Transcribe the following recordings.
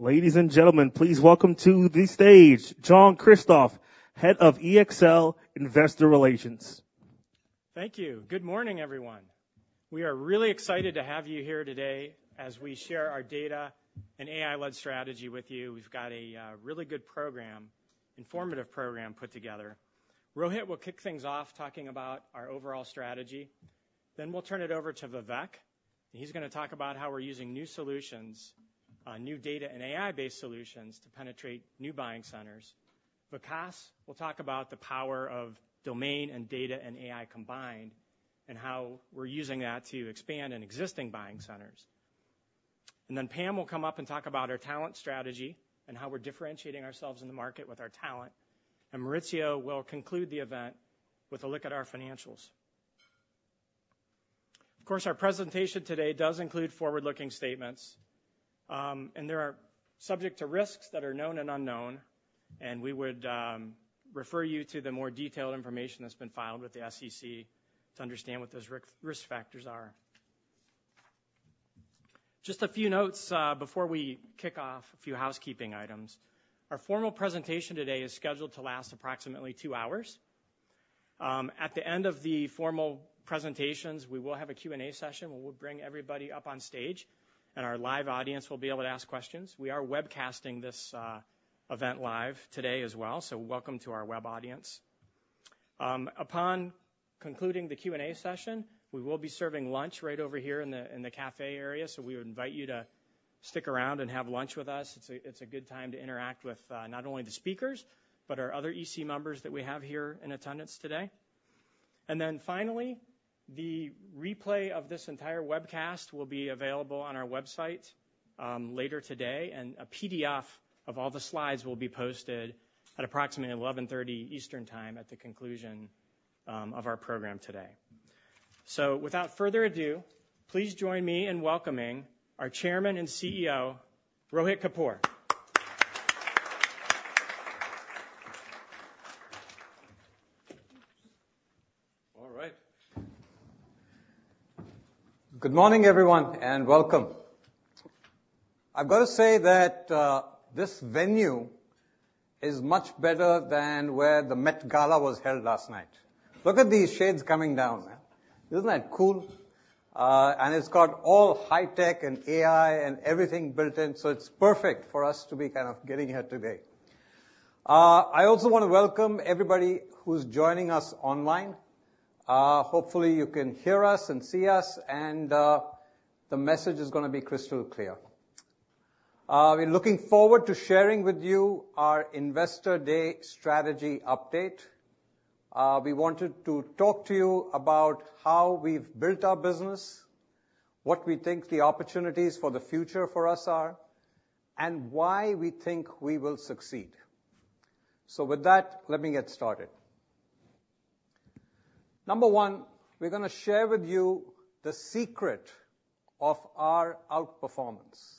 Ladies and gentlemen, please welcome to the stage, John Kristoff, Head of EXL Investor Relations. Thank you. Good morning, everyone. We are really excited to have you here today as we share our data and AI-led strategy with you. We've got a really good program, informative program put together. Rohit will kick things off, talking about our overall strategy. Then we'll turn it over to Vivek, and he's gonna talk about how we're using new solutions, new data and AI-based solutions to penetrate new buying centers. Vikas will talk about the power of domain and data and AI combined, and how we're using that to expand in existing buying centers. And then Pam will come up and talk about our talent strategy, and how we're differentiating ourselves in the market with our talent. And Maurizio will conclude the event with a look at our financials. Of course, our presentation today does include forward-looking statements, and they are subject to risks that are known and unknown, and we would refer you to the more detailed information that's been filed with the SEC to understand what those risk factors are. Just a few notes before we kick off, a few housekeeping items. Our formal presentation today is scheduled to last approximately two hours. At the end of the formal presentations, we will have a Q&A session, where we'll bring everybody up on stage, and our live audience will be able to ask questions. We are webcasting this event live today as well, so welcome to our web audience. Upon concluding the Q&A session, we will be serving lunch right over here in the cafe area, so we would invite you to stick around and have lunch with us. It's a, it's a good time to interact with, not only the speakers, but our other EC members that we have here in attendance today. And then finally, the replay of this entire webcast will be available on our website, later today, and a PDF of all the slides will be posted at approximately 11:30 Eastern Time at the conclusion, of our program today. So without further ado, please join me in welcoming our Chairman and CEO, Rohit Kapoor. All right. Good morning, everyone, and welcome. I've got to say that, this venue is much better than where the Met Gala was held last night. Look at these shades coming down. Isn't that cool? And it's got all high tech and AI and everything built in, so it's perfect for us to be kind of getting here today. I also want to welcome everybody who's joining us online. Hopefully, you can hear us and see us, and the message is gonna be crystal clear. We're looking forward to sharing with you our Investor Day strategy update. We wanted to talk to you about how we've built our business, what we think the opportunities for the future for us are, and why we think we will succeed. With that, let me get started. Number one, we're gonna share with you the secret of our outperformance,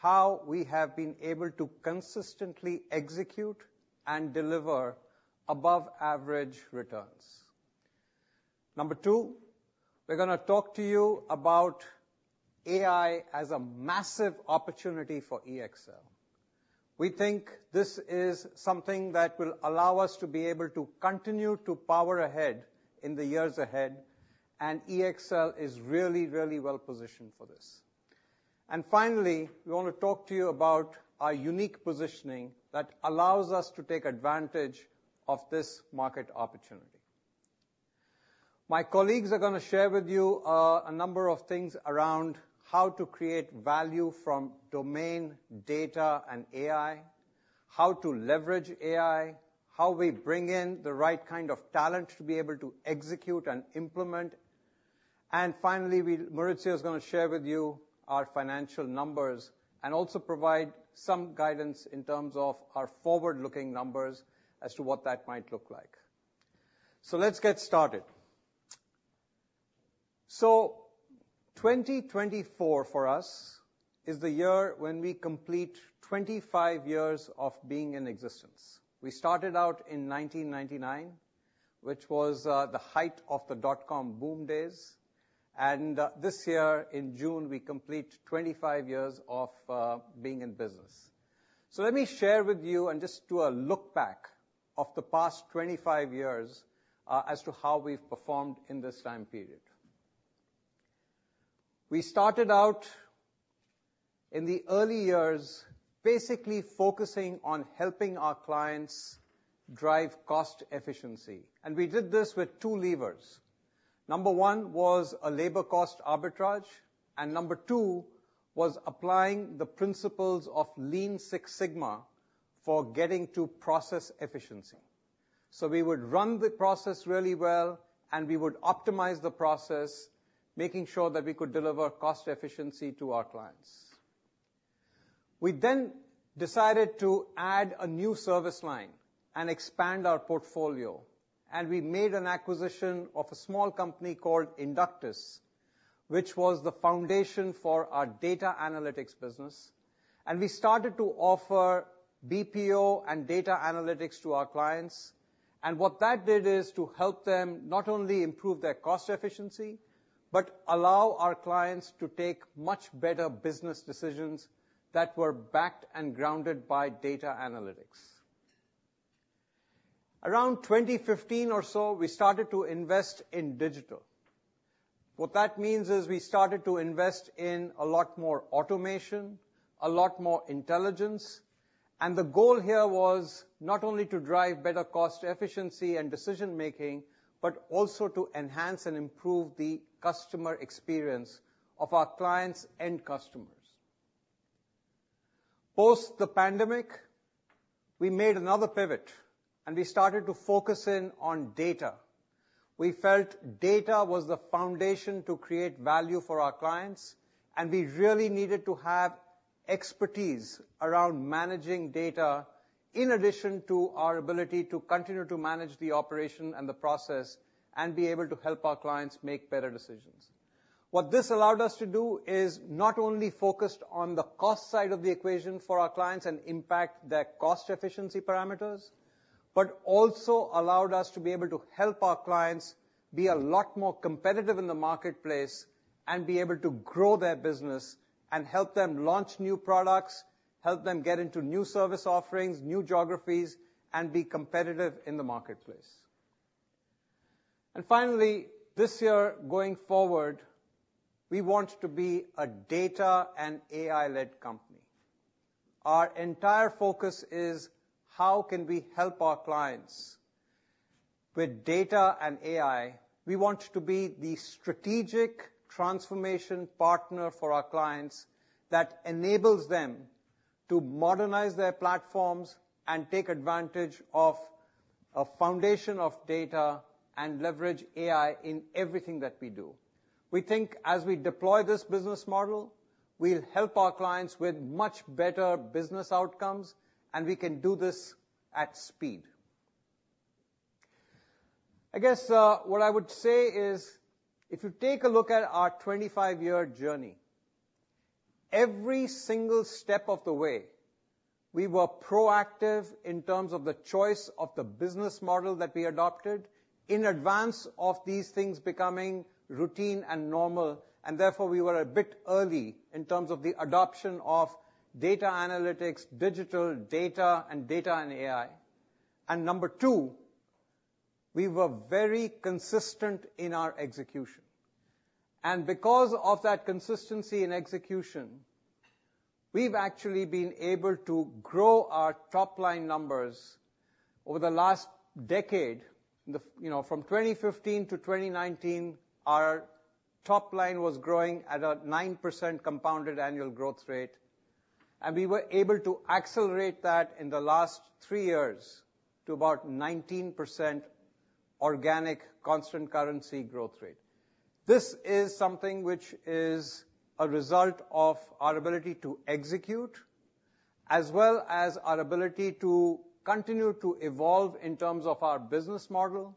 how we have been able to consistently execute and deliver above average returns. Number two, we're gonna talk to you about AI as a massive opportunity for EXL. We think this is something that will allow us to be able to continue to power ahead in the years ahead, and EXL is really, really well positioned for this. And finally, we want to talk to you about our unique positioning that allows us to take advantage of this market opportunity. My colleagues are gonna share with you a number of things around how to create value from domain, data, and AI, how to leverage AI, how we bring in the right kind of talent to be able to execute and implement. And finally, Maurizio is gonna share with you our financial numbers and also provide some guidance in terms of our forward-looking numbers as to what that might look like. So let's get started. So 2024 for us is the year when we complete 25 years of being in existence. We started out in 1999, which was, the height of the dot-com boom days, and, this year, in June, we complete 25 years of, being in business. So let me share with you and just do a look back of the past 25 years, as to how we've performed in this time period. We started out in the early years, basically focusing on helping our clients drive cost efficiency, and we did this with two levers. Number one was a labor cost arbitrage, and number two was applying the principles of Lean Six Sigma for getting to process efficiency. So we would run the process really well, and we would optimize the process, making sure that we could deliver cost efficiency to our clients. We then decided to add a new service line and expand our portfolio, and we made an acquisition of a small company called Inductis, which was the foundation for our data analytics business, and we started to offer BPO and data analytics to our clients. And what that did is to help them not only improve their cost efficiency, but allow our clients to take much better business decisions that were backed and grounded by data analytics. Around 2015 or so, we started to invest in digital. What that means is we started to invest in a lot more automation, a lot more intelligence, and the goal here was not only to drive better cost efficiency and decision-making, but also to enhance and improve the customer experience of our clients' end customers. Post the pandemic, we made another pivot, and we started to focus in on data. We felt data was the foundation to create value for our clients, and we really needed to have expertise around managing data, in addition to our ability to continue to manage the operation and the process, and be able to help our clients make better decisions. What this allowed us to do is not only focused on the cost side of the equation for our clients and impact their cost efficiency parameters, but also allowed us to be able to help our clients be a lot more competitive in the marketplace and be able to grow their business and help them launch new products, help them get into new service offerings, new geographies, and be competitive in the marketplace. Finally, this year, going forward, we want to be a data and AI-led company. Our entire focus is: how can we help our clients? With data and AI, we want to be the strategic transformation partner for our clients that enables them to modernize their platforms and take advantage of a foundation of data and leverage AI in everything that we do. We think as we deploy this business model, we'll help our clients with much better business outcomes, and we can do this at speed. I guess, what I would say is, if you take a look at our 25-year journey, every single step of the way, we were proactive in terms of the choice of the business model that we adopted in advance of these things becoming routine and normal, and therefore, we were a bit early in terms of the adoption of data analytics, digital data, and data and AI. And number two, we were very consistent in our execution. And because of that consistency in execution, we've actually been able to grow our top-line numbers over the last decade. You know, from 2015 to 2019, our top line was growing at a 9% compounded annual growth rate, and we were able to accelerate that in the last three years to about 19% organic, constant currency growth rate. This is something which is a result of our ability to execute, as well as our ability to continue to evolve in terms of our business model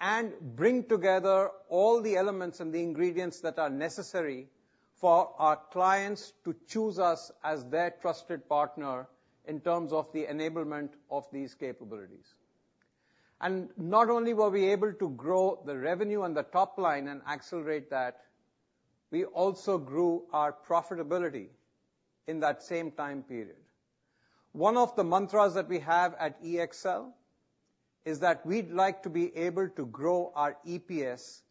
and bring together all the elements and the ingredients that are necessary for our clients to choose us as their trusted partner in terms of the enablement of these capabilities. And not only were we able to grow the revenue and the top line and accelerate that, we also grew our profitability in that same time period. One of the mantras that we have at EXL is that we'd like to be able to grow our EPS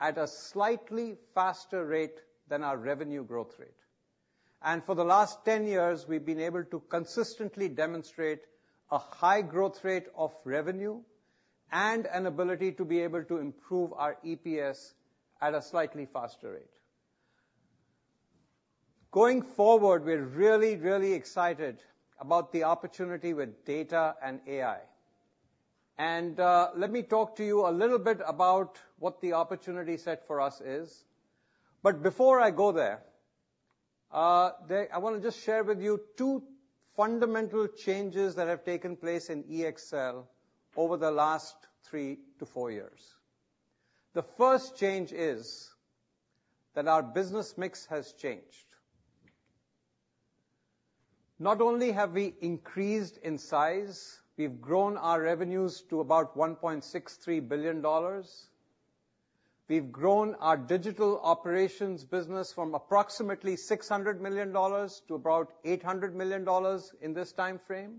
at a slightly faster rate than our revenue growth rate. And for the last 10 years, we've been able to consistently demonstrate a high growth rate of revenue and an ability to be able to improve our EPS at a slightly faster rate. Going forward, we're really, really excited about the opportunity with data and AI. And let me talk to you a little bit about what the opportunity set for us is. But before I go there, I wanna just share with you two fundamental changes that have taken place in EXL over the last 3-4 years. The first change is that our business mix has changed. Not only have we increased in size, we've grown our revenues to about $1.63 billion. We've grown our digital operations business from approximately $600 million to about $800 million in this time frame.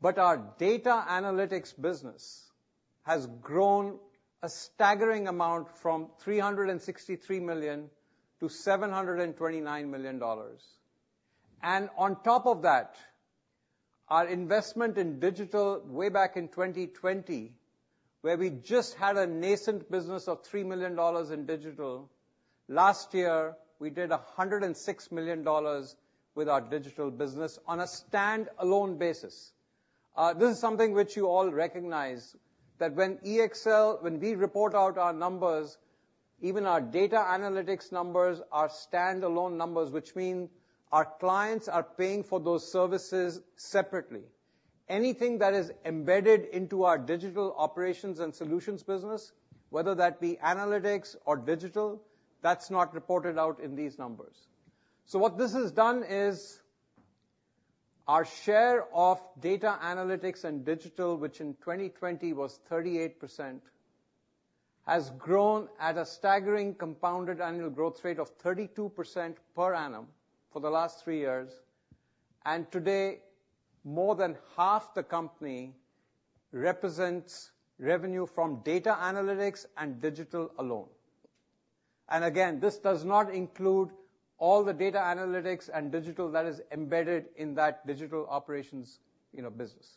But our data analytics business has grown a staggering amount from $363 million to $729 million. And on top of that, our investment in digital way back in 2020, where we just had a nascent business of $3 million in digital, last year, we did $106 million with our digital business on a stand-alone basis. This is something which you all recognize, that when EXL- when we report out our numbers, even our data analytics numbers are stand-alone numbers, which mean our clients are paying for those services separately. Anything that is embedded into our digital operations and solutions business, whether that be analytics or digital, that's not reported out in these numbers. So what this has done is. Our share of data analytics and digital, which in 2020 was 38%, has grown at a staggering compounded annual growth rate of 32% per annum for the last 3 years. And today, more than half the company represents revenue from data analytics and digital alone. And again, this does not include all the data analytics and digital that is embedded in that digital operations, you know, business.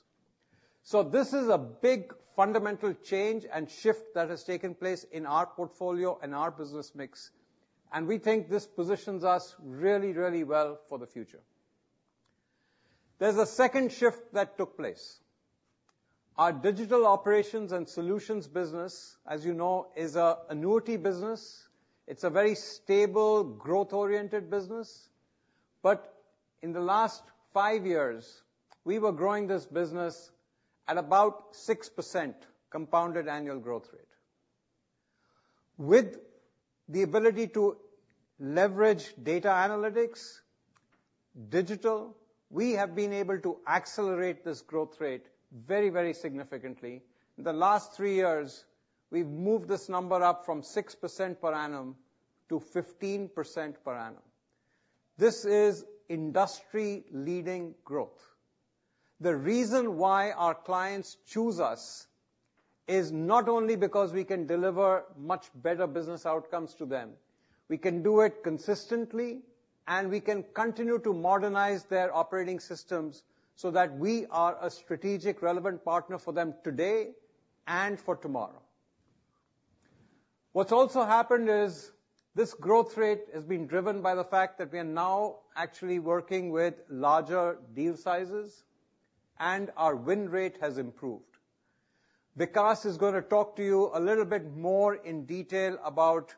So this is a big fundamental change and shift that has taken place in our portfolio and our business mix, and we think this positions us really, really well for the future. There's a second shift that took place. Our digital operations and solutions business, as you know, is an annuity business. It's a very stable, growth-oriented business. But in the last 5 years, we were growing this business at about 6% compounded annual growth rate. With the ability to leverage data analytics, digital, we have been able to accelerate this growth rate very, very significantly. In the last 3 years, we've moved this number up from 6% per annum to 15% per annum. This is industry-leading growth. The reason why our clients choose us is not only because we can deliver much better business outcomes to them, we can do it consistently, and we can continue to modernize their operating systems so that we are a strategic, relevant partner for them today and for tomorrow. What's also happened is, this growth rate has been driven by the fact that we are now actually working with larger deal sizes, and our win rate has improved. Vikas is gonna talk to you a little bit more in detail about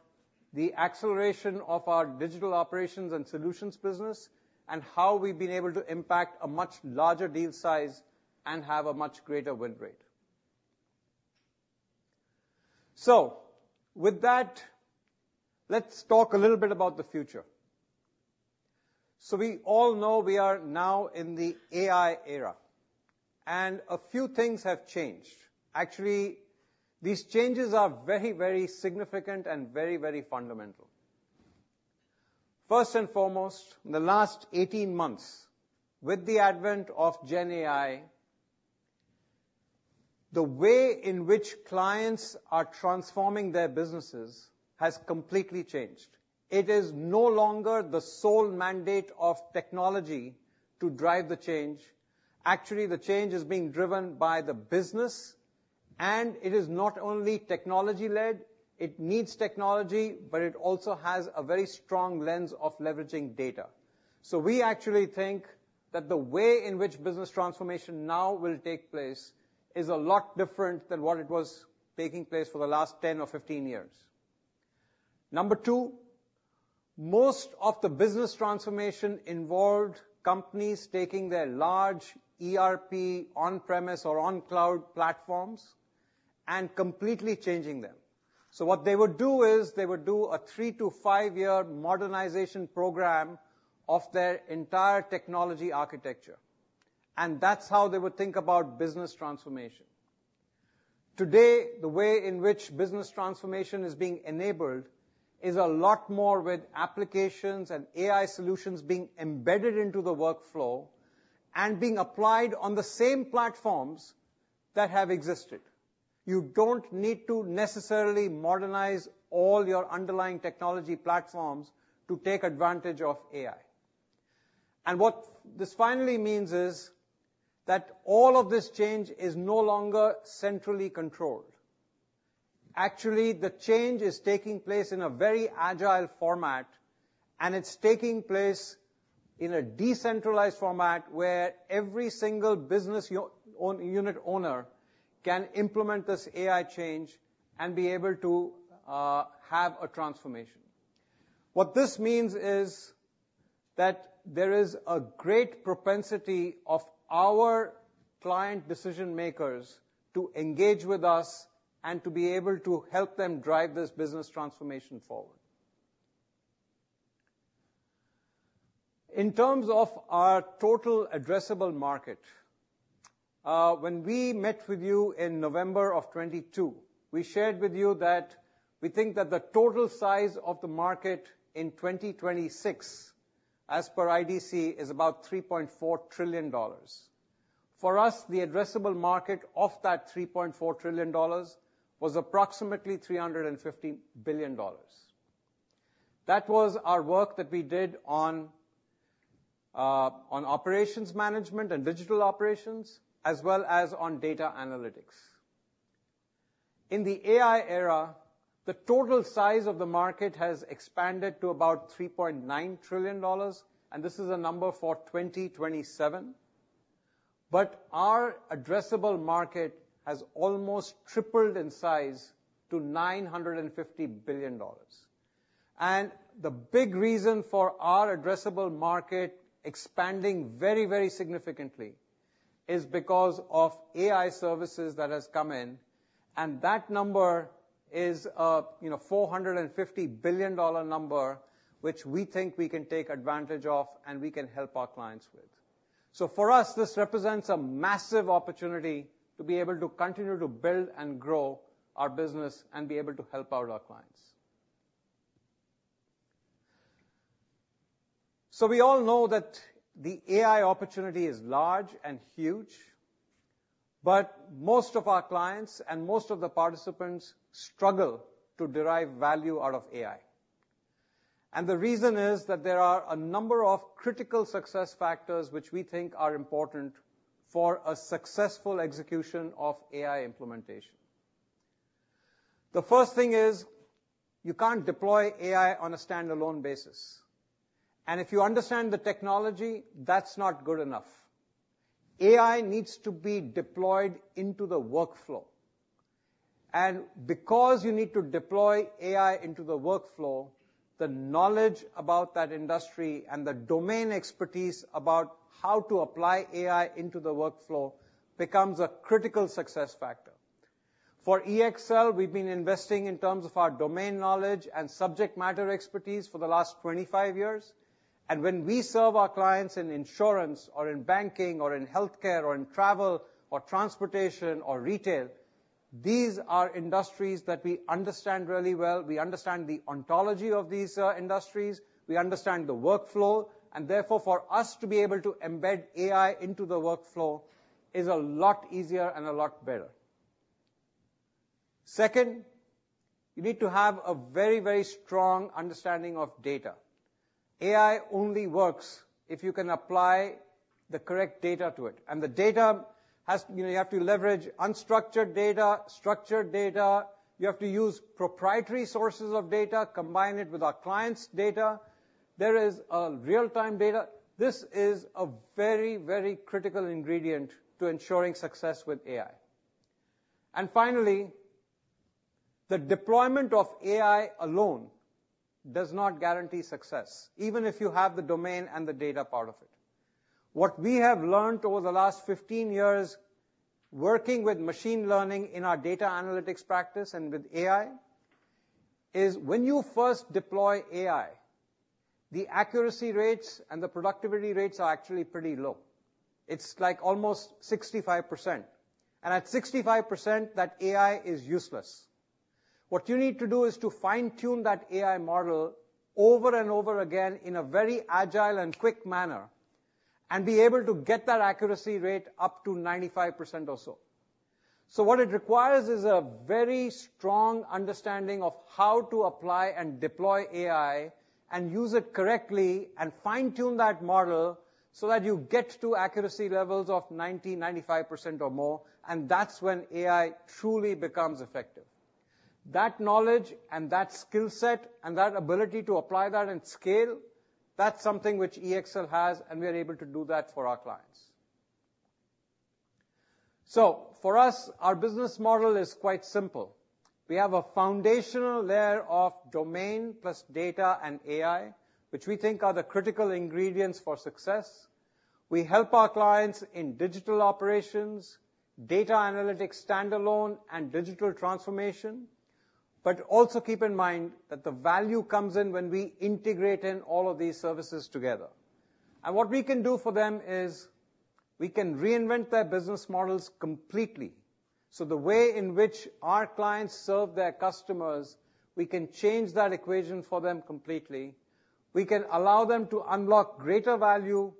the acceleration of our digital operations and solutions business, and how we've been able to impact a much larger deal size and have a much greater win rate. So with that, let's talk a little bit about the future. So we all know we are now in the AI era, and a few things have changed. Actually, these changes are very, very significant and very, very fundamental. First and foremost, in the last 18 months, with the advent of GenAI, the way in which clients are transforming their businesses has completely changed. It is no longer the sole mandate of technology to drive the change. Actually, the change is being driven by the business, and it is not only technology-led, it needs technology, but it also has a very strong lens of leveraging data. So we actually think that the way in which business transformation now will take place is a lot different than what it was taking place for the last 10 or 15 years. Number two, most of the business transformation involved companies taking their large ERP on-premise or on-cloud platforms and completely changing them. So what they would do is, they would do a 3-to-5-year modernization program of their entire technology architecture, and that's how they would think about business transformation. Today, the way in which business transformation is being enabled is a lot more with applications and AI solutions being embedded into the workflow and being applied on the same platforms that have existed. You don't need to necessarily modernize all your underlying technology platforms to take advantage of AI. And what this finally means is, that all of this change is no longer centrally controlled. Actually, the change is taking place in a very agile format, and it's taking place in a decentralized format, where every single business unit owner can implement this AI change and be able to have a transformation. What this means is that there is a great propensity of our client decision-makers to engage with us and to be able to help them drive this business transformation forward. In terms of our total addressable market, when we met with you in November of 2022, we shared with you that we think that the total size of the market in 2026, as per IDC, is about $3.4 trillion. For us, the addressable market of that $3.4 trillion was approximately $350 billion. That was our work that we did on operations management and digital operations, as well as on data analytics. In the AI era, the total size of the market has expanded to about $3.9 trillion, and this is a number for 2027. But our addressable market has almost tripled in size to $950 billion. And the big reason for our addressable market expanding very, very significantly is because of AI services that has come in, and that number is, you know, $450 billion number, which we think we can take advantage of, and we can help our clients with. So for us, this represents a massive opportunity to be able to continue to build and grow our business and be able to help out our clients. So we all know that the AI opportunity is large and huge, but most of our clients and most of the participants struggle to derive value out of AI. The reason is that there are a number of critical success factors which we think are important for a successful execution of AI implementation. The first thing is, you can't deploy AI on a standalone basis, and if you understand the technology, that's not good enough. AI needs to be deployed into the workflow. Because you need to deploy AI into the workflow, the knowledge about that industry and the domain expertise about how to apply AI into the workflow becomes a critical success factor. For EXL, we've been investing in terms of our domain knowledge and subject matter expertise for the last 25 years, and when we serve our clients in insurance or in banking or in healthcare or in travel or transportation or retail, these are industries that we understand really well. We understand the ontology of these industries, we understand the workflow, and therefore, for us to be able to embed AI into the workflow is a lot easier and a lot better. Second, you need to have a very, very strong understanding of data. AI only works if you can apply the correct data to it, and the data has, you know, you have to leverage unstructured data, structured data. You have to use proprietary sources of data, combine it with our client's data. There is real-time data. This is a very, very critical ingredient to ensuring success with AI. And finally, the deployment of AI alone does not guarantee success, even if you have the domain and the data part of it. What we have learned over the last 15 years, working with machine learning in our data analytics practice and with AI, is when you first deploy AI, the accuracy rates and the productivity rates are actually pretty low. It's like almost 65%, and at 65%, that AI is useless. What you need to do is to fine-tune that AI model over and over again in a very agile and quick manner, and be able to get that accuracy rate up to 95% or so. So what it requires is a very strong understanding of how to apply and deploy AI and use it correctly, and fine-tune that model so that you get to accuracy levels of 90, 95% or more, and that's when AI truly becomes effective. That knowledge and that skill set and that ability to apply that and scale, that's something which EXL has, and we are able to do that for our clients. So for us, our business model is quite simple. We have a foundational layer of domain plus data and AI, which we think are the critical ingredients for success. We help our clients in digital operations, data analytics standalone, and digital transformation. But also keep in mind that the value comes in when we integrate in all of these services together. And what we can do for them is, we can reinvent their business models completely. So the way in which our clients serve their customers, we can change that equation for them completely. We can allow them to unlock greater value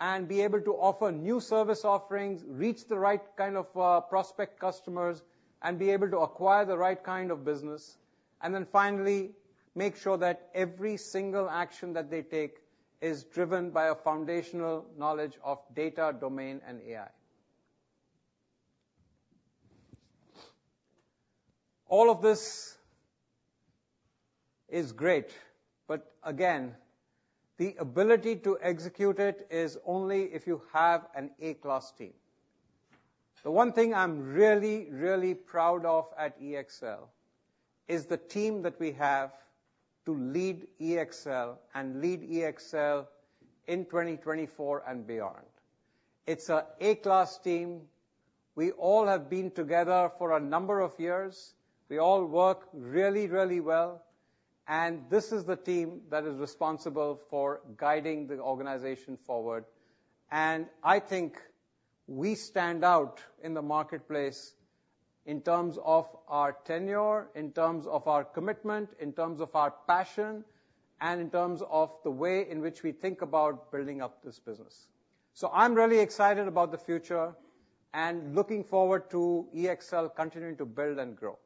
and be able to offer new service offerings, reach the right kind of prospect customers, and be able to acquire the right kind of business. And then finally, make sure that every single action that they take is driven by a foundational knowledge of data, domain, and AI. All of this is great, but again, the ability to execute it is only if you have an A-class team. The one thing I'm really, really proud of at EXL is the team that we have to lead EXL and lead EXL in 2024 and beyond. It's a A-class team. We all have been together for a number of years. We all work really, really well, and this is the team that is responsible for guiding the organization forward. And I think we stand out in the marketplace in terms of our tenure, in terms of our commitment, in terms of our passion, and in terms of the way in which we think about building up this business. So I'm really excited about the future and looking forward to EXL continuing to build and grow.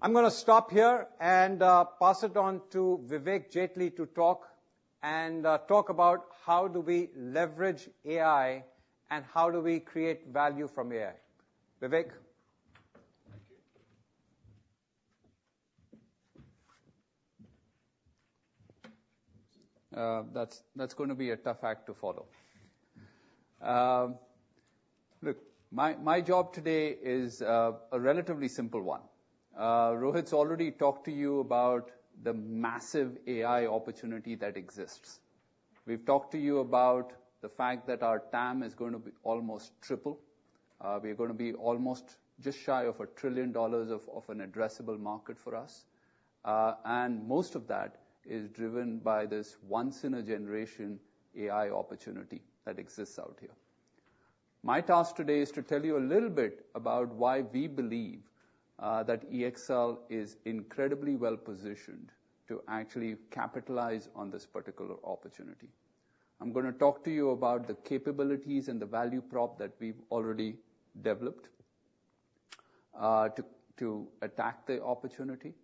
I'm gonna stop here and pass it on to Vivek Jetley to talk, and talk about how do we leverage AI and how do we create value from AI. Vivek? Thank you. That's going to be a tough act to follow. Look, my job today is a relatively simple one. Rohit's already talked to you about the massive AI opportunity that exists. We've talked to you about the fact that our TAM is going to be almost triple. We are gonna be almost just shy of $1 trillion of an addressable market for us, and most of that is driven by this once-in-a-generation AI opportunity that exists out here. My task today is to tell you a little bit about why we believe that EXL is incredibly well positioned to actually capitalize on this particular opportunity. I'm gonna talk to you about the capabilities and the value prop that we've already developed to attack the opportunity,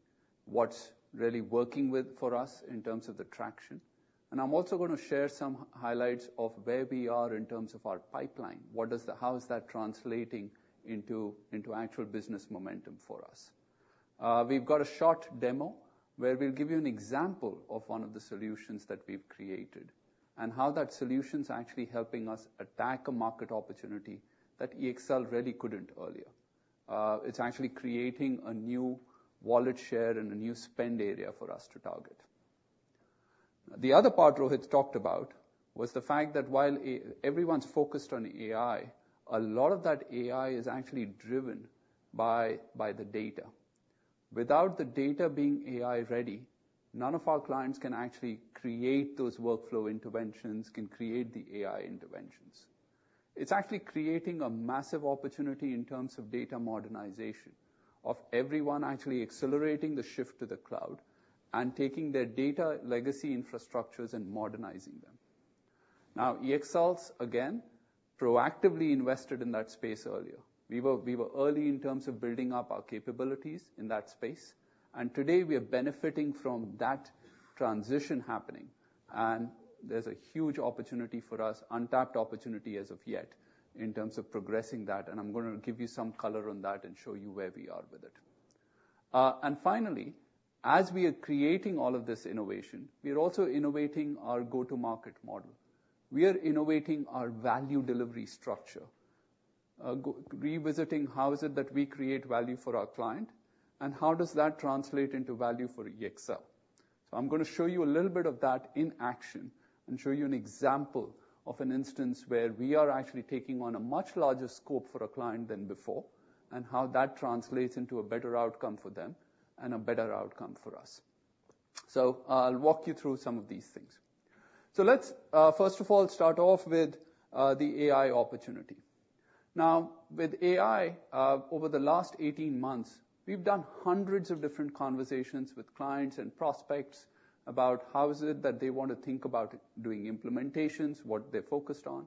what's really working for us in terms of the traction, and I'm also gonna share some highlights of where we are in terms of our pipeline. How is that translating into actual business momentum for us? We've got a short demo where we'll give you an example of one of the solutions that we've created and how that solution's actually helping us attack a market opportunity that EXL really couldn't earlier. It's actually creating a new wallet share and a new spend area for us to target. The other part Rohit talked about was the fact that while everyone's focused on AI, a lot of that AI is actually driven by the data. Without the data being AI-ready, none of our clients can actually create those workflow interventions, can create the AI interventions. It's actually creating a massive opportunity in terms of data modernization, of everyone actually accelerating the shift to the cloud and taking their data legacy infrastructures and modernizing them. Now, EXL's, again, proactively invested in that space earlier. We were, we were early in terms of building up our capabilities in that space, and today, we are benefiting from that transition happening, and there's a huge opportunity for us, untapped opportunity as of yet, in terms of progressing that, and I'm gonna give you some color on that and show you where we are with it. And finally, as we are creating all of this innovation, we are also innovating our go-to-market model. We are innovating our value delivery structure, revisiting how is it that we create value for our client, and how does that translate into value for EXL? So I'm gonna show you a little bit of that in action and show you an example of an instance where we are actually taking on a much larger scope for a client than before, and how that translates into a better outcome for them and a better outcome for us. So I'll walk you through some of these things. So let's, first of all, start off with, the AI opportunity. Now, with AI, over the last 18 months, we've done hundreds of different conversations with clients and prospects about how is it that they want to think about doing implementations, what they're focused on.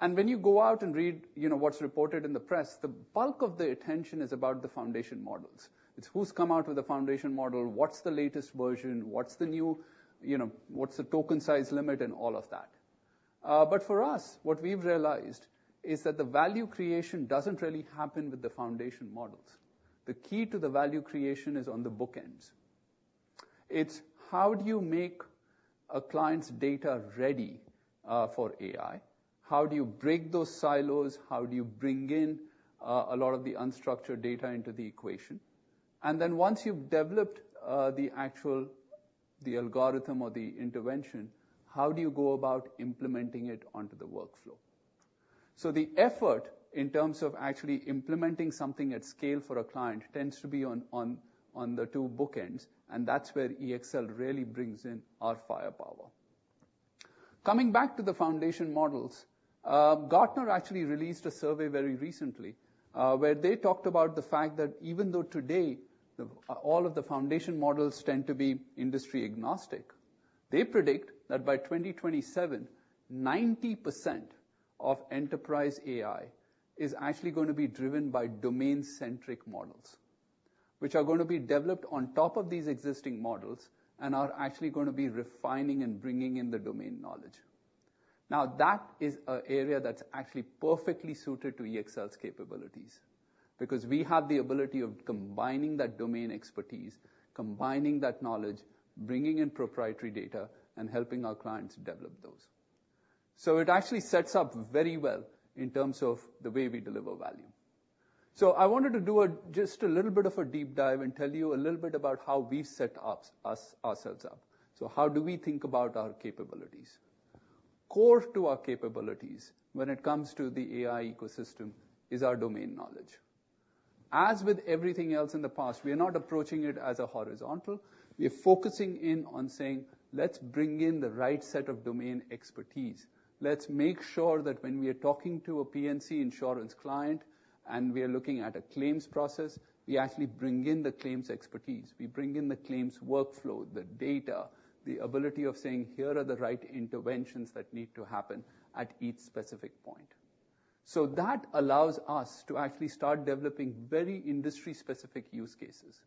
When you go out and read, you know, what's reported in the press, the bulk of the attention is about the foundation models. It's who's come out with a foundation model, what's the latest version, what's the new, you know, what's the token size limit and all of that. But for us, what we've realized is that the value creation doesn't really happen with the foundation models. The key to the value creation is on the bookends. It's how do you make a client's data ready for AI? How do you break those silos? How do you bring in a lot of the unstructured data into the equation? And then once you've developed the actual the algorithm or the intervention, how do you go about implementing it onto the workflow? So the effort in terms of actually implementing something at scale for a client tends to be on the two bookends, and that's where EXL really brings in our firepower. Coming back to the foundation models, Gartner actually released a survey very recently, where they talked about the fact that even though today the all of the foundation models tend to be industry agnostic, they predict that by 2027, 90% of enterprise AI is actually gonna be driven by domain-centric models, which are gonna be developed on top of these existing models and are actually gonna be refining and bringing in the domain knowledge. Now, that is an area that's actually perfectly suited to EXL's capabilities because we have the ability of combining that domain expertise, combining that knowledge, bringing in proprietary data, and helping our clients develop those. So it actually sets up very well in terms of the way we deliver value. So I wanted to do just a little bit of a deep dive and tell you a little bit about how we've set ourselves up. So how do we think about our capabilities? Core to our capabilities when it comes to the AI ecosystem is our domain knowledge. As with everything else in the past, we are not approaching it as a horizontal. We are focusing in on saying: Let's bring in the right set of domain expertise. Let's make sure that when we are talking to a P&C Insurance client, and we are looking at a claims process, we actually bring in the claims expertise. We bring in the claims workflow, the data, the ability of saying, "Here are the right interventions that need to happen at each specific point." So that allows us to actually start developing very industry-specific use cases.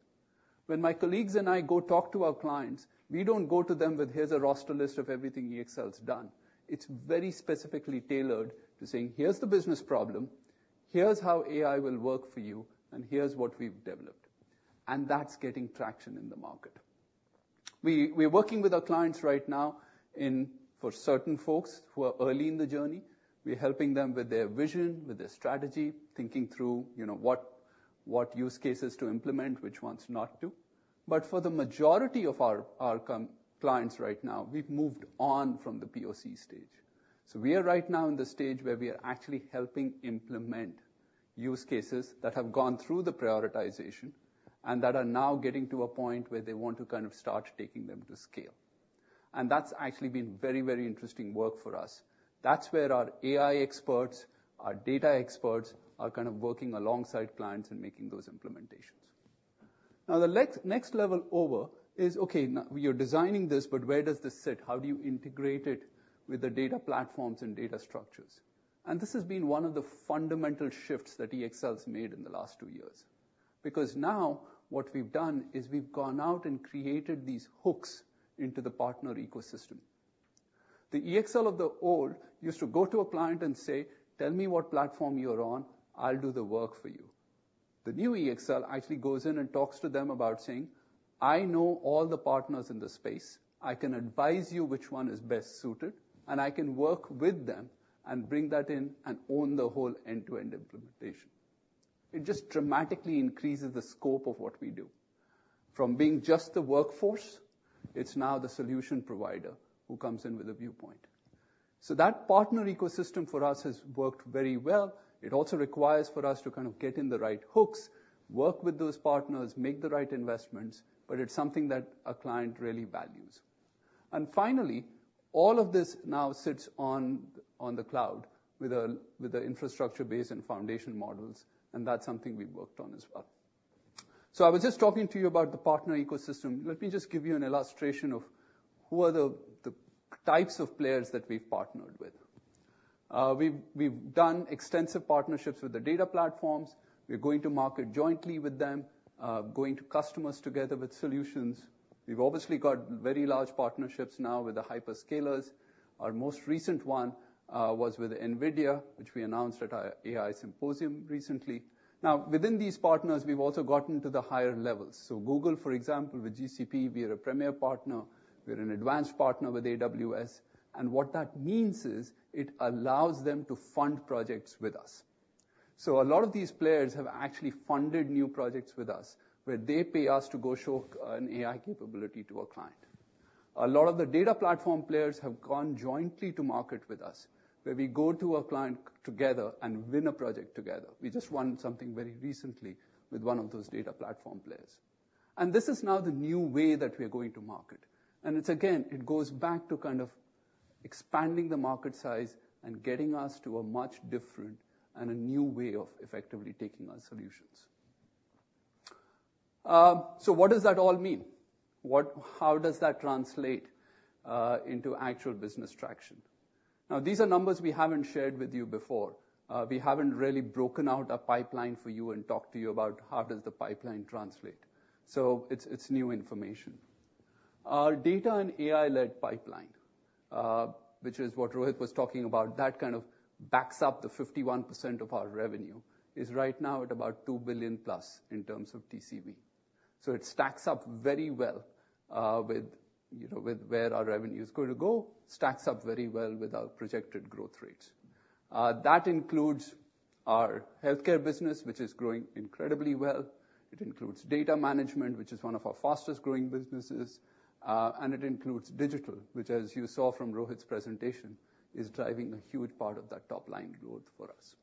When my colleagues and I go talk to our clients, we don't go to them with: Here's a roster list of everything EXL's done. It's very specifically tailored to saying: Here's the business problem, here's how AI will work for you, and here's what we've developed. And that's getting traction in the market. We're working with our clients right now in for certain folks who are early in the journey, we're helping them with their vision, with their strategy, thinking through, you know, what use cases to implement, which ones not to. But for the majority of our clients right now, we've moved on from the POC stage. So we are right now in the stage where we are actually helping implement use cases that have gone through the prioritization and that are now getting to a point where they want to kind of start taking them to scale. And that's actually been very, very interesting work for us. That's where our AI experts, our data experts, are kind of working alongside clients and making those implementations. Now, the next, next level over is: Okay, now you're designing this, but where does this sit? How do you integrate it with the data platforms and data structures? And this has been one of the fundamental shifts that EXL's made in the last two years. Because now what we've done is we've gone out and created these hooks into the partner ecosystem. The EXL of the old used to go to a client and say: "Tell me what platform you're on. I'll do the work for you." The new EXL actually goes in and talks to them about saying: "I know all the partners in this space. I can advise you which one is best suited, and I can work with them and bring that in and own the whole end-to-end implementation." It just dramatically increases the scope of what we do. From being just the workforce, it's now the solution provider who comes in with a viewpoint. So that partner ecosystem for us has worked very well. It also requires for us to kind of get in the right hooks, work with those partners, make the right investments, but it's something that a client really values. And finally, all of this now sits on the cloud with the infrastructure base and foundation models, and that's something we've worked on as well. So I was just talking to you about the partner ecosystem. Let me just give you an illustration of who are the types of players that we've partnered with. We've done extensive partnerships with the data platforms. We're going to market jointly with them, going to customers together with solutions. We've obviously got very large partnerships now with the hyperscalers. Our most recent one was with NVIDIA, which we announced at our AI symposium recently. Now, within these partners, we've also gotten to the higher levels. So Google, for example, with GCP, we are a premier partner. We are an advanced partner with AWS, and what that means is it allows them to fund projects with us. So a lot of these players have actually funded new projects with us, where they pay us to go show an AI capability to a client. A lot of the data platform players have gone jointly to market with us, where we go to a client together and win a project together. We just won something very recently with one of those data platform players. And this is now the new way that we are going to market, and it's, again, it goes back to kind of expanding the market size and getting us to a much different and a new way of effectively taking our solutions. So what does that all mean? What? How does that translate into actual business traction? Now, these are numbers we haven't shared with you before. We haven't really broken out a pipeline for you and talked to you about how does the pipeline translate. So it's new information. Our data and AI-led pipeline, which is what Rohit was talking about, that kind of backs up the 51% of our revenue, is right now at about $2 billion-plus in terms of TCV. So it stacks up very well, with you know, with where our revenue is going to go, stacks up very well with our projected growth rate. That includes our healthcare business, which is growing incredibly well. It includes data management, which is one of our fastest-growing businesses. And it includes digital, which, as you saw from Rohit's presentation, is driving a huge part of that top-line growth for us.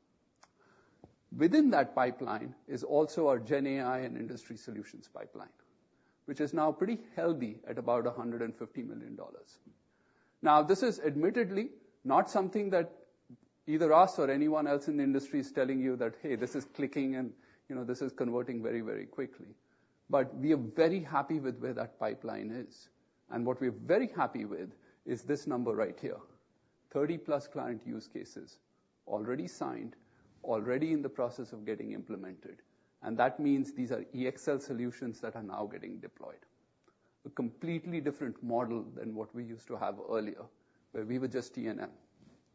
Within that pipeline is also our GenAI and industry solutions pipeline, which is now pretty healthy at about $150 million. Now, this is admittedly not something that either us or anyone else in the industry is telling you that, "Hey, this is clicking and, you know, this is converting very, very quickly." But we are very happy with where that pipeline is, and what we're very happy with is this number right here, 30+ client use cases already signed, already in the process of getting implemented. And that means these are EXL solutions that are now getting deployed. A completely different model than what we used to have earlier, where we were just T&M.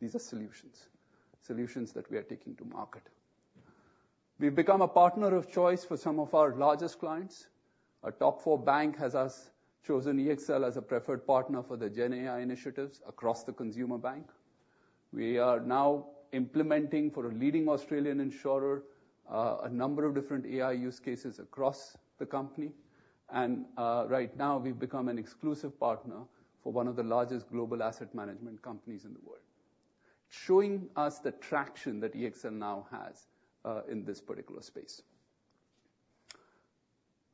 These are solutions, solutions that we are taking to market. We've become a partner of choice for some of our largest clients. A top four bank has us... chosen EXL as a preferred partner for the GenAI initiatives across the consumer bank. We are now implementing, for a leading Australian insurer, a number of different AI use cases across the company. And, right now we've become an exclusive partner for one of the largest global asset management companies in the world, showing us the traction that EXL now has, in this particular space.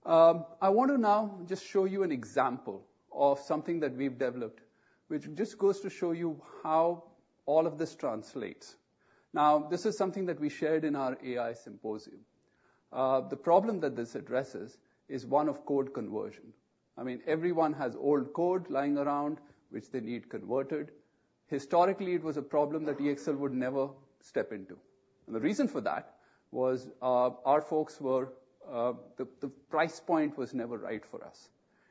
I want to now just show you an example of something that we've developed, which just goes to show you how all of this translates. Now, this is something that we shared in our AI symposium. The problem that this addresses is one of code conversion. I mean, everyone has old code lying around, which they need converted. Historically, it was a problem that EXL would never step into, and the reason for that was the price point was never right for us.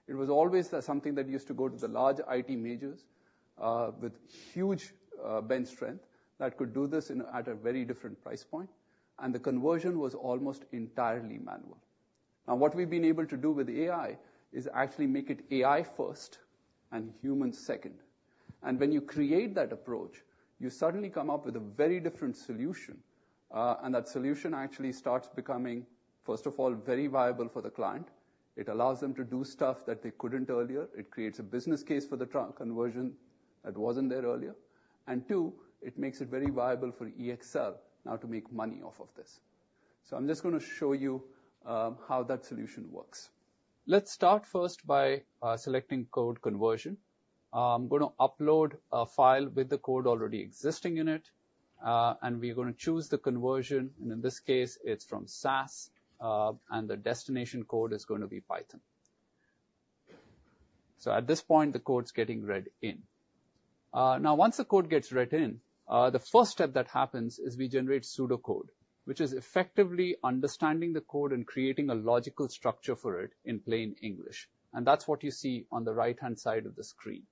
It was always that something that used to go to the large IT majors with huge bench strength that could do this at a very different price point, and the conversion was almost entirely manual. Now, what we've been able to do with AI is actually make it AI first and human second. And when you create that approach, you suddenly come up with a very different solution, and that solution actually starts becoming, first of all, very viable for the client. It allows them to do stuff that they couldn't earlier. It creates a business case for the trunk conversion that wasn't there earlier. And two, it makes it very viable for EXL now to make money off of this. So I'm just gonna show you how that solution works. Let's start first by selecting Code Conversion. I'm gonna upload a file with the code already existing in it, and we're gonna choose the conversion, and in this case, it's from SAS, and the destination code is going to be Python. So at this point, the code's getting read in. Now, once the code gets read in, the first step that happens is we generate pseudocode, which is effectively understanding the code and creating a logical structure for it in plain English, and that's what you see on the right-hand side of the screen.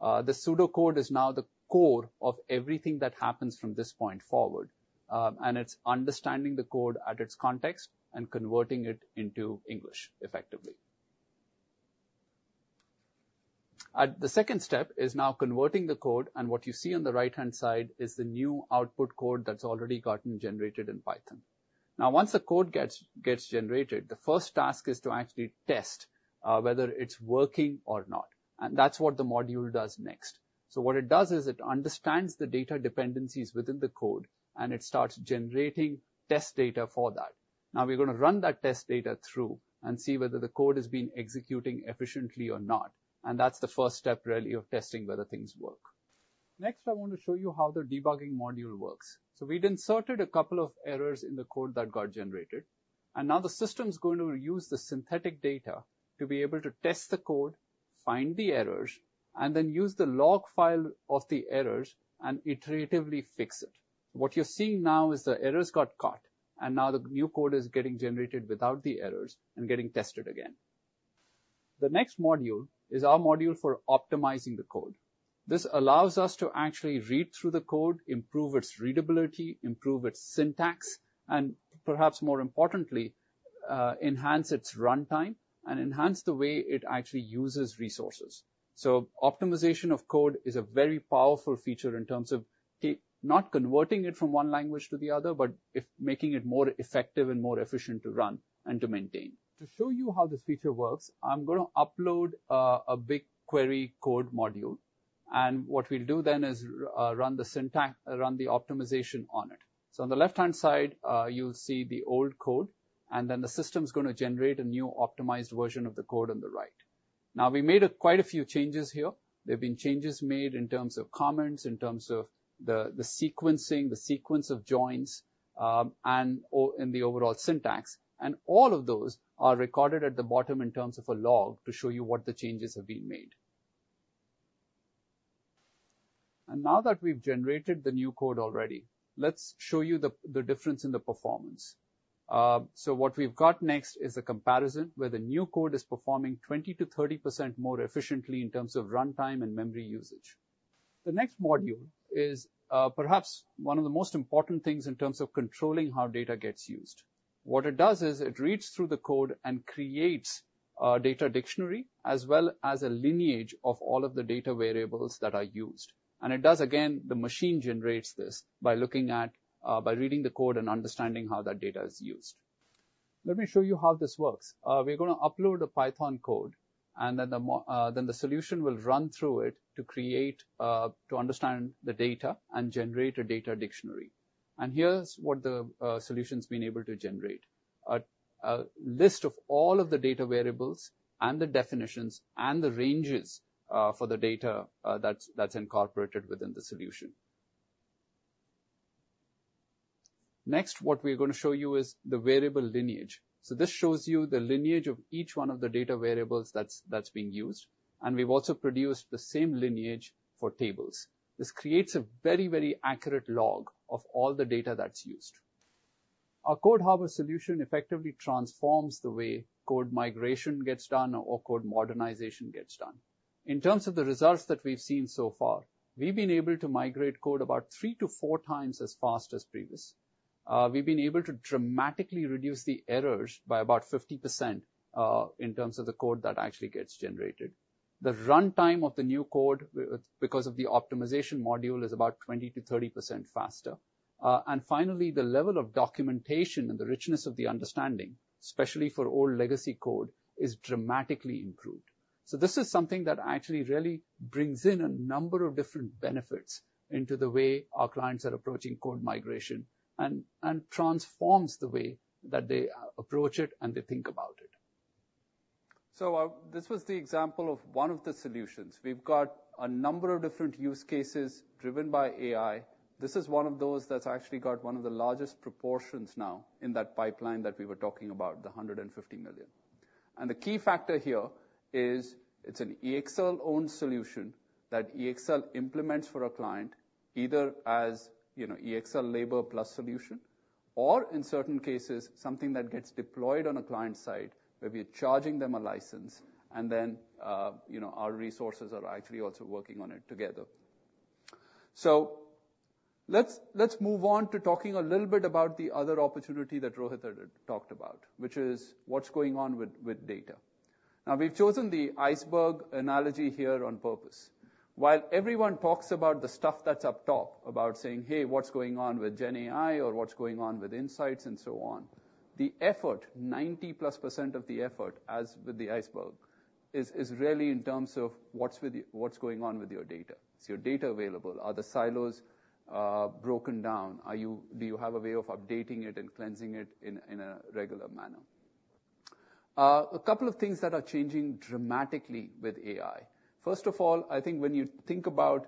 The pseudocode is now the core of everything that happens from this point forward, and it's understanding the code at its context and converting it into English, effectively. The second step is now converting the code, and what you see on the right-hand side is the new output code that's already gotten generated in Python. Now, once the code gets generated, the first task is to actually test whether it's working or not, and that's what the module does next. So what it does is it understands the data dependencies within the code, and it starts generating test data for that. Now we're gonna run that test data through and see whether the code has been executing efficiently or not, and that's the first step, really, of testing whether things work. Next, I want to show you how the debugging module works. So we've inserted a couple of errors in the code that got generated, and now the system's going to use the synthetic data to be able to test the code, find the errors, and then use the log file of the errors and iteratively fix it. What you're seeing now is the errors got caught, and now the new code is getting generated without the errors and getting tested again. The next module is our module for optimizing the code. This allows us to actually read through the code, improve its readability, improve its syntax, and perhaps more importantly, enhance its runtime and enhance the way it actually uses resources. So optimization of code is a very powerful feature in terms of not converting it from one language to the other, but if making it more effective and more efficient to run and to maintain. To show you how this feature works, I'm gonna upload a BigQuery code module, and what we'll do then is run the syntax, run the optimization on it. So on the left-hand side, you'll see the old code, and then the system's gonna generate a new optimized version of the code on the right. Now, we made quite a few changes here. There have been changes made in terms of comments, in terms of the sequencing, the sequence of joins, and/or in the overall syntax, and all of those are recorded at the bottom in terms of a log to show you what the changes have been made. Now that we've generated the new code already, let's show you the difference in the performance. So what we've got next is a comparison where the new code is performing 20%-30% more efficiently in terms of runtime and memory usage. The next module is perhaps one of the most important things in terms of controlling how data gets used. What it does is it reads through the code and creates a data dictionary, as well as a lineage of all of the data variables that are used. And it does again, the machine generates this by looking at by reading the code and understanding how that data is used. Let me show you how this works. We're gonna upload a Python code, and then the solution will run through it to create to understand the data and generate a data dictionary. Here's what the solution's been able to generate: a list of all of the data variables and the definitions and the ranges for the data that's incorporated within the solution. Next, what we're gonna show you is the variable lineage. So this shows you the lineage of each one of the data variables that's being used, and we've also produced the same lineage for tables. This creates a very, very accurate log of all the data that's used. Our Code Harbor solution effectively transforms the way code migration gets done or code modernization gets done. In terms of the results that we've seen so far, we've been able to migrate code about 3-4 times as fast as previous. We've been able to dramatically reduce the errors by about 50% in terms of the code that actually gets generated. The runtime of the new code, because of the optimization module, is about 20%-30% faster. And finally, the level of documentation and the richness of the understanding, especially for old legacy code, is dramatically improved. So this is something that actually really brings in a number of different benefits into the way our clients are approaching code migration and transforms the way that they approach it, and they think about it. So, this was the example of one of the solutions. We've got a number of different use cases driven by AI. This is one of those that's actually got one of the largest proportions now in that pipeline that we were talking about, the $150 million. The key factor here is it's an EXL-owned solution that EXL implements for a client, either as, you know, EXL labor plus solution, or in certain cases, something that gets deployed on a client site, where we're charging them a license, and then, you know, our resources are actually also working on it together. So, let's move on to talking a little bit about the other opportunity that Rohit had talked about, which is what's going on with data. Now, we've chosen the iceberg analogy here on purpose. While everyone talks about the stuff that's up top, about saying, "Hey, what's going on with GenAI," or, "What's going on with insights?" and so on, the effort, 90%+ of the effort, as with the iceberg, is really in terms of what's going on with your data. Is your data available? Are the silos broken down? Are you—do you have a way of updating it and cleansing it in a regular manner? A couple of things that are changing dramatically with AI. First of all, I think when you think about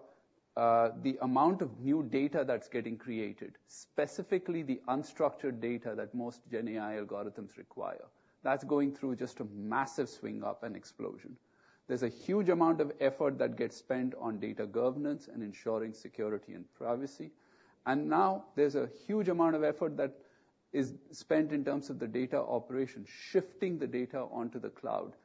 the amount of new data that's getting created, specifically the unstructured data that most GenAI algorithms require, that's going through just a massive swing up and explosion. There's a huge amount of effort that gets spent on data governance and ensuring security and privacy. And now there's a huge amount of effort that is spent in terms of the data operation, shifting the data onto the cloud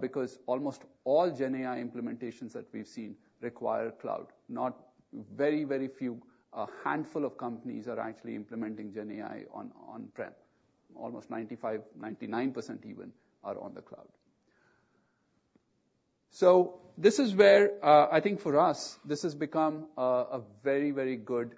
because almost all GenAI implementations that we've seen require cloud. Not very, very few, a handful of companies are actually implementing GenAI on on-prem. Almost 95%-99% even are on the cloud. So this is where, I think for us, this has become a very, very good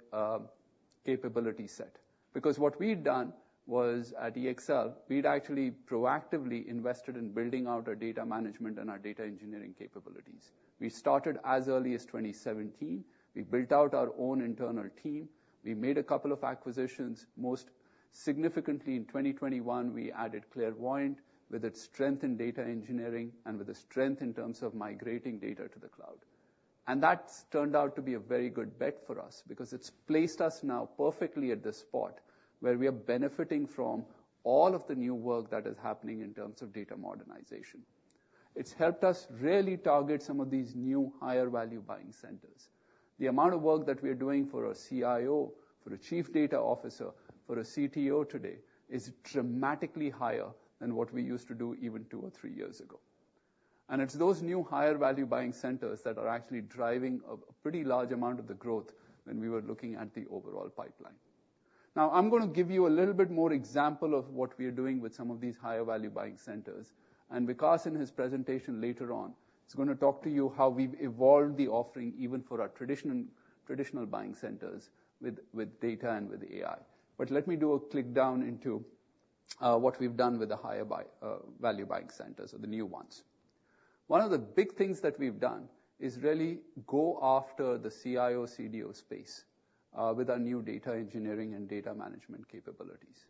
capability set. Because what we've done was at EXL, we'd actually proactively invested in building out our data management and our data engineering capabilities. We started as early as 2017. We built out our own internal team. We made a couple of acquisitions. Most significantly, in 2021, we added Clairvoyant, with its strength in data engineering and with the strength in terms of migrating data to the cloud. And that's turned out to be a very good bet for us because it's placed us now perfectly at the spot where we are benefiting from all of the new work that is happening in terms of data modernization. It's helped us really target some of these new, higher-value buying centers. The amount of work that we are doing for a CIO, for a chief data officer, for a CTO today, is dramatically higher than what we used to do even two or three years ago. And it's those new higher-value buying centers that are actually driving a pretty large amount of the growth when we were looking at the overall pipeline. Now, I'm gonna give you a little bit more example of what we are doing with some of these higher-value buying centers, and Vikas, in his presentation later on, is gonna talk to you how we've evolved the offering, even for our traditional buying centers, with data and with AI. But let me do a quick down into what we've done with the higher buy, value buying centers or the new ones. One of the big things that we've done is really go after the CIO, CDO space with our new data engineering and data management capabilities.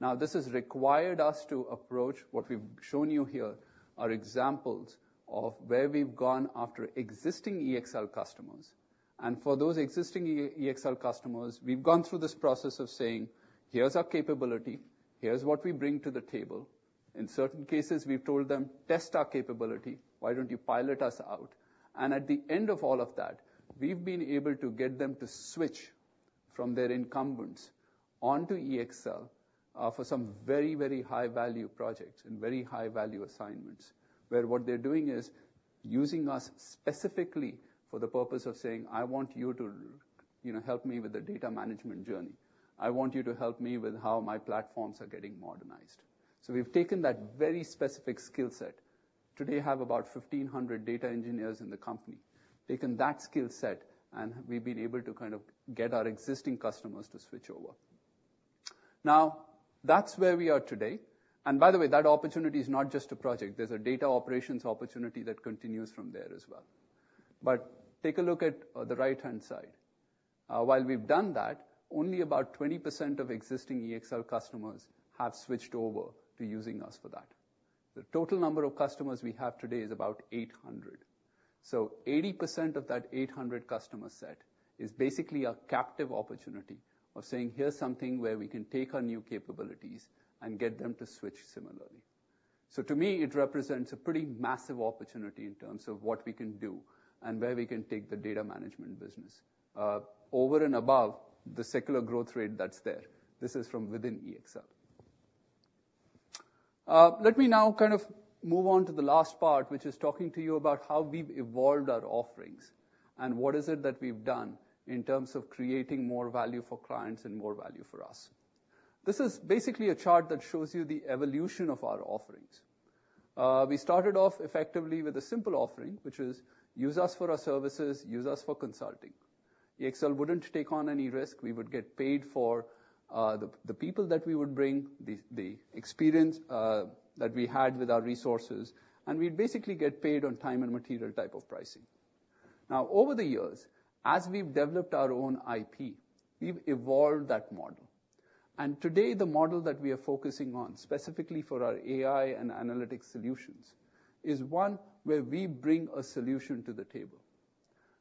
Now, this has required us to approach. What we've shown you here are examples of where we've gone after existing EXL customers. And for those existing EXL customers, we've gone through this process of saying: Here's our capability, here's what we bring to the table. In certain cases, we've told them, "Test our capability. Why don't you pilot us out?" And at the end of all of that, we've been able to get them to switch from their incumbents onto EXL for some very, very high-value projects and very high-value assignments, where what they're doing is using us specifically for the purpose of saying, "I want you to, you know, help me with the data management journey. I want you to help me with how my platforms are getting modernized." So we've taken that very specific skill set, today, have about 1,500 data engineers in the company, taken that skill set, and we've been able to kind of get our existing customers to switch over. Now, that's where we are today. And by the way, that opportunity is not just a project. There's a data operations opportunity that continues from there as well. But take a look at the right-hand side. While we've done that, only about 20% of existing EXL customers have switched over to using us for that. The total number of customers we have today is about 800. So 80% of that 800-customer set is basically a captive opportunity of saying, "Here's something where we can take our new capabilities and get them to switch similarly." So to me, it represents a pretty massive opportunity in terms of what we can do and where we can take the data management business over and above the secular growth rate that's there. This is from within EXL. Let me now kind of move on to the last part, which is talking to you about how we've evolved our offerings and what is it that we've done in terms of creating more value for clients and more value for us. This is basically a chart that shows you the evolution of our offerings. We started off effectively with a simple offering, which is: use us for our services, use us for consulting. EXL wouldn't take on any risk. We would get paid for the people that we would bring, the experience that we had with our resources, and we'd basically get paid on time and material type of pricing. Now, over the years, as we've developed our own IP, we've evolved that model. And today, the model that we are focusing on, specifically for our AI and analytics solutions, is one where we bring a solution to the table.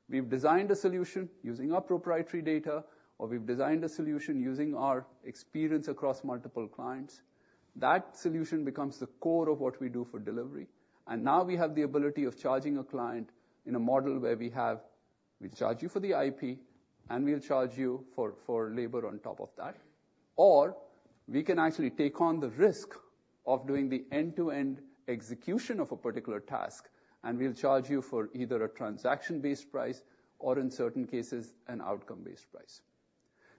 We've designed a solution using our proprietary data, or we've designed a solution using our experience across multiple clients. That solution becomes the core of what we do for delivery, and now we have the ability of charging a client in a model where we have. We charge you for the IP, and we'll charge you for labor on top of that. Or we can actually take on the risk of doing the end-to-end execution of a particular task, and we'll charge you for either a transaction-based price or, in certain cases, an outcome-based price.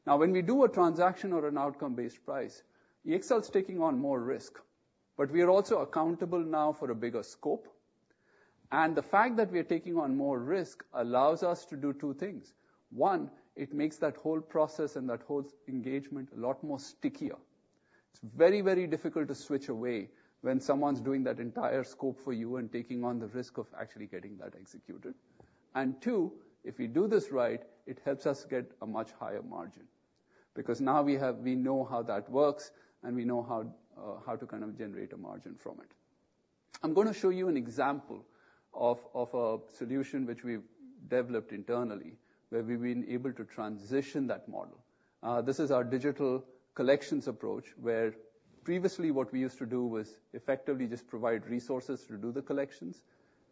Now, when we do a transaction or an outcome-based price, EXL is taking on more risk, but we are also accountable now for a bigger scope. And the fact that we are taking on more risk allows us to do two things. One, it makes that whole process and that whole engagement a lot more stickier. It's very, very difficult to switch away when someone's doing that entire scope for you and taking on the risk of actually getting that executed. And two, if we do this right, it helps us get a much higher margin, because now we have, we know how that works, and we know how to kind of generate a margin from it. I'm gonna show you an example of a solution which we've developed internally, where we've been able to transition that model. This is our digital collections approach, where previously, what we used to do was effectively just provide resources to do the collections.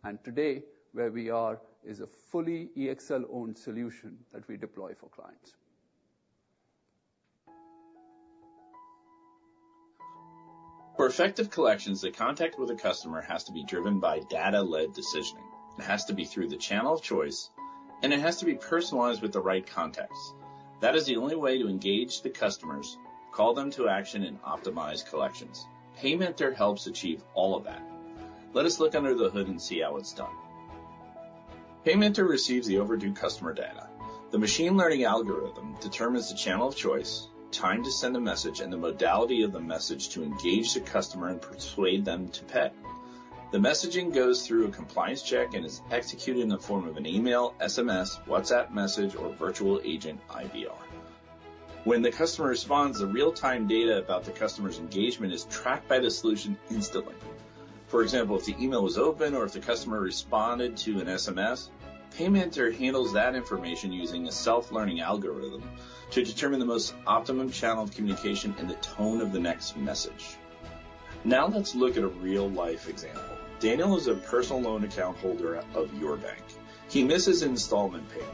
And today, where we are, is a fully EXL-owned solution that we deploy for clients. For effective collections, the contact with the customer has to be driven by data-led decisioning, it has to be through the channel of choice, and it has to be personalized with the right context. That is the only way to engage the customers, call them to action, and optimize collections. PayMentor helps achieve all of that. Let us look under the hood and see how it's done. PayMentor receives the overdue customer data. The machine learning algorithm determines the channel of choice, time to send a message, and the modality of the message to engage the customer and persuade them to pay. The messaging goes through a compliance check and is executed in the form of an email, SMS, WhatsApp message, or virtual agent IVR. When the customer responds, the real-time data about the customer's engagement is tracked by the solution instantly. For example, if the email was opened or if the customer responded to an SMS, PayMentor handles that information using a self-learning algorithm to determine the most optimum channel of communication and the tone of the next message. Now, let's look at a real-life example. Daniel is a personal loan account holder of your bank. He misses an installment payment.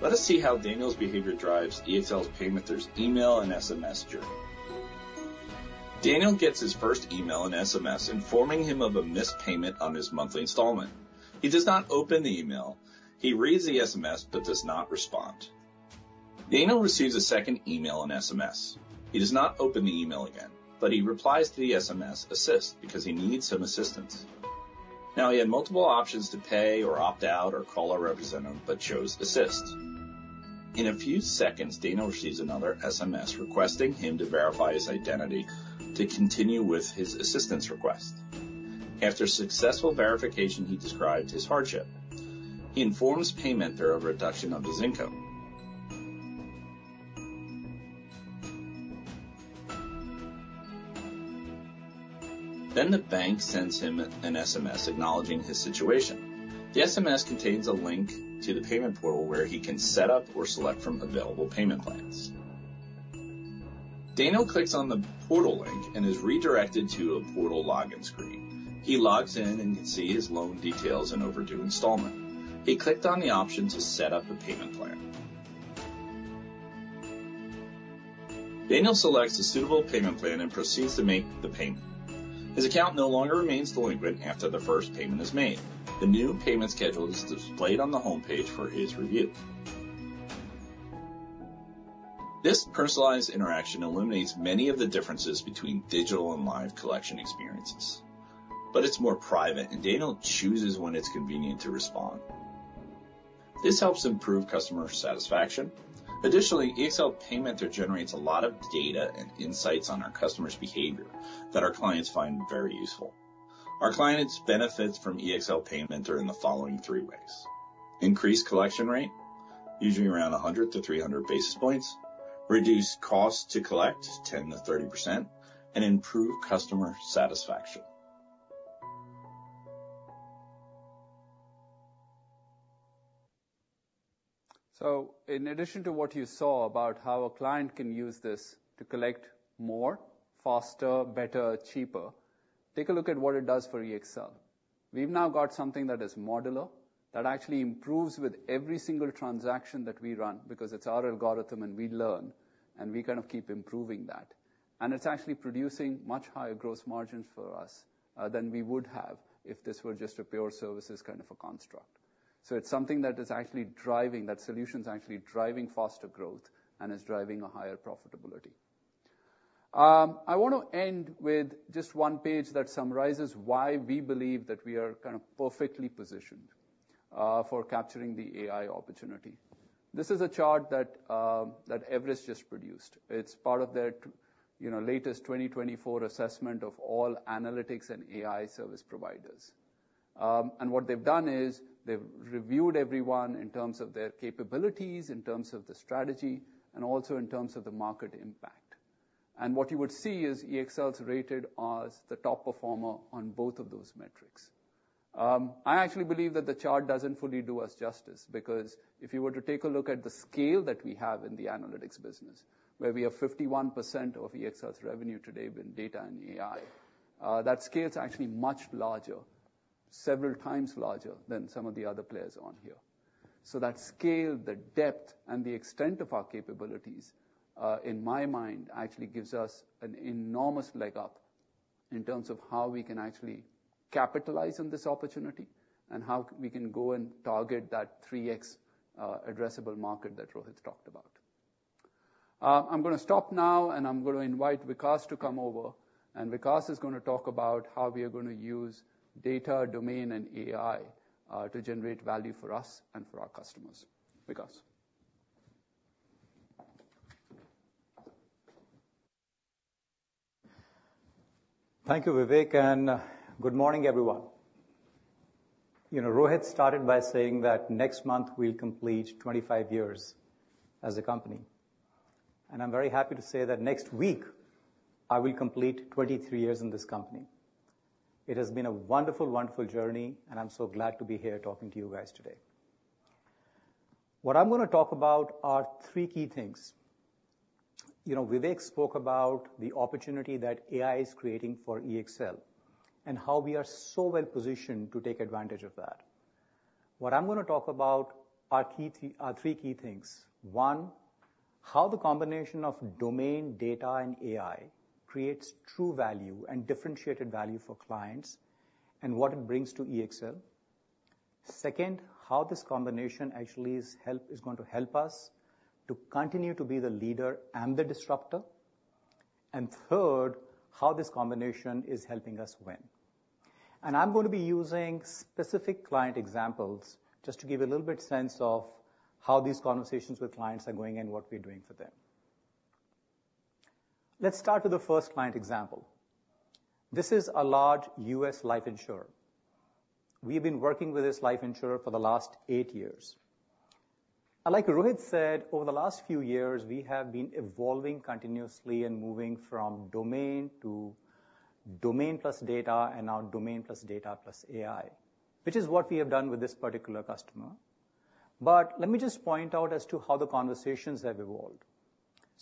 Let us see how Daniel's behavior drives EXL's PayMentor's email and SMS journey. Daniel gets his first email and SMS informing him of a missed payment on his monthly installment. He does not open the email. He reads the SMS, but does not respond. Daniel receives a second email and SMS. He does not open the email again, but he replies to the SMS, "Assist," because he needs some assistance. Now, he had multiple options to pay or opt out or call a representative, but chose Assist. In a few seconds, Daniel receives another SMS requesting him to verify his identity to continue with his assistance request. After successful verification, he describes his hardship. He informs PayMentor of a reduction of his income. Then the bank sends him an SMS acknowledging his situation. The SMS contains a link to the payment portal, where he can set up or select from available payment plans. Daniel clicks on the portal link and is redirected to a portal login screen. He logs in and can see his loan details and overdue installment. He clicked on the option to set up a payment plan. Daniel selects a suitable payment plan and proceeds to make the payment. His account no longer remains delinquent after the first payment is made. The new payment schedule is displayed on the homepage for his review. This personalized interaction eliminates many of the differences between digital and live collection experiences, but it's more private, and Daniel chooses when it's convenient to respond. This helps improve customer satisfaction. Additionally, EXL PayMentor generates a lot of data and insights on our customers' behavior that our clients find very useful. Our clients benefit from EXL PayMentor in the following three ways: increased collection rate, usually around 100-300 basis points, reduced cost to collect, 10%-30%, and improved customer satisfaction. So in addition to what you saw about how a client can use this to collect more, faster, better, cheaper, take a look at what it does for EXL. We've now got something that is modular, that actually improves with every single transaction that we run, because it's our algorithm, and we learn, and we kind of keep improving that. And it's actually producing much higher gross margin for us than we would have if this were just a pure services kind of a construct. So it's something that is actually driving. That solution's actually driving faster growth and is driving a higher profitability. I want to end with just one page that summarizes why we believe that we are kind of perfectly positioned for capturing the AI opportunity. This is a chart that, that Everest just produced. It's part of their, You know, latest 2024 assessment of all analytics and AI service providers. And what they've done is, they've reviewed everyone in terms of their capabilities, in terms of the strategy, and also in terms of the market impact. And what you would see is EXL's rated as the top performer on both of those metrics. I actually believe that the chart doesn't fully do us justice, because if you were to take a look at the scale that we have in the analytics business, where we have 51% of EXL's revenue today been data and AI, that scale is actually much larger, several times larger than some of the other players on here. So that scale, the depth, and the extent of our capabilities, in my mind, actually gives us an enormous leg up in terms of how we can actually capitalize on this opportunity, and how we can go and target that 3x addressable market that Rohit talked about. I'm gonna stop now, and I'm gonna invite Vikas to come over, and Vikas is gonna talk about how we are gonna use data, domain, and AI to generate value for us and for our customers. Vikas? Thank you, Vivek, and good morning, everyone. You know, Rohit started by saying that next month we'll complete 25 years as a company, and I'm very happy to say that next week, I will complete 23 years in this company. It has been a wonderful, wonderful journey, and I'm so glad to be here talking to you guys today. What I'm gonna talk about are three key things. You know, Vivek spoke about the opportunity that AI is creating for EXL and how we are so well positioned to take advantage of that. What I'm gonna talk about are three key things. One, how the combination of domain, data, and AI creates true value and differentiated value for clients, and what it brings to EXL. Second, how this combination actually is going to help us to continue to be the leader and the disruptor. And third, how this combination is helping us win. And I'm gonna be using specific client examples just to give a little bit sense of how these conversations with clients are going and what we're doing for them. Let's start with the first client example. This is a large U.S. life insurer. We've been working with this life insurer for the last eight years. And like Rohit said, over the last few years, we have been evolving continuously and moving from domain to domain plus data and now domain plus data plus AI, which is what we have done with this particular customer. But let me just point out as to how the conversations have evolved.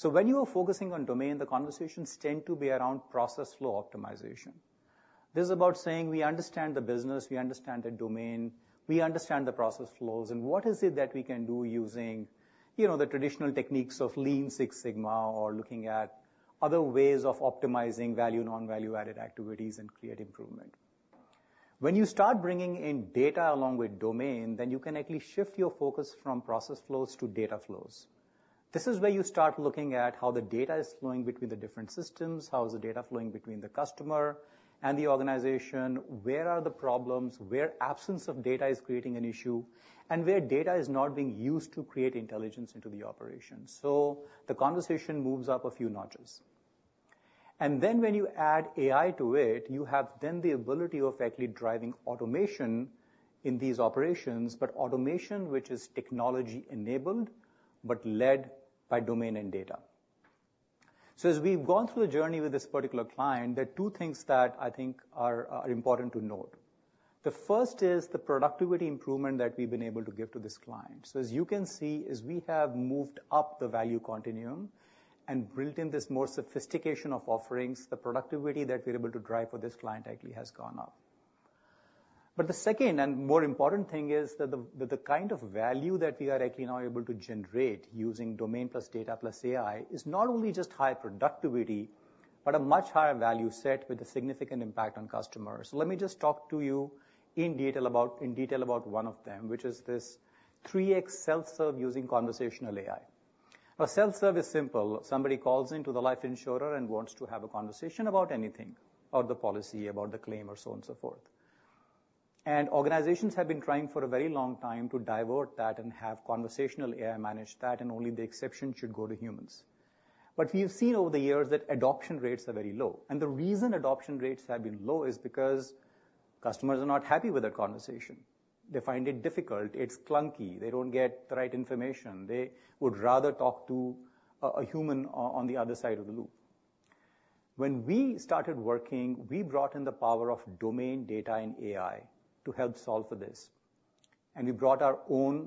So when you are focusing on domain, the conversations tend to be around process flow optimization. This is about saying, we understand the business, we understand the domain, we understand the process flows, and what is it that we can do using, you know, the traditional techniques of Lean Six Sigma, or looking at other ways of optimizing value, non-value-added activities and create improvement. When you start bringing in data along with domain, then you can actually shift your focus from process flows to data flows. This is where you start looking at how the data is flowing between the different systems, how is the data flowing between the customer and the organization? Where are the problems? Where absence of data is creating an issue, and where data is not being used to create intelligence into the operation. So the conversation moves up a few notches. Then when you add AI to it, you have then the ability of actually driving automation in these operations, but automation which is technology-enabled, but led by domain and data. So as we've gone through the journey with this particular client, there are two things that I think are important to note. The first is the productivity improvement that we've been able to give to this client. So as you can see, as we have moved up the value continuum and built in this more sophistication of offerings, the productivity that we're able to drive for this client actually has gone up. The second and more important thing is that the kind of value that we are actually now able to generate using domain plus data plus AI, is not only just high productivity, but a much higher value set with a significant impact on customers. Let me just talk to you in detail about one of them, which is this 3x self-serve using conversational AI. A self-serve is simple. Somebody calls into the life insurer and wants to have a conversation about anything, about the policy, about the claim, or so on and so forth. Organizations have been trying for a very long time to divert that and have conversational AI manage that, and only the exception should go to humans. But we've seen over the years that adoption rates are very low, and the reason adoption rates have been low is because customers are not happy with their conversation. They find it difficult, it's clunky, they don't get the right information. They would rather talk to a human on the other side of the loop. When we started working, we brought in the power of domain, data, and AI to help solve for this, and we brought our own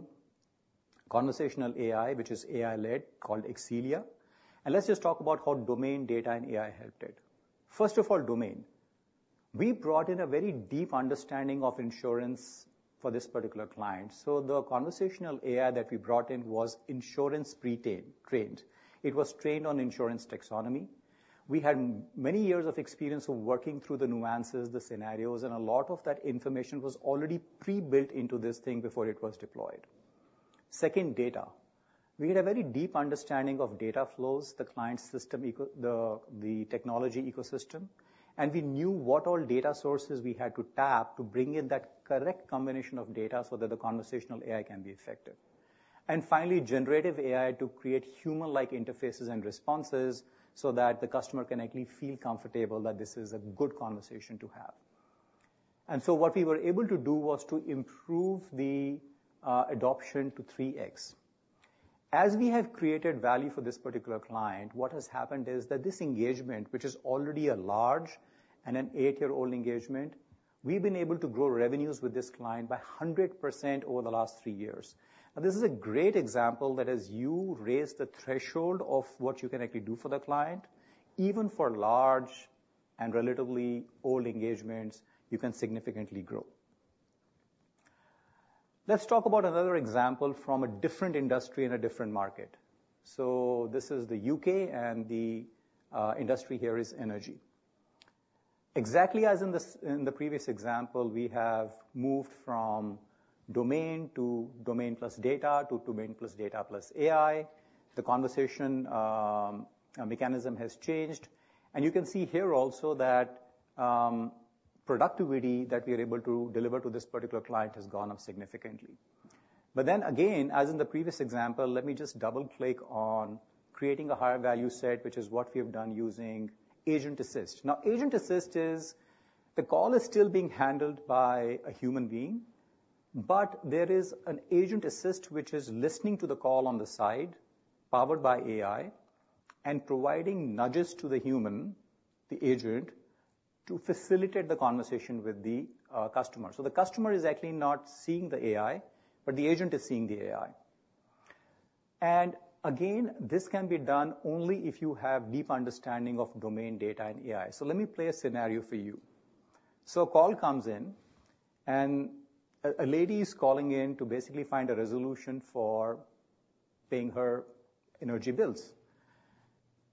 conversational AI, which is AI-led, called EXELIA.AI. Let's just talk about how domain, data, and AI helped it. First of all, domain. We brought in a very deep understanding of insurance for this particular client. So the conversational AI that we brought in was insurance pre-trained, trained. It was trained on insurance taxonomy. We had many years of experience of working through the nuances, the scenarios, and a lot of that information was already pre-built into this thing before it was deployed. Second, data. We had a very deep understanding of data flows, the client system ecosystem, and we knew what all data sources we had to tap to bring in that correct combination of data so that the conversational AI can be effective. And finally, generative AI to create human-like interfaces and responses so that the customer can actually feel comfortable that this is a good conversation to have. And so what we were able to do was to improve the adoption to 3x. As we have created value for this particular client, what has happened is that this engagement, which is already a large and an eight-year-old engagement, we've been able to grow revenues with this client by 100% over the last three years. This is a great example, that as you raise the threshold of what you can actually do for the client, even for large and relatively old engagements, you can significantly grow. Let's talk about another example from a different industry in a different market. So this is the U.K., and the industry here is energy. Exactly as in the previous example, we have moved from domain to domain plus data, to domain plus data plus AI. The conversation mechanism has changed, and you can see here also that productivity that we are able to deliver to this particular client has gone up significantly. But then again, as in the previous example, let me just double-click on creating a higher value set, which is what we have done using Agent Assist. Now, Agent Assist is the call is still being handled by a human being, but there is an Agent Assist, which is listening to the call on the side, powered by AI, and providing nudges to the human, the agent, to facilitate the conversation with the customer. So the customer is actually not seeing the AI, but the agent is seeing the AI. And again, this can be done only if you have deep understanding of domain data and AI. So let me play a scenario for you. So a call comes in, and a lady is calling in to basically find a resolution for paying her energy bills.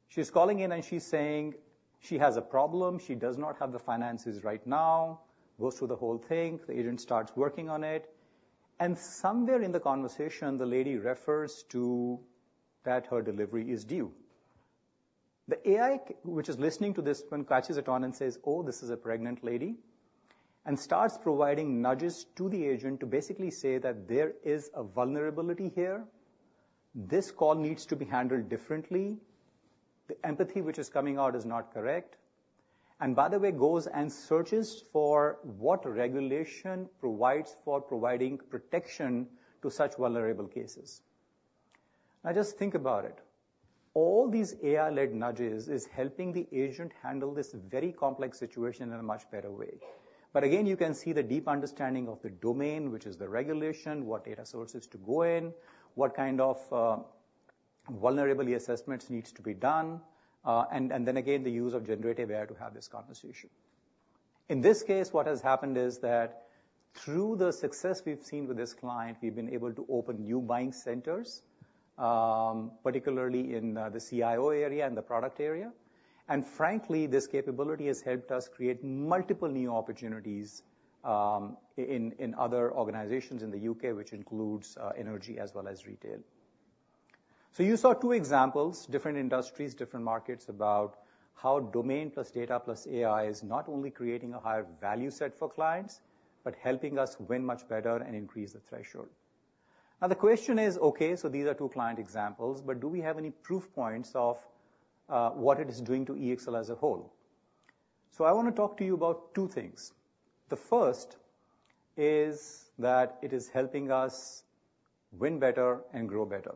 She's calling in, and she's saying she has a problem. She does not have the finances right now. Goes through the whole thing. The agent starts working on it, and somewhere in the conversation, the lady refers to that her delivery is due. The AI, which is listening to this one, catches it on and says, "Oh, this is a pregnant lady," and starts providing nudges to the agent to basically say that there is a vulnerability here. This call needs to be handled differently. The empathy which is coming out is not correct, and by the way, goes and searches for what regulation provides for providing protection to such vulnerable cases. Now, just think about it. All these AI-led nudges is helping the agent handle this very complex situation in a much better way. But again, you can see the deep understanding of the domain, which is the regulation, what data sources to go in, what kind of vulnerability assessments needs to be done, and then again, the use of generative AI to have this conversation. In this case, what has happened is that through the success we've seen with this client, we've been able to open new buying centers, particularly in the CIO area and the product area. And frankly, this capability has helped us create multiple new opportunities, in other organizations in the U.K., which includes energy as well as retail. So you saw two examples, different industries, different markets, about how domain plus data, plus AI is not only creating a higher value set for clients, but helping us win much better and increase the threshold. Now, the question is, okay, so these are two client examples, but do we have any proof points of what it is doing to EXL as a whole? So I want to talk to you about two things. The first is that it is helping us win better and grow better.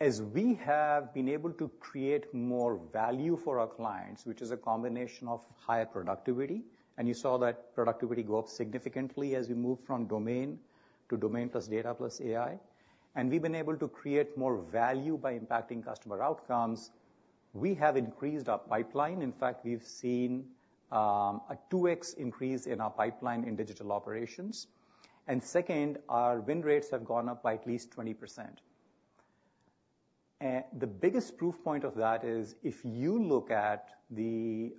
As we have been able to create more value for our clients, which is a combination of higher productivity, and you saw that productivity go up significantly as we moved from domain to domain plus data, plus AI, and we've been able to create more value by impacting customer outcomes, we have increased our pipeline. In fact, we've seen a 2x increase in our pipeline in digital operations. And second, our win rates have gone up by at least 20%. The biggest proof point of that is if you look at the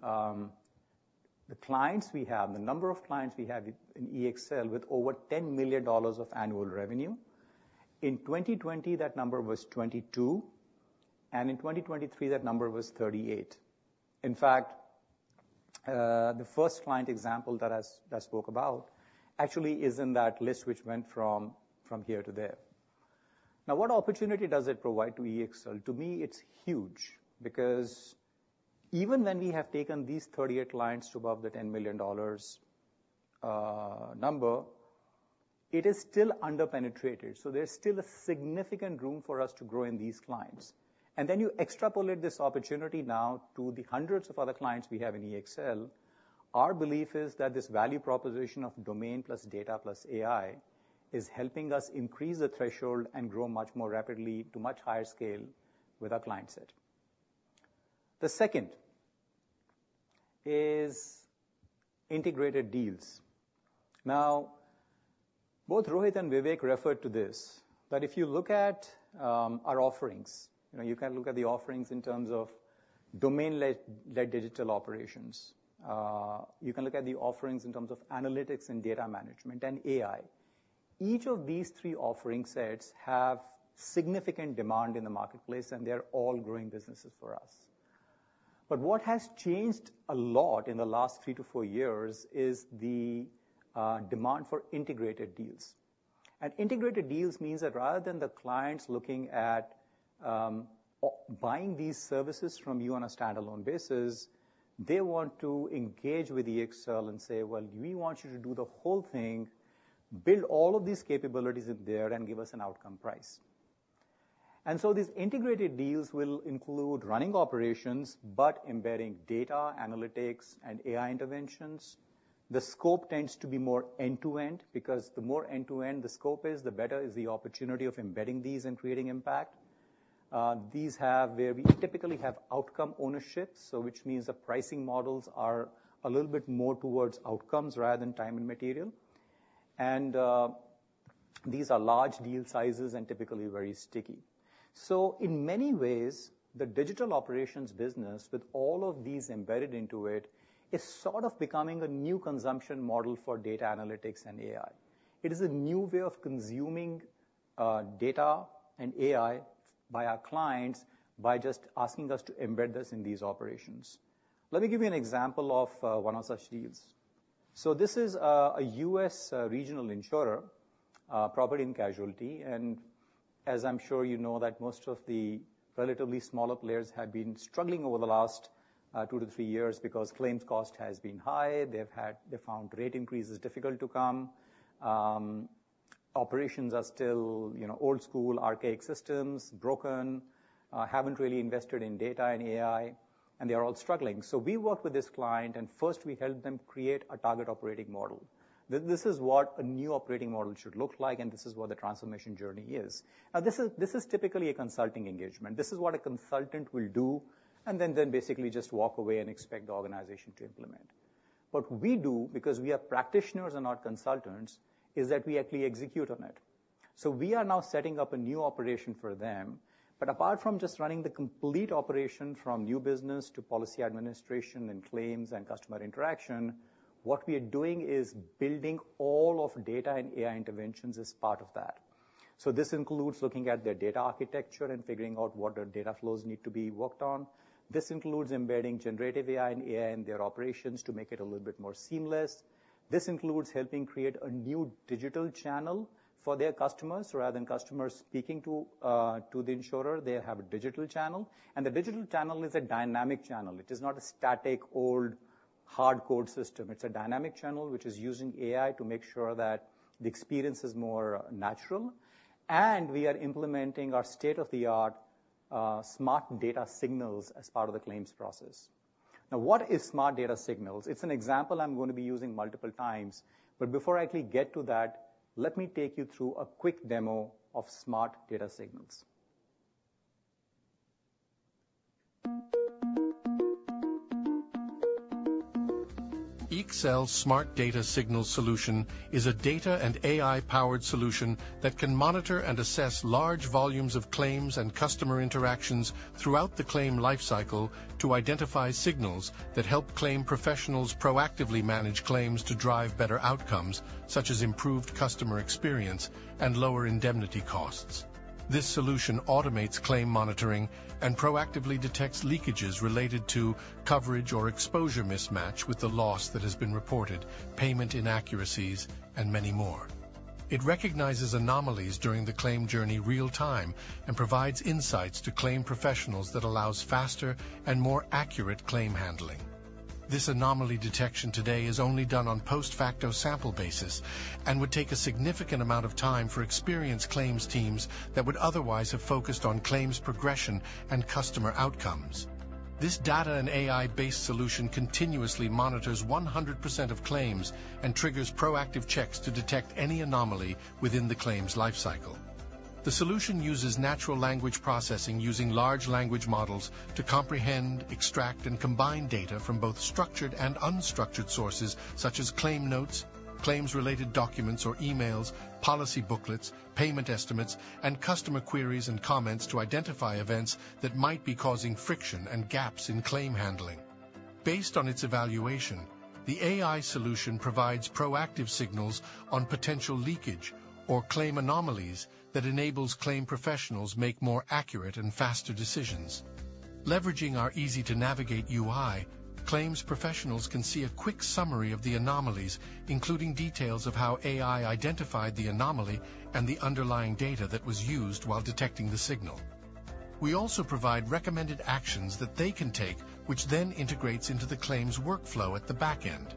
clients we have, the number of clients we have in EXL with over $10 million of annual revenue. In 2020, that number was 22, and in 2023, that number was 38. In fact, the first client example that I spoke about actually is in that list, which went from here to there. Now, what opportunity does it provide to EXL? To me, it's huge, because even when we have taken these 38 clients to above the $10 million number, it is still under-penetrated, so there's still a significant room for us to grow in these clients. And then you extrapolate this opportunity now to the hundreds of other clients we have in EXL. Our belief is that this value proposition of domain plus data, plus AI, is helping us increase the threshold and grow much more rapidly to much higher scale with our client set. The second is integrated deals. Now, both Rohit and Vivek referred to this, but if you look at our offerings, you know, you can look at the offerings in terms of domain-led digital operations. You can look at the offerings in terms of analytics and data management and AI. Each of these three offering sets have significant demand in the marketplace, and they're all growing businesses for us. But what has changed a lot in the last three to four years is the demand for integrated deals. Integrated deals means that rather than the clients looking at, buying these services from you on a standalone basis, they want to engage with EXL and say, "Well, we want you to do the whole thing, build all of these capabilities in there, and give us an outcome price." So these integrated deals will include running operations, but embedding data, analytics, and AI interventions. The scope tends to be more end-to-end, because the more end-to-end the scope is, the better is the opportunity of embedding these and creating impact. These have, where we typically have outcome ownership, so which means the pricing models are a little bit more towards outcomes rather than time and material. These are large deal sizes and typically very sticky. So in many ways, the digital operations business, with all of these embedded into it, is sort of becoming a new consumption model for data analytics and AI. It is a new way of consuming data and AI by our clients by just asking us to embed this in these operations. Let me give you an example of one of such deals. So this is a U.S. regional insurer, property and casualty. And as I'm sure you know, that most of the relatively smaller players have been struggling over the last 2-3 years because claims cost has been high. They've had. They found rate increases difficult to come. Operations are still, you know, old school, archaic systems, broken, haven't really invested in data and AI, and they are all struggling. So we worked with this client, and first, we helped them create a target operating model. This is what a new operating model should look like, and this is what the transformation journey is. Now, this is typically a consulting engagement. This is what a consultant will do, and then basically just walk away and expect the organization to implement. What we do, because we are practitioners and not consultants, is that we actually execute on it. So we are now setting up a new operation for them, but apart from just running the complete operation, from new business to policy administration and claims and customer interaction, what we are doing is building all of data and AI interventions as part of that. So this includes looking at their data architecture and figuring out what their data flows need to be worked on. This includes embedding generative AI and AI in their operations to make it a little bit more seamless. This includes helping create a new digital channel for their customers. Rather than customers speaking to the insurer, they have a digital channel, and the digital channel is a dynamic channel. It is not a static, old, hard-coded system. It's a dynamic channel, which is using AI to make sure that the experience is more natural, and we are implementing our state-of-the-art Smart Data Signals as part of the claims process. Now, what is Smart Data Signals? It's an example I'm going to be using multiple times, but before I actually get to that, let me take you through a quick demo of Smart Data Signals. EXL's Smart Data Signals solution is a data and AI-powered solution that can monitor and assess large volumes of claims and customer interactions throughout the claim lifecycle to identify signals that help claim professionals proactively manage claims to drive better outcomes, such as improved customer experience and lower indemnity costs. This solution automates claim monitoring and proactively detects leakages related to coverage or exposure mismatch with the loss that has been reported, payment inaccuracies, and many more. It recognizes anomalies during the claim journey real time, and provides insights to claim professionals that allows faster and more accurate claim handling. This anomaly detection today is only done on post-facto sample basis and would take a significant amount of time for experienced claims teams that would otherwise have focused on claims progression and customer outcomes. This data and AI-based solution continuously monitors 100% of claims and triggers proactive checks to detect any anomaly within the claims lifecycle. The solution uses natural language processing, using large language models, to comprehend, extract, and combine data from both structured and unstructured sources, such as claim notes, claims-related documents or emails, policy booklets, payment estimates, and customer queries and comments, to identify events that might be causing friction and gaps in claim handling. Based on its evaluation, the AI solution provides proactive signals on potential leakage or claim anomalies that enables claim professionals make more accurate and faster decisions. Leveraging our easy-to-navigate UI, claims professionals can see a quick summary of the anomalies, including details of how AI identified the anomaly and the underlying data that was used while detecting the signal. We also provide recommended actions that they can take, which then integrates into the claims workflow at the back end.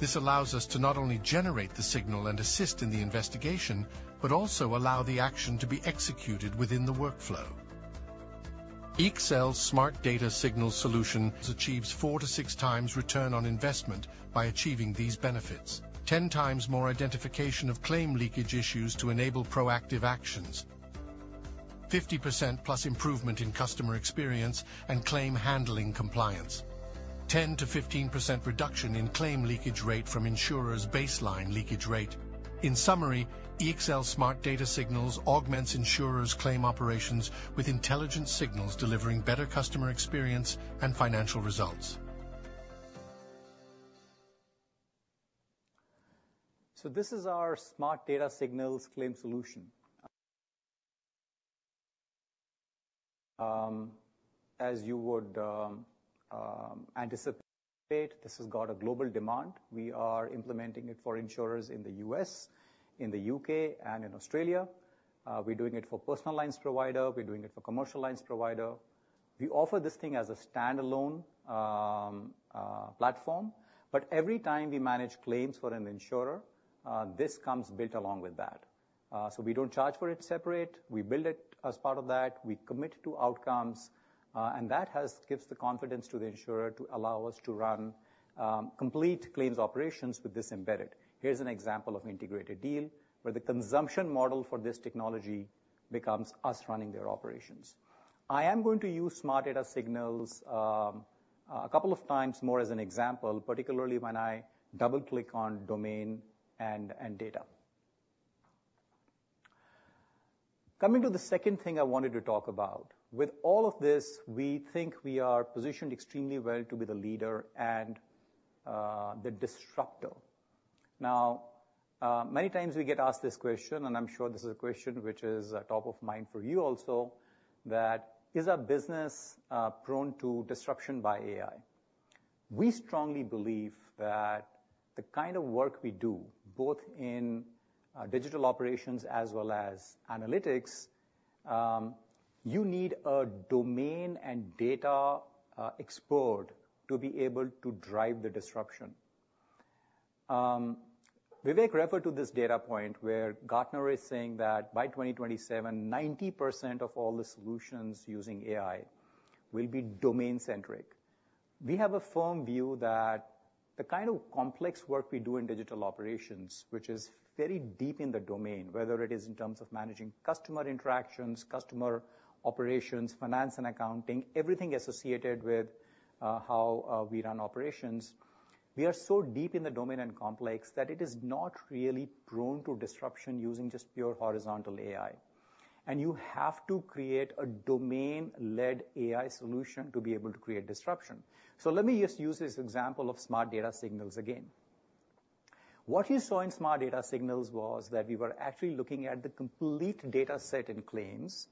This allows us to not only generate the signal and assist in the investigation, but also allow the action to be executed within the workflow. EXL's Smart Data Signals solution achieves 4-6 times return on investment by achieving these benefits: 10 times more identification of claim leakage issues to enable proactive actions. 50%+ improvement in customer experience and claim handling compliance. 10%-15% reduction in claim leakage rate from insurer's baseline leakage rate. In summary, EXL Smart Data Signals augments insurers' claim operations with intelligent signals, delivering better customer experience and financial results. So this is our EXL Smart Data Signals claim solution. As you would anticipate, this has got a global demand. We are implementing it for insurers in the U.S., in the U.K., and in Australia. We're doing it for personal lines provider. We're doing it for commercial lines provider. We offer this thing as a standalone platform, but every time we manage claims for an insurer, this comes built along with that. So we don't charge for it separate, we build it as part of that, we commit to outcomes, and that gives the confidence to the insurer to allow us to run complete claims operations with this embedded. Here's an example of an integrated deal, where the consumption model for this technology becomes us running their operations. I am going to use Smart Data Signals, a couple of times more as an example, particularly when I double-click on domain and data. Coming to the second thing I wanted to talk about. With all of this, we think we are positioned extremely well to be the leader and the disruptor. Now, many times we get asked this question, and I'm sure this is a question which is top of mind for you also, that: Is our business prone to disruption by AI? We strongly believe that the kind of work we do, both in digital operations as well as analytics, you need a domain and data expert to be able to drive the disruption. Vivek referred to this data point, where Gartner is saying that by 2027, 90% of all the solutions using AI will be domain-centric. We have a firm view that the kind of complex work we do in digital operations, which is very deep in the domain, whether it is in terms of managing customer interactions, customer operations, finance and accounting, everything associated with how we run operations. We are so deep in the domain and complex, that it is not really prone to disruption using just pure horizontal AI. You have to create a domain-led AI solution to be able to create disruption. Let me just use this example of Smart Data Signals again. What you saw in Smart Data Signals was that we were actually looking at the complete data set in claims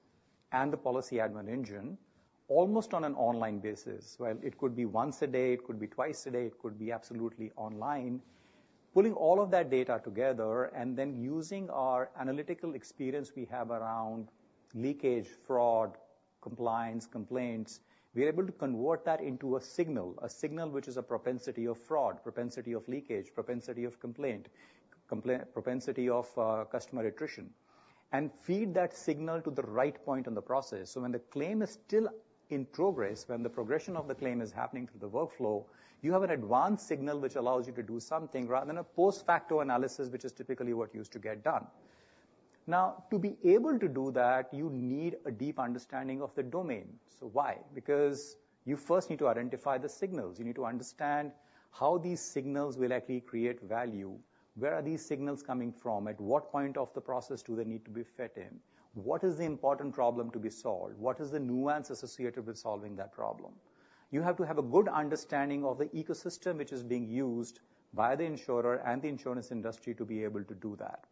and the policy admin engine, almost on an online basis. Well, it could be once a day, it could be twice a day, it could be absolutely online. Pulling all of that data together and then using our analytical experience we have around leakage, fraud, compliance, complaints, we are able to convert that into a signal, a signal which is a propensity of fraud, propensity of leakage, propensity of complaint, propensity of customer attrition, and feed that signal to the right point in the process. So when the claim is still in progress, when the progression of the claim is happening through the workflow, you have an advanced signal, which allows you to do something, rather than a post-facto analysis, which is typically what used to get done. Now, to be able to do that, you need a deep understanding of the domain. So why? Because you first need to identify the signals. You need to understand how these signals will actually create value. Where are these signals coming from? At what point of the process do they need to be fed in? What is the important problem to be solved? What is the nuance associated with solving that problem? You have to have a good understanding of the ecosystem which is being used by the insurer and the insurance industry to be able to do that.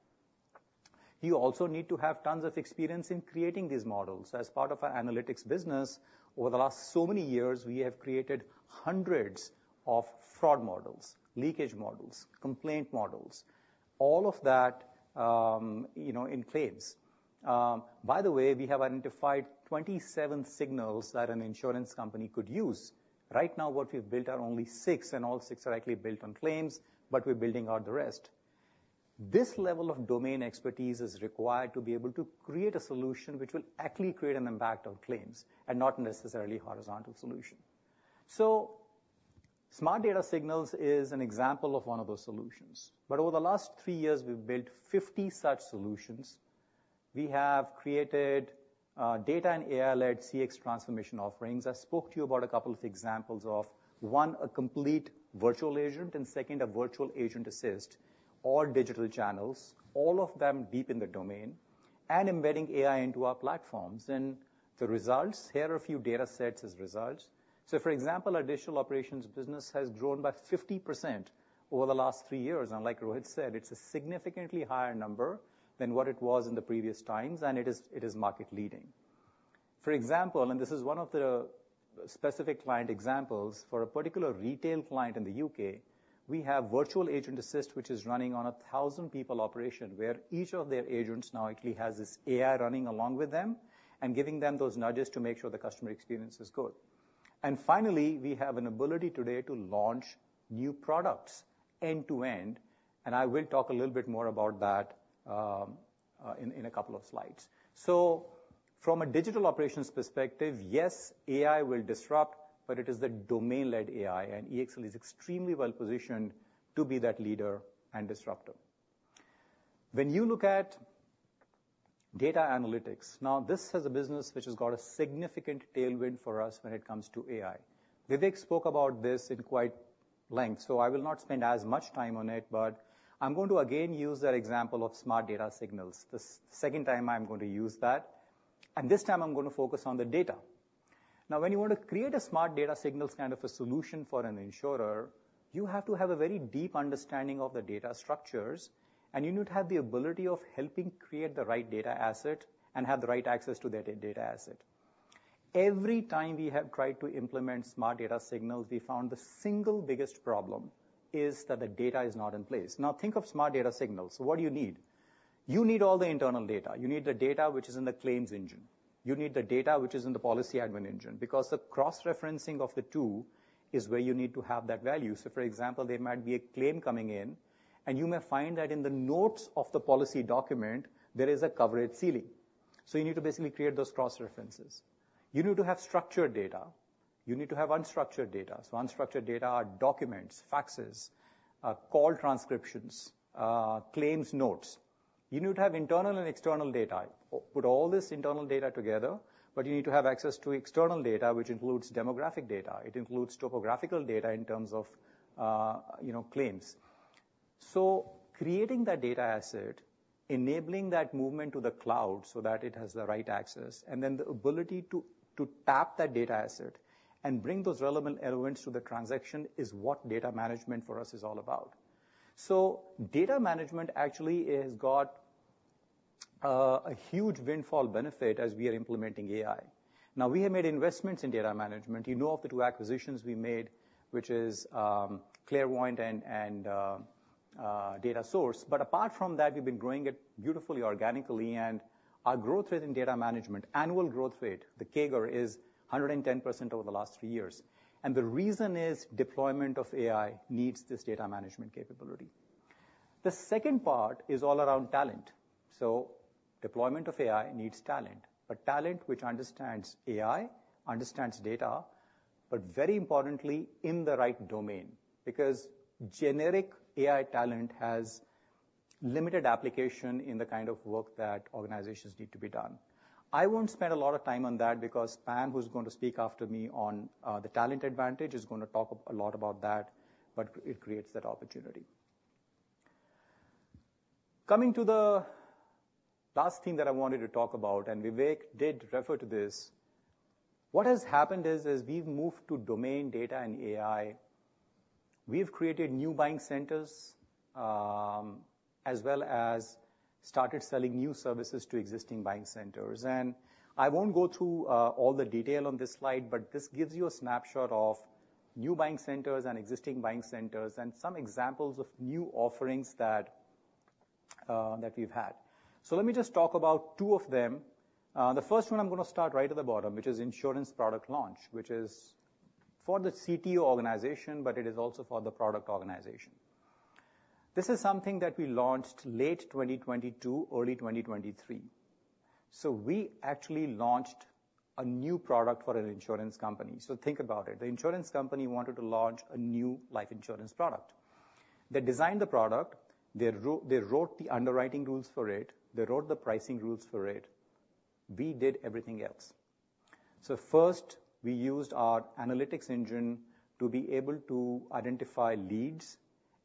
You also need to have tons of experience in creating these models. As part of our analytics business, over the last so many years, we have created hundreds of fraud models, leakage models, complaint models, all of that, you know, in claims. By the way, we have identified 27 signals that an insurance company could use. Right now, what we've built are only six, and all six are actually built on claims, but we're building out the rest. This level of domain expertise is required to be able to create a solution which will actually create an impact on claims, and not necessarily horizontal solution. So Smart Data Signals is an example of one of those solutions, but over the last three years, we've built 50 such solutions. We have created data and AI-led CX transformation offerings. I spoke to you about a couple of examples of, one, a complete virtual agent, and second, a Virtual Agent Assist, all digital channels, all of them deep in the domain and embedding AI into our platforms. And the results, here are a few data sets as results. So, for example, our digital operations business has grown by 50% over the last three years, and like Rohit said, it's a significantly higher number than what it was in the previous times, and it is, it is market leading. For example, and this is one of the specific client examples, for a particular retail client in the U.K., we have Virtual Agent Assist, which is running on a 1,000 people operation, where each of their agents now actually has this AI running along with them and giving them those nudges to make sure the customer experience is good. And finally, we have an ability today to launch new products end-to-end, and I will talk a little bit more about that, in a couple of slides. So from a digital operations perspective, yes, AI will disrupt, but it is the domain-led AI, and EXL is extremely well positioned to be that leader and disruptor. When you look at data analytics, now, this is a business which has got a significant tailwind for us when it comes to AI. Vivek spoke about this at length, so I will not spend as much time on it, but I'm going to again use that example of Smart Data Signals. The second time I'm going to use that, and this time I'm going to focus on the data. Now, when you want to create a Smart Data Signals kind of a solution for an insurer, you have to have a very deep understanding of the data structures, and you need to have the ability of helping create the right data asset and have the right access to that data asset. Every time we have tried to implement Smart Data Signals, we found the single biggest problem is that the data is not in place. Now, think of Smart Data Signals. So what do you need?... You need all the internal data. You need the data which is in the claims engine. You need the data which is in the policy admin engine, because the cross-referencing of the two is where you need to have that value. So, for example, there might be a claim coming in, and you may find that in the notes of the policy document, there is a coverage ceiling. So you need to basically create those cross-references. You need to have structured data, you need to have unstructured data. So unstructured data are documents, faxes, call transcriptions, claims notes. You need to have internal and external data. Put all this internal data together, but you need to have access to external data, which includes demographic data. It includes topographical data in terms of, you know, claims. So creating that data asset, enabling that movement to the cloud so that it has the right access, and then the ability to tap that data asset and bring those relevant elements to the transaction, is what data management for us is all about. So data management actually has got a huge windfall benefit as we are implementing AI. Now, we have made investments in data management. You know of the two acquisitions we made, which is Clairvoyant and Datasource. But apart from that, we've been growing it beautifully, organically, and our growth rate in data management, annual growth rate, the CAGR, is 110% over the last three years. And the reason is deployment of AI needs this data management capability. The second part is all around talent. So deployment of AI needs talent, but talent which understands AI, understands data, but very importantly, in the right domain, because generic AI talent has limited application in the kind of work that organizations need to be done. I won't spend a lot of time on that because Pam, who's going to speak after me on the talent advantage, is gonna talk a lot about that, but it creates that opportunity. Coming to the last thing that I wanted to talk about, and Vivek did refer to this: What has happened is, as we've moved to domain data and AI, we've created new buying centers, as well as started selling new services to existing buying centers. And I won't go through all the detail on this slide, but this gives you a snapshot of new buying centers and existing buying centers, and some examples of new offerings that we've had. So let me just talk about two of them. The first one, I'm gonna start right at the bottom, which is insurance product launch, which is for the CTO organization, but it is also for the product organization. This is something that we launched late 2022, early 2023. We actually launched a new product for an insurance company. So think about it. The insurance company wanted to launch a new life insurance product. They designed the product, they wrote the underwriting rules for it, they wrote the pricing rules for it. We did everything else. First, we used our analytics engine to be able to identify leads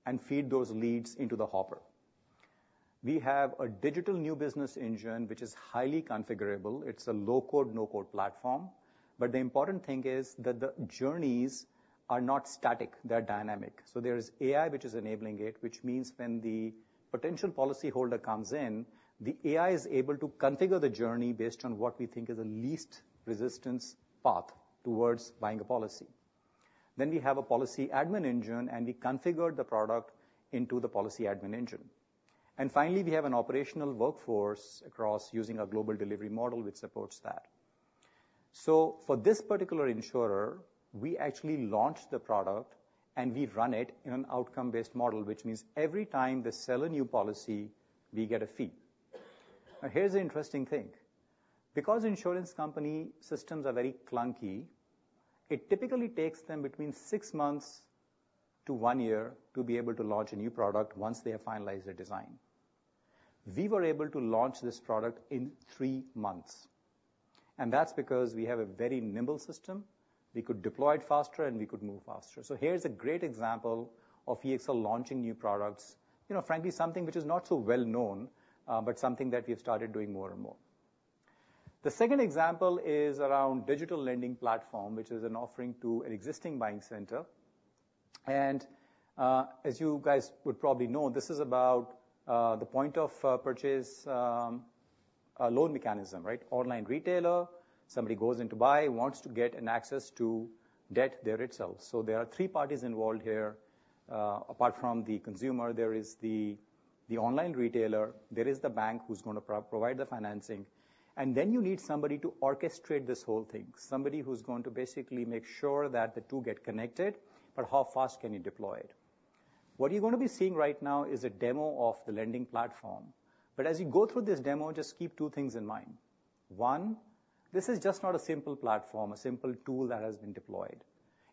and feed those leads into the hopper. We have a digital new business engine, which is highly configurable. It's a low-code, no-code platform. But the important thing is that the journeys are not static, they're dynamic. So there is AI, which is enabling it, which means when the potential policyholder comes in, the AI is able to configure the journey based on what we think is the least resistance path towards buying a policy. Then we have a policy admin engine, and we configure the product into the policy admin engine. And finally, we have an operational workforce across using a global delivery model, which supports that. So for this particular insurer, we actually launched the product, and we run it in an outcome-based model, which means every time they sell a new policy, we get a fee. Now, here's the interesting thing: Because insurance company systems are very clunky, it typically takes them between 6 months to 1 year to be able to launch a new product once they have finalized their design. We were able to launch this product in 3 months, and that's because we have a very nimble system. We could deploy it faster, and we could move faster. So here's a great example of EXL launching new products, you know, frankly, something which is not so well known, but something that we've started doing more and more. The second example is around digital lending platform, which is an offering to an existing buying center. And, as you guys would probably know, this is about the point of purchase loan mechanism, right? Online retailer. Somebody goes in to buy, wants to get an access to debt there itself. So there are 3 parties involved here. Apart from the consumer, there is the online retailer, there is the bank who's gonna provide the financing, and then you need somebody to orchestrate this whole thing, somebody who's going to basically make sure that the two get connected, but how fast can you deploy it? What you're gonna be seeing right now is a demo of the lending platform. But as you go through this demo, just keep two things in mind. One, this is just not a simple platform, a simple tool that has been deployed.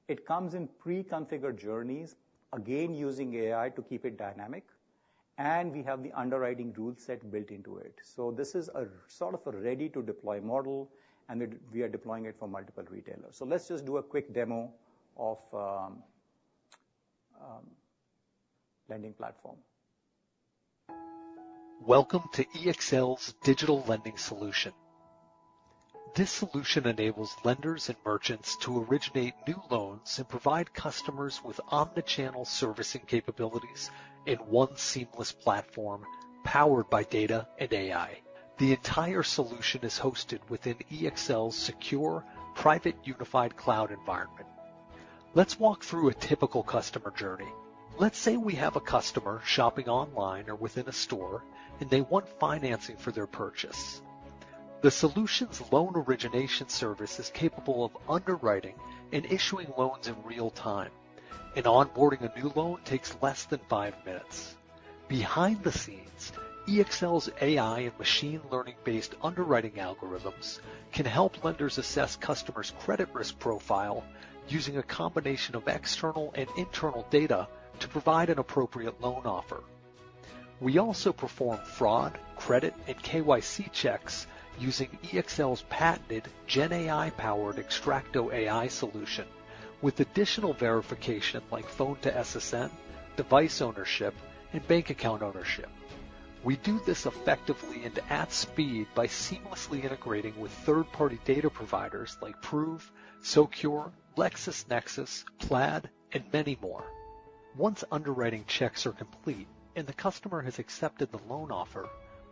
It comes in preconfigured journeys, again, using AI to keep it dynamic, and we have the underwriting rule set built into it. So this is a sort of a ready-to-deploy model, and it. We are deploying it for multiple retailers. So let's just do a quick demo of lending platform. Welcome to EXL Digital Lending Solution. This solution enables lenders and merchants to originate new loans and provide customers with omni-channel servicing capabilities in one seamless platform, powered by data and AI. The entire solution is hosted within EXL's secure, private, unified cloud environment. Let's walk through a typical customer journey. Let's say we have a customer shopping online or within a store, and they want financing for their purchase. The solution's loan origination service is capable of underwriting and issuing loans in real time, and onboarding a new loan takes less than five minutes. Behind the scenes, EXL's AI and machine learning-based underwriting algorithms can help lenders assess customers' credit risk profile using a combination of external and internal data to provide an appropriate loan offer. We also perform fraud, credit, and KYC checks using EXL's patented GenAI-powered XTRAKTO.AI solution, with additional verification like phone to SSN, device ownership, and bank account ownership. We do this effectively and at speed by seamlessly integrating with third-party data providers like Prove, Socure, LexisNexis, Plaid, and many more. Once underwriting checks are complete and the customer has accepted the loan offer,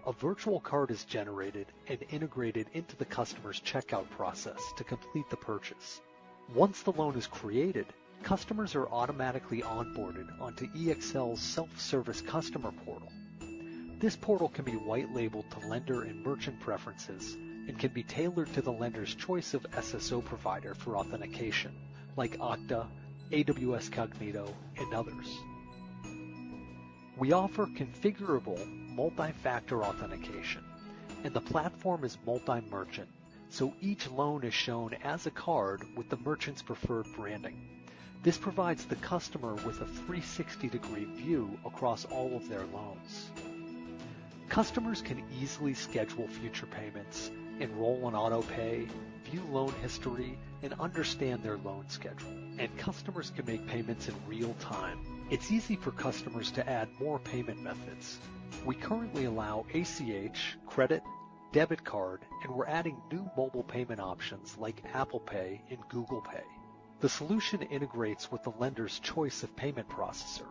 a virtual card is generated and integrated into the customer's checkout process to complete the purchase. Once the loan is created, customers are automatically onboarded onto EXL's self-service customer portal. This portal can be white labeled to lender and merchant preferences and can be tailored to the lender's choice of SSO provider for authentication, like Okta, AWS Cognito, and others. We offer configurable multi-factor authentication, and the platform is multi-merchant, so each loan is shown as a card with the merchant's preferred branding. This provides the customer with a 360-degree view across all of their loans. Customers can easily schedule future payments, enroll in auto pay, view loan history, and understand their loan schedule, and customers can make payments in real time. It's easy for customers to add more payment methods. We currently allow ACH, credit, debit card, and we're adding new mobile payment options like Apple Pay and Google Pay. The solution integrates with the lender's choice of payment processor.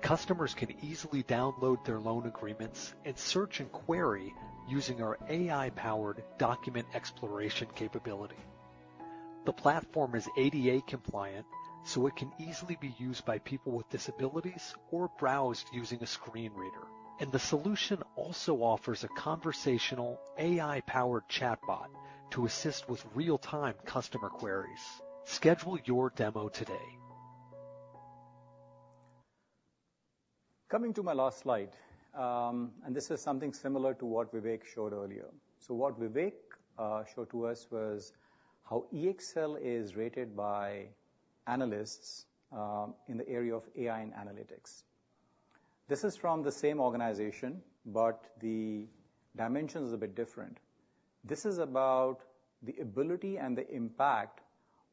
Customers can easily download their loan agreements and search and query using our AI-powered document exploration capability. The platform is ADA compliant, so it can easily be used by people with disabilities or browsed using a screen reader. The solution also offers a conversational AI-powered chatbot to assist with real-time customer queries. Schedule your demo today. Coming to my last slide, and this is something similar to what Vivek showed earlier. So what Vivek showed to us was how EXL is rated by analysts in the area of AI and analytics. This is from the same organization, but the dimension is a bit different. This is about the ability and the impact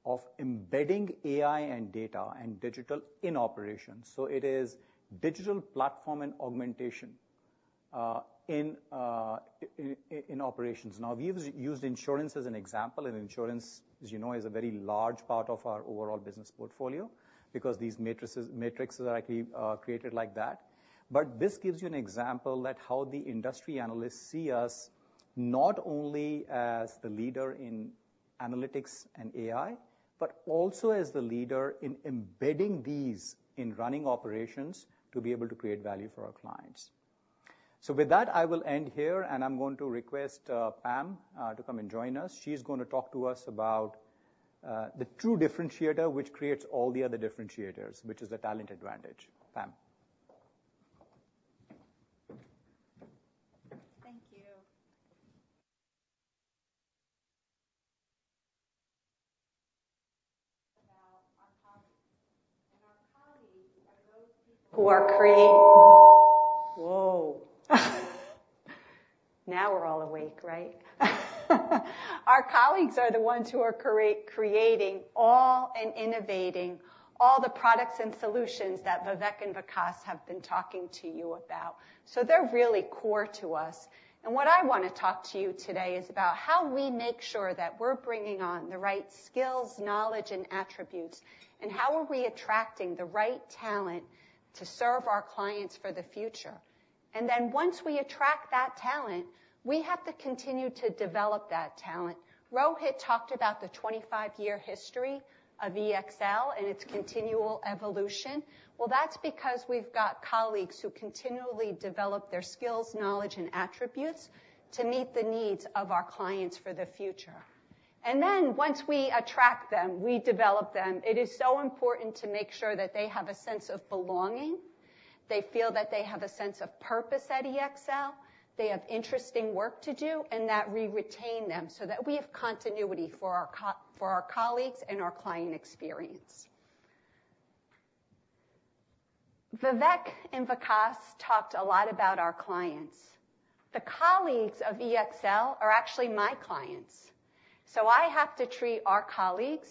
of embedding AI and data and digital in operations. So it is digital platform and augmentation in operations. Now, we've used insurance as an example, and insurance, as you know, is a very large part of our overall business portfolio because these matrices are actually created like that. But this gives you an example that how the industry analysts see us not only as the leader in analytics and AI, but also as the leader in embedding these in running operations to be able to create value for our clients. So with that, I will end here, and I'm going to request, Pam, to come and join us. She's going to talk to us about the true differentiator, which creates all the other differentiators, which is the talent advantage. Pam? Thank you. About our colleagues, and our colleagues are those people who are creating. Whoa! Now we're all awake, right? Our colleagues are the ones who are creating and innovating all the products and solutions that Vivek and Vikas have been talking to you about. So they're really core to us. And what I want to talk to you today is about how we make sure that we're bringing on the right skills, knowledge, and attributes, and how are we attracting the right talent to serve our clients for the future. And then once we attract that talent, we have to continue to develop that talent. Rohit talked about the 25-year history of EXL and its continual evolution. Well, that's because we've got colleagues who continually develop their skills, knowledge, and attributes to meet the needs of our clients for the future. Once we attract them, we develop them. It is so important to make sure that they have a sense of belonging, they feel that they have a sense of purpose at EXL, they have interesting work to do, and that we retain them, so that we have continuity for our colleagues and our client experience. Vivek and Vikas talked a lot about our clients. The colleagues of EXL are actually my clients, so I have to treat our colleagues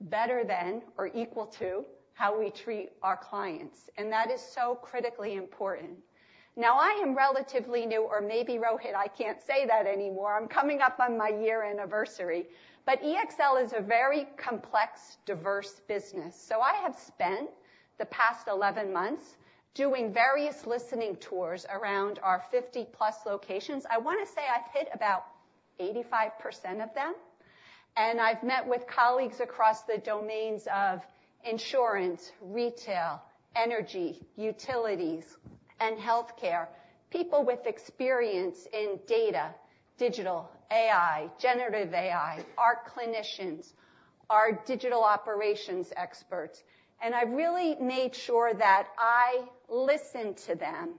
better than or equal to how we treat our clients, and that is so critically important. Now, I am relatively new, or maybe, Rohit, I can't say that anymore. I'm coming up on my year anniversary. EXL is a very complex, diverse business, so I have spent the past 11 months doing various listening tours around our 50+ locations. I want to say I've hit about 85% of them. And I've met with colleagues across the domains of insurance, retail, energy, utilities, and healthcare, people with experience in data, digital, AI, generative AI, our clinicians, our digital operations experts, and I've really made sure that I listen to them.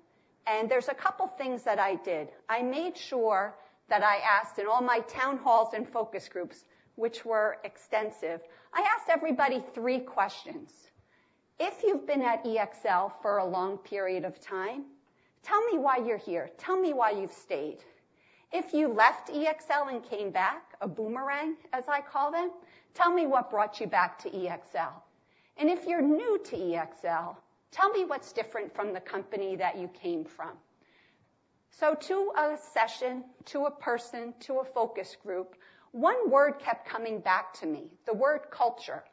And there's a couple things that I did. I made sure that I asked in all my town halls and focus groups, which were extensive, I asked everybody three questions: If you've been at EXL for a long period of time, tell me why you're here. Tell me why you've stayed. If you left EXL and came back, a boomerang, as I call them, tell me what brought you back to EXL. And if you're new to EXL, tell me what's different from the company that you came from. So to a session, to a person, to a focus group, one word kept coming back to me, the word culture.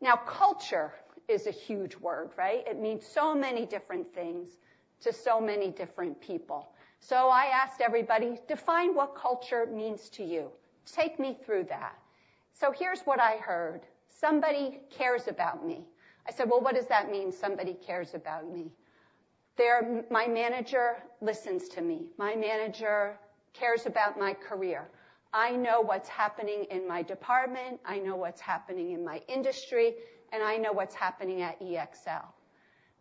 Now, culture is a huge word, right? It means so many different things to so many different people. So I asked everybody, "Define what culture means to you. Take me through that." So here's what I heard: Somebody cares about me. I said, "Well, what does that mean, somebody cares about me?" My manager listens to me. My manager cares about my career. I know what's happening in my department, I know what's happening in my industry, and I know what's happening at EXL.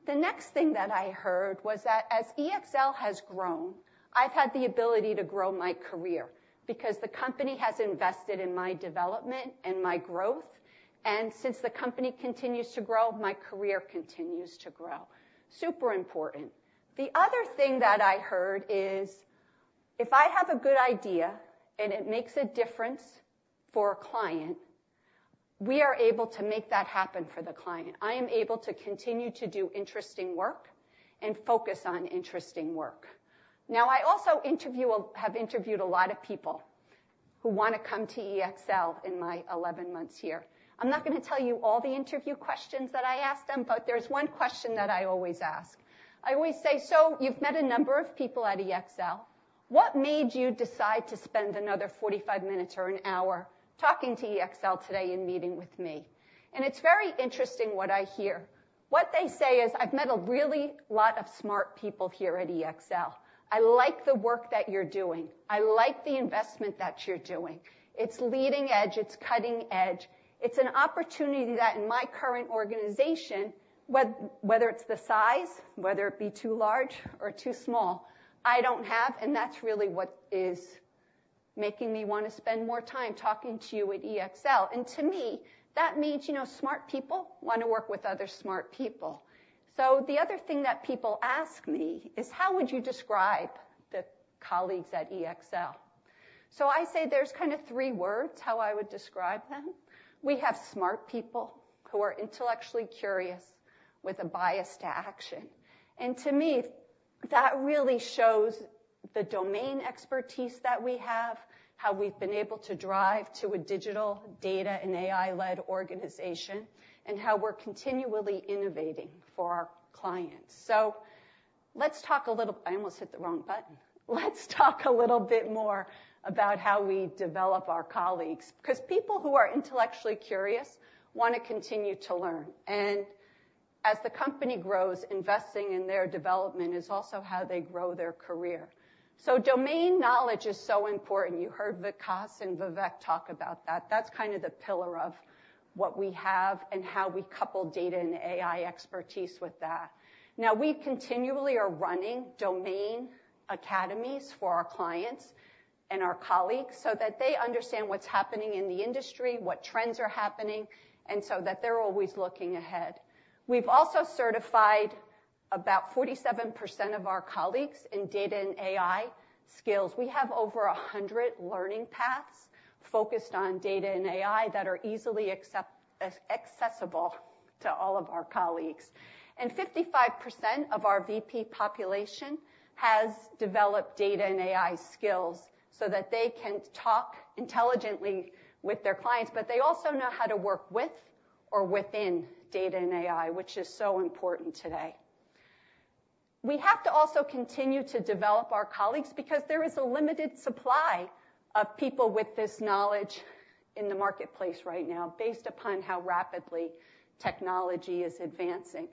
The next thing that I heard was that as EXL has grown, I've had the ability to grow my career because the company has invested in my development and my growth, and since the company continues to grow, my career continues to grow. Super important. The other thing that I heard is, if I have a good idea and it makes a difference for a client, we are able to make that happen for the client. I am able to continue to do interesting work and focus on interesting work. Now, I also have interviewed a lot of people who wanna come to EXL in my 11 months here. I'm not gonna tell you all the interview questions that I asked them, but there's one question that I always ask. I always say, "So you've met a number of people at EXL. What made you decide to spend another 45 minutes or an hour talking to EXL today and meeting with me?" And it's very interesting what I hear. What they say is, "I've met a really lot of smart people here at EXL. I like the work that you're doing. I like the investment that you're doing. It's leading edge, it's cutting edge. It's an opportunity that in my current organization, whether it's the size, whether it be too large or too small, I don't have, and that's really what is making me wanna spend more time talking to you at EXL." And to me, that means, you know, smart people wanna work with other smart people. So the other thing that people ask me is: How would you describe the colleagues at EXL? So I say there's kind of three words, how I would describe them. We have smart people who are intellectually curious, with a bias to action. And to me, that really shows the domain expertise that we have, how we've been able to drive to a digital data and AI-led organization, and how we're continually innovating for our clients. So let's talk a little. I almost hit the wrong button. Let's talk a little bit more about how we develop our colleagues, 'cause people who are intellectually curious wanna continue to learn. As the company grows, investing in their development is also how they grow their career. Domain knowledge is so important. You heard Vikas and Vivek talk about that. That's kind of the pillar of what we have and how we couple data and AI expertise with that. Now, we continually are running domain academies for our clients and our colleagues so that they understand what's happening in the industry, what trends are happening, and so that they're always looking ahead. We've also certified about 47% of our colleagues in data and AI skills. We have over 100 learning paths focused on data and AI that are easily accessible to all of our colleagues. 55% of our VP population has developed data and AI skills so that they can talk intelligently with their clients, but they also know how to work with or within data and AI, which is so important today. We have to also continue to develop our colleagues because there is a limited supply of people with this knowledge in the marketplace right now, based upon how rapidly technology is advancing.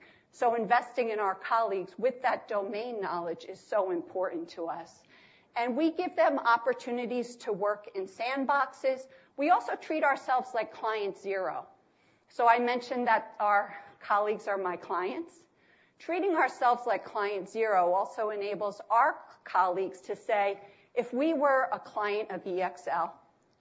Investing in our colleagues with that domain knowledge is so important to us, and we give them opportunities to work in sandboxes. We also treat ourselves like client zero. I mentioned that our colleagues are my clients. Treating ourselves like client zero also enables our colleagues to say, "If we were a client of EXL,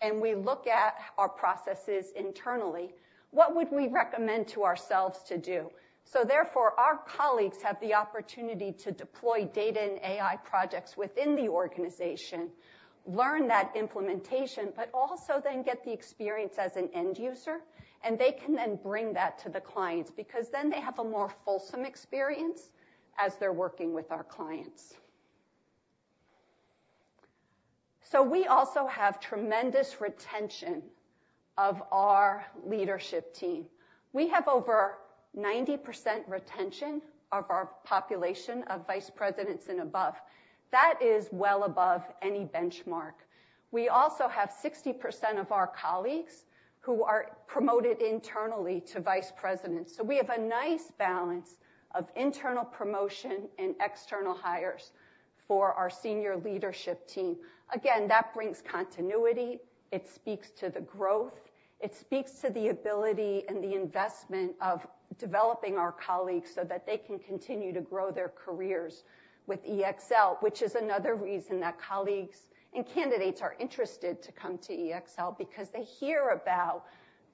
and we look at our processes internally, what would we recommend to ourselves to do?" So therefore, our colleagues have the opportunity to deploy data and AI projects within the organization, learn that implementation, but also then get the experience as an end user, and they can then bring that to the clients, because then they have a more fulsome experience as they're working with our clients. So we also have tremendous retention of our leadership team. We have ninety percent retention of our population of vice presidents and above. That is well above any benchmark. We also have 60% of our colleagues who are promoted internally to vice presidents. So we have a nice balance of internal promotion and external hires for our senior leadership team. Again, that brings continuity, it speaks to the growth, it speaks to the ability and the investment of developing our colleagues so that they can continue to grow their careers with EXL, which is another reason that colleagues and candidates are interested to come to EXL, because they hear about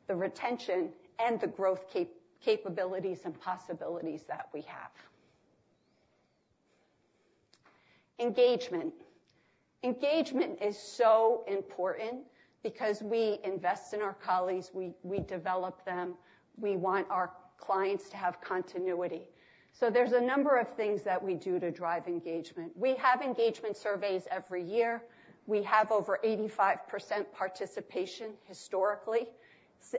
the retention and the growth capabilities and possibilities that we have. Engagement. Engagement is so important because we invest in our colleagues, we, we develop them, we want our clients to have continuity. So there's a number of things that we do to drive engagement. We have engagement surveys every year. We have over 85% participation historically.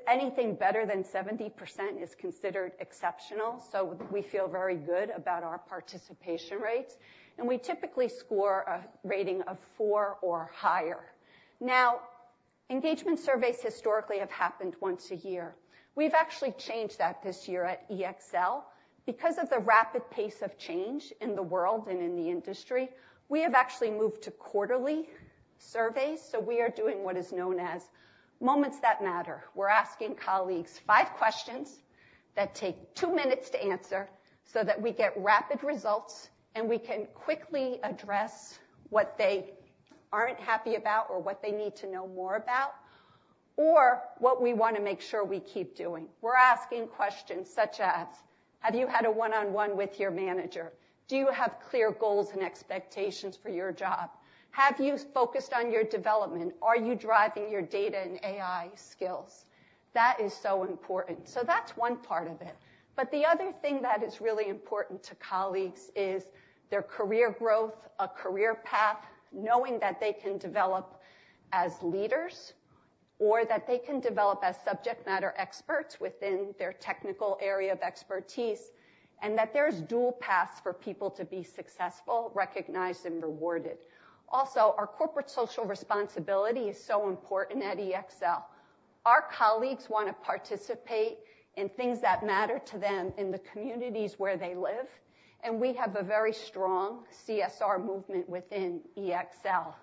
Anything better than 70% is considered exceptional, so we feel very good about our participation rates, and we typically score a rating of four or higher. Now, engagement surveys historically have happened once a year. We've actually changed that this year at EXL. Because of the rapid pace of change in the world and in the industry, we have actually moved to quarterly surveys, so we are doing what is known as moments that matter. We're asking colleagues five questions that take two minutes to answer, so that we get rapid results, and we can quickly address what they aren't happy about or what they need to know more about, or what we want to make sure we keep doing. We're asking questions such as: Have you had a one-on-one with your manager? Do you have clear goals and expectations for your job? Have you focused on your development? Are you driving your data and AI skills? That is so important. So that's one part of it. But the other thing that is really important to colleagues is their career growth, a career path, knowing that they can develop as leaders, or that they can develop as subject matter experts within their technical area of expertise, and that there's dual paths for people to be successful, recognized, and rewarded. Also, our corporate social responsibility is so important at EXL. Our colleagues want to participate in things that matter to them in the communities where they live, and we have a very strong CSR movement within EXL.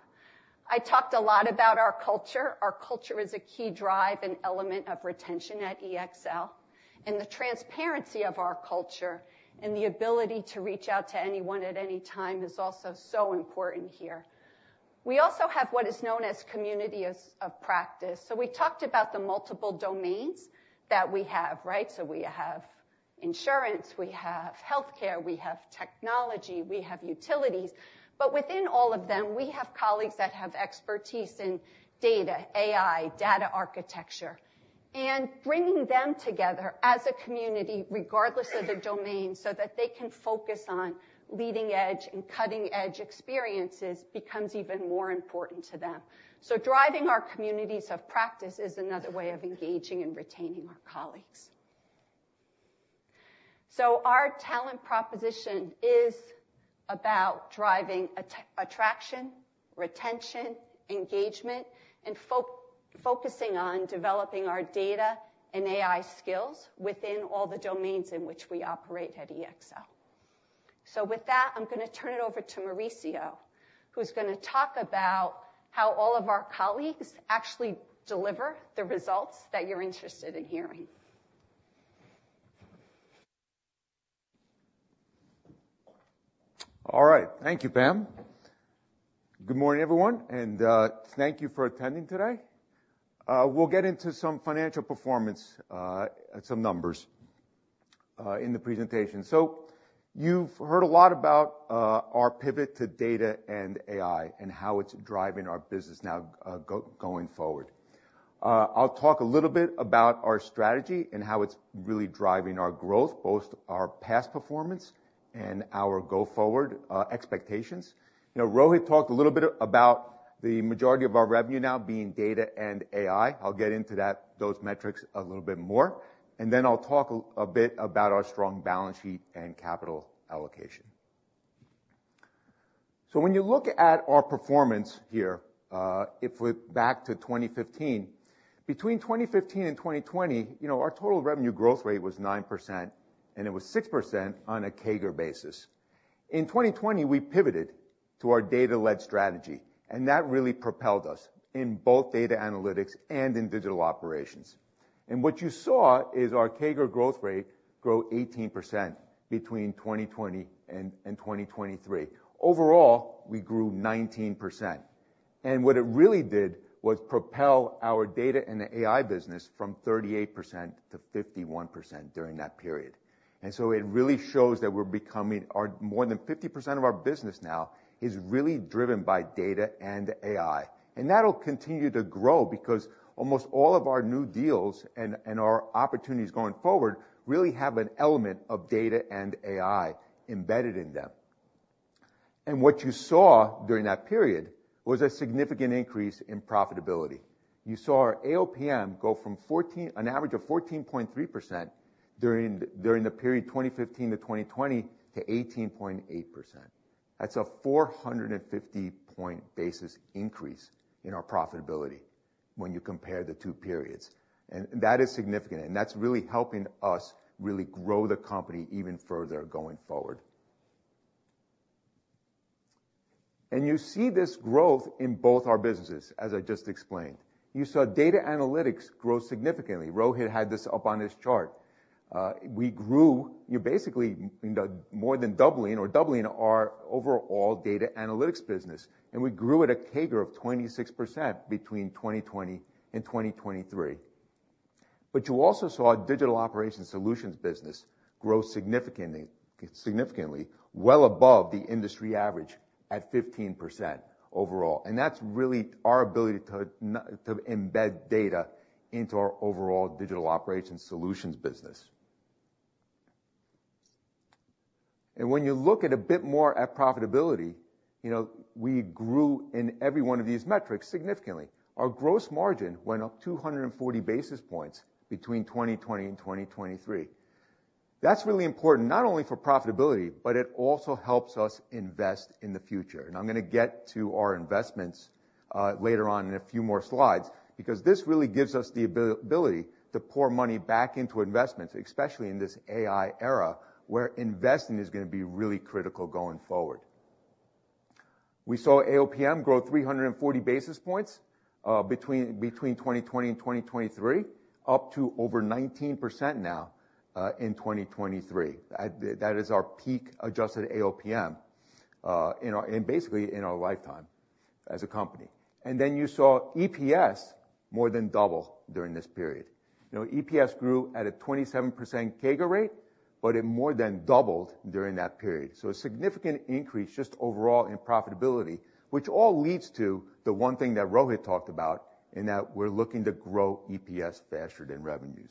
I talked a lot about our culture. Our culture is a key drive and element of retention at EXL, and the transparency of our culture and the ability to reach out to anyone at any time is also so important here. We also have what is known as communities of practice. So we talked about the multiple domains that we have, right? So we have insurance, we have healthcare, we have technology, we have utilities, but within all of them, we have colleagues that have expertise in data, AI, data architecture. And bringing them together as a community, regardless of the domain, so that they can focus on leading-edge and cutting-edge experiences, becomes even more important to them. So driving our communities of practice is another way of engaging and retaining our colleagues. So our talent proposition is about driving attraction, retention, engagement, and focusing on developing our data and AI skills within all the domains in which we operate at EXL. So with that, I'm going to turn it over to Maurizio, who's going to talk about how all of our colleagues actually deliver the results that you're interested in hearing. All right. Thank you, Pam. Good morning, everyone, and thank you for attending today. We'll get into some financial performance, some numbers, in the presentation. So you've heard a lot about our pivot to data and AI, and how it's driving our business now, going forward. I'll talk a little bit about our strategy and how it's really driving our growth, both our past performance and our go-forward expectations. You know, Rohit talked a little bit about the majority of our revenue now being data and AI. I'll get into that, those metrics a little bit more, and then I'll talk a bit about our strong balance sheet and capital allocation. So when you look at our performance here, if we're back to 2015, between 2015 and 2020, you know, our total revenue growth rate was 9%, and it was 6% on a CAGR basis. In 2020, we pivoted to our data-led strategy, and that really propelled us in both data analytics and in digital operations. And what you saw is our CAGR growth rate grow 18% between 2020 and 2023. Overall, we grew 19%. And what it really did was propel our data and the AI business from 38% to 51% during that period. And so it really shows that we're becoming... Our more than 50% of our business now is really driven by data and AI, and that'll continue to grow because almost all of our new deals and our opportunities going forward really have an element of data and AI embedded in them. And what you saw during that period was a significant increase in profitability. You saw our AOPM go from an average of 14.3% during the period 2015 to 2020, to 18.8%. That's a 450 basis point increase in our profitability when you compare the two periods, and that is significant, and that's really helping us really grow the company even further going forward. And you see this growth in both our businesses, as I just explained. You saw data analytics grow significantly. Rohit had this up on his chart. We grew, you're basically more than doubling or doubling our overall data analytics business, and we grew at a CAGR of 26% between 2020 and 2023. But you also saw our digital operations solutions business grow significantly, significantly, well above the industry average at 15% overall. And that's really our ability to embed data into our overall digital operations solutions business. And when you look at a bit more at profitability, you know, we grew in every one of these metrics significantly. Our gross margin went up 240 basis points between 2020 and 2023. That's really important, not only for profitability, but it also helps us invest in the future. I'm gonna get to our investments later on in a few more slides, because this really gives us the ability to pour money back into investments, especially in this AI era, where investing is gonna be really critical going forward. We saw AOPM grow 340 basis points between 2020 and 2023, up to over 19% now in 2023. That is our peak adjusted AOPM in our lifetime as a company. And then you saw EPS more than double during this period. You know, EPS grew at a 27% CAGR rate, but it more than doubled during that period. So a significant increase, just overall in profitability, which all leads to the one thing that Rohit talked about, in that we're looking to grow EPS faster than revenues.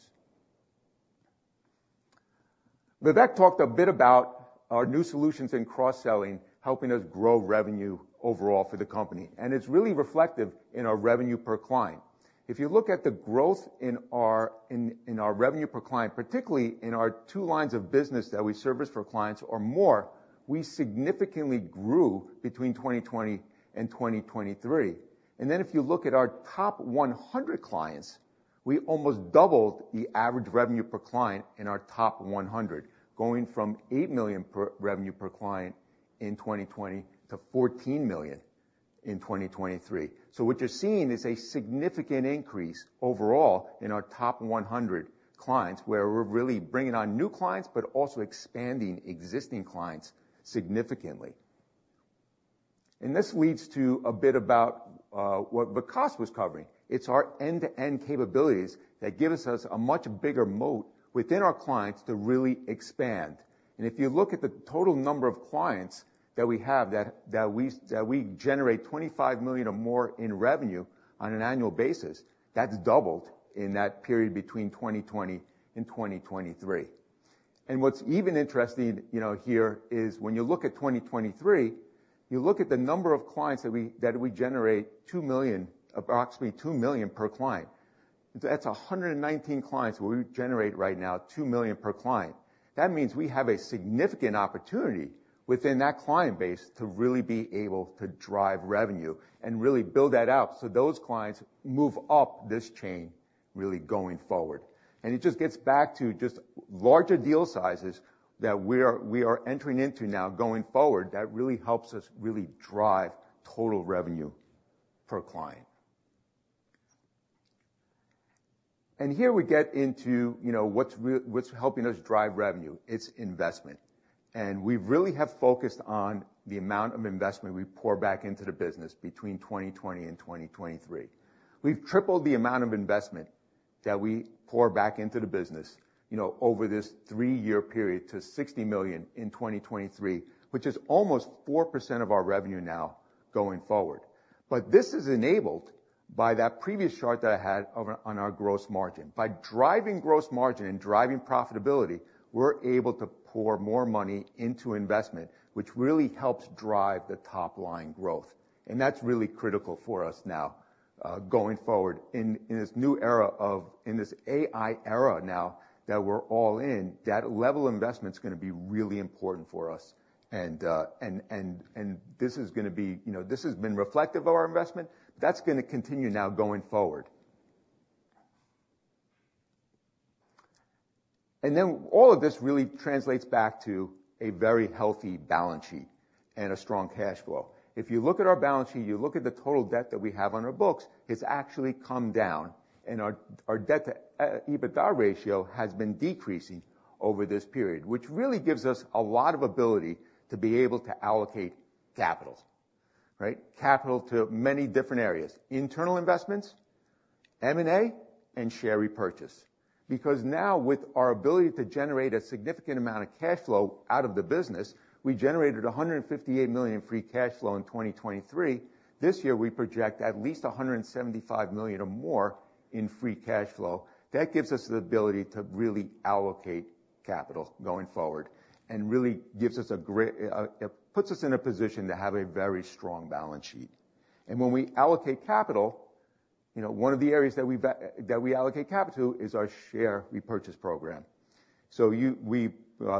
Vivek talked a bit about our new solutions and cross-selling, helping us grow revenue overall for the company, and it's really reflective in our revenue per client. If you look at the growth in our revenue per client, particularly in our two lines of business that we service for clients or more, we significantly grew between 2020 and 2023. Then if you look at our top 100 clients, we almost doubled the average revenue per client in our top 100, going from $8 million revenue per client in 2020 to $14 million in 2023. So what you're seeing is a significant increase overall in our top 100 clients, where we're really bringing on new clients, but also expanding existing clients significantly. This leads to a bit about what Vikas was covering. It's our end-to-end capabilities that gives us a much bigger moat within our clients to really expand. And if you look at the total number of clients that we have that we generate $25 million or more in revenue on an annual basis, that's doubled in that period between 2020 and 2023. And what's even interesting, you know, here, is when you look at 2023, you look at the number of clients that we that we generate $2 million, approximately $2 million per client. That's 119 clients we generate right now, $2 million per client. That means we have a significant opportunity within that client base to really be able to drive revenue and really build that out. So those clients move up this chain, really, going forward. And it just gets back to just larger deal sizes that we are, we are entering into now, going forward, that really helps us really drive total revenue per client. And here we get into, you know, what's helping us drive revenue, it's investment. And we really have focused on the amount of investment we pour back into the business between 2020 and 2023. We've tripled the amount of investment that we pour back into the business, you know, over this three-year period to $60 million in 2023, which is almost 4% of our revenue now going forward. But this is enabled by that previous chart that I had of our, on our gross margin. By driving gross margin and driving profitability, we're able to pour more money into investment, which really helps drive the top line growth. That's really critical for us now, going forward in this new era of AI now that we're all in, that level of investment is gonna be really important for us. And this is gonna be, you know, this has been reflective of our investment. That's gonna continue now going forward. And then all of this really translates back to a very healthy balance sheet and a strong cash flow. If you look at our balance sheet, you look at the total debt that we have on our books, it's actually come down, and our debt to EBITDA ratio has been decreasing over this period, which really gives us a lot of ability to be able to allocate capital, right? Capital to many different areas, internal investments, M&A, and share repurchase. Because now with our ability to generate a significant amount of cash flow out of the business, we generated $158 million in free cash flow in 2023. This year, we project at least $175 million or more in free cash flow. That gives us the ability to really allocate capital going forward, and really gives us a great. It puts us in a position to have a very strong balance sheet. And when we allocate capital, you know, one of the areas that we've that we allocate capital is our share repurchase program. So we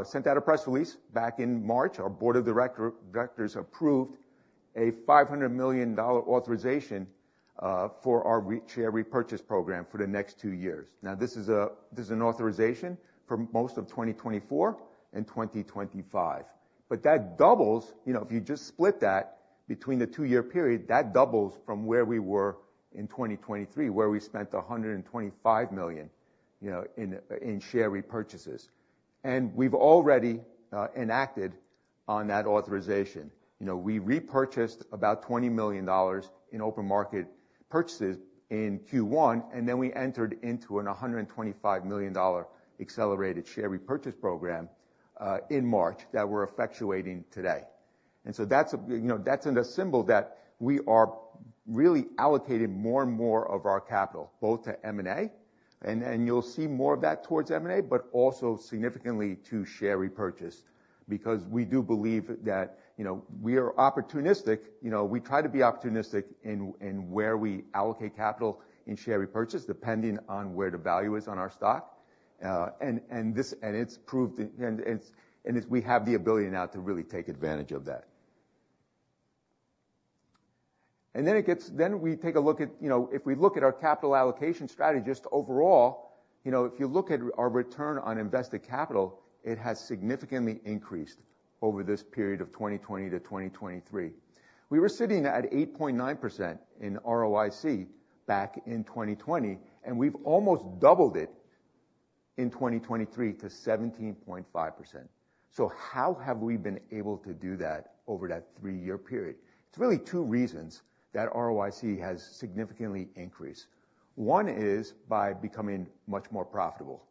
sent out a press release back in March. Our board of directors approved a $500 million authorization for our share repurchase program for the next two years. Now, this is an authorization for most of 2024 and 2025, but that doubles, you know, if you just split that between the two-year period, that doubles from where we were in 2023, where we spent $125 million, you know, in share repurchases. And we've already enacted on that authorization. You know, we repurchased about $20 million in open market purchases in Q1, and then we entered into a $125 million accelerated share repurchase program in March, that we're effectuating today. And so that's a, you know, that's in the symbol that we are really allocating more and more of our capital, both to M&A, and, and you'll see more of that towards M&A, but also significantly to share repurchase, because we do believe that, you know, we are opportunistic. You know, we try to be opportunistic in where we allocate capital in share repurchase, depending on where the value is on our stock. And it's proved we have the ability now to really take advantage of that. Then we take a look at, you know, if we look at our capital allocation strategy, just overall, you know, if you look at our return on invested capital, it has significantly increased over this period of 2020 to 2023. We were sitting at 8.9% in ROIC back in 2020, and we've almost doubled it in 2023 to 17.5%. So how have we been able to do that over that three-year period? It's really two reasons that ROIC has significantly increased. One is by becoming much more profitable,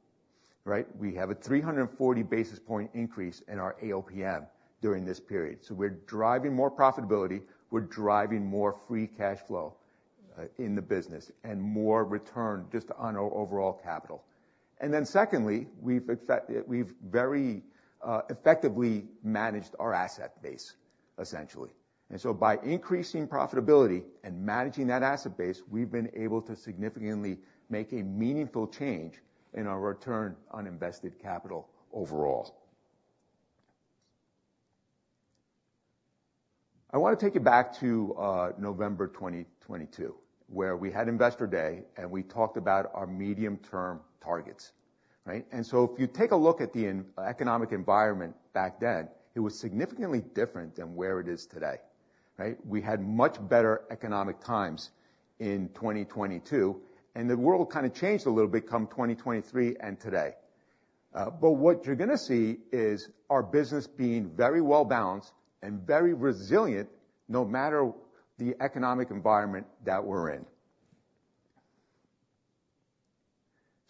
right? We have a 340 basis point increase in our AOPM during this period. So we're driving more profitability, we're driving more free cash flow in the business and more return just on our overall capital. And then secondly, we've very effectively managed our asset base, essentially. And so by increasing profitability and managing that asset base, we've been able to significantly make a meaningful change in our return on invested capital overall. I want to take you back to November 2022, where we had Investor Day, and we talked about our medium-term targets, right? And so if you take a look at the economic environment back then, it was significantly different than where it is today, right? We had much better economic times in 2022, and the world kind of changed a little bit come 2023 and today. But what you're gonna see is our business being very well-balanced and very resilient, no matter the economic environment that we're in.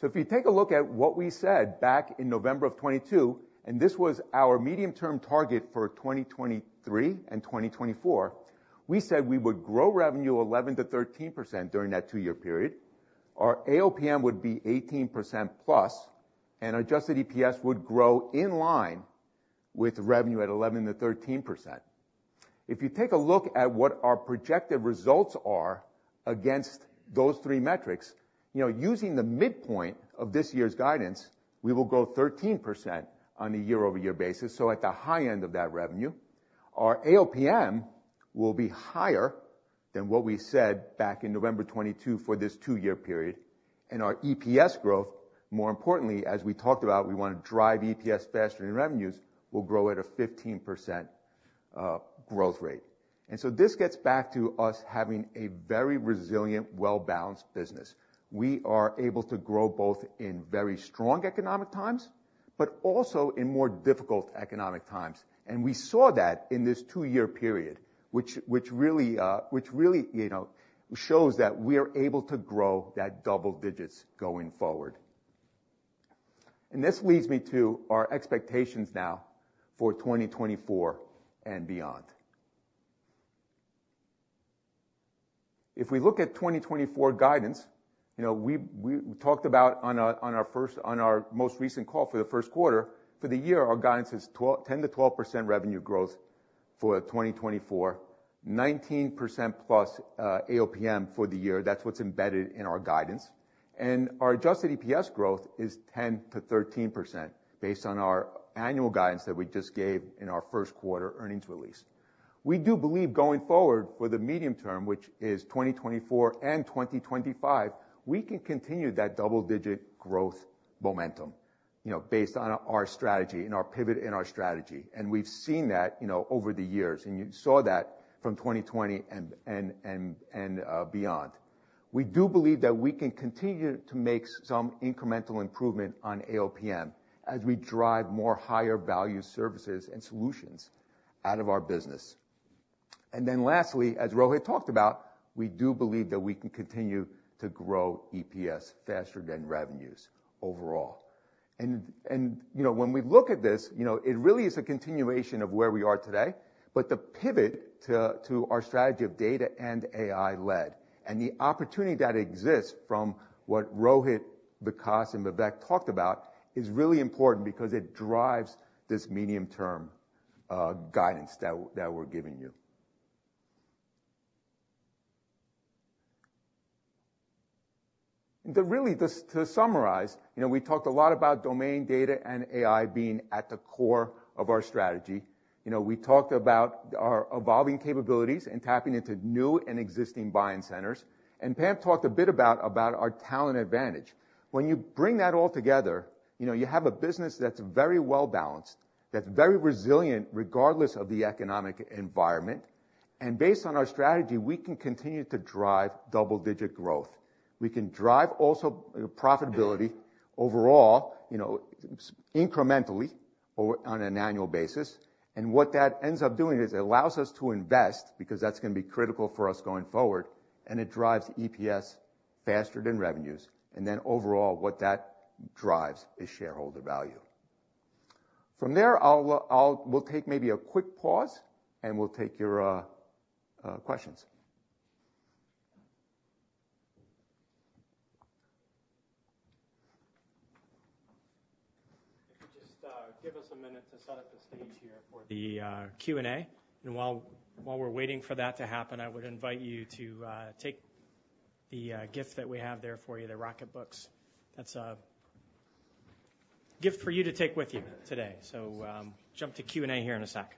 So if you take a look at what we said back in November of 2022, and this was our medium-term target for 2023 and 2024, we said we would grow revenue 11%-13% during that two-year period. Our AOPM would be 18%+, and adjusted EPS would grow in line with revenue at 11%-13%. If you take a look at what our projected results are against those three metrics, you know, using the midpoint of this year's guidance, we will grow 13% on a year-over-year basis, so at the high end of that revenue. Our AOPM will be higher than what we said back in November 2022 for this two-year period, and our EPS growth, more importantly, as we talked about, we want to drive EPS faster than revenues, will grow at a 15% growth rate. And so this gets back to us having a very resilient, well-balanced business. We are able to grow both in very strong economic times, but also in more difficult economic times. And we saw that in this two-year period, which really, you know, shows that we are able to grow that double digits going forward. And this leads me to our expectations now for 2024 and beyond. If we look at 2024 guidance, you know, we talked about on our most recent call for the first quarter, for the year, our guidance is 10%-12% revenue growth for 2024, 19%+ AOPM for the year. That's what's embedded in our guidance. And our adjusted EPS growth is 10%-13%, based on our annual guidance that we just gave in our first quarter earnings release. We do believe going forward for the medium term, which is 2024 and 2025, we can continue that double-digit growth momentum, you know, based on our strategy and our pivot in our strategy. And we've seen that, you know, over the years, and you saw that from 2020 and beyond. We do believe that we can continue to make some incremental improvement on AOPM as we drive more higher-value services and solutions out of our business. And then lastly, as Rohit talked about, we do believe that we can continue to grow EPS faster than revenues overall. And, you know, when we look at this, you know, it really is a continuation of where we are today, but the pivot to our strategy of data and AI led, and the opportunity that exists from what Rohit, Vikas, and Vivek talked about, is really important because it drives this medium-term. Guidance that we're giving you. To really summarize, you know, we talked a lot about domain data and AI being at the core of our strategy. You know, we talked about our evolving capabilities and tapping into new and existing buying centers, and Pam talked a bit about our talent advantage. When you bring that all together, you know, you have a business that's very well-balanced, that's very resilient, regardless of the economic environment. And based on our strategy, we can continue to drive double-digit growth. We can drive also profitability overall, you know, incrementally or on an annual basis. And what that ends up doing is it allows us to invest, because that's gonna be critical for us going forward, and it drives EPS faster than revenues. And then overall, what that drives is shareholder value. From there, we'll take maybe a quick pause, and we'll take your questions. If you could just give us a minute to set up the stage here for the Q&A. And while we're waiting for that to happen, I would invite you to take the gift that we have there for you, the Rocketbook. That's a gift for you to take with you today. So, jump to Q&A here in a sec.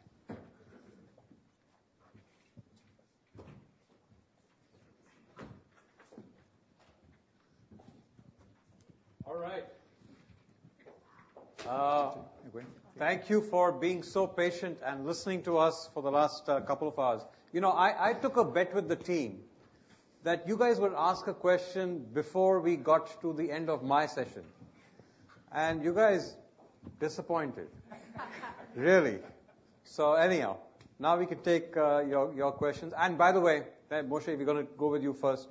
All right. You going? Thank you for being so patient and listening to us for the last couple of hours. You know, I took a bet with the team that you guys would ask a question before we got to the end of my session, and you guys disappointed. Really. So anyhow, now we can take your questions. And by the way, Moshe, we're gonna go with you first.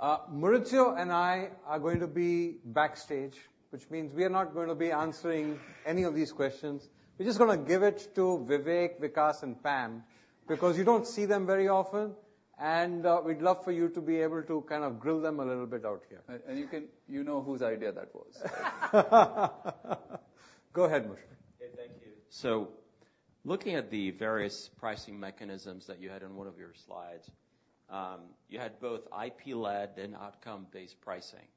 Maurizio and I are going to be backstage, which means we are not gonna be answering any of these questions. We're just gonna give it to Vivek, Vikas, and Pam, because you don't see them very often, and we'd love for you to be able to kind of grill them a little bit out here.you can, you know whose idea that was. Go ahead, Moshe. Okay, thank you. So looking at the various pricing mechanisms that you had in one of your slides, you had both IP-led and outcome-based pricing.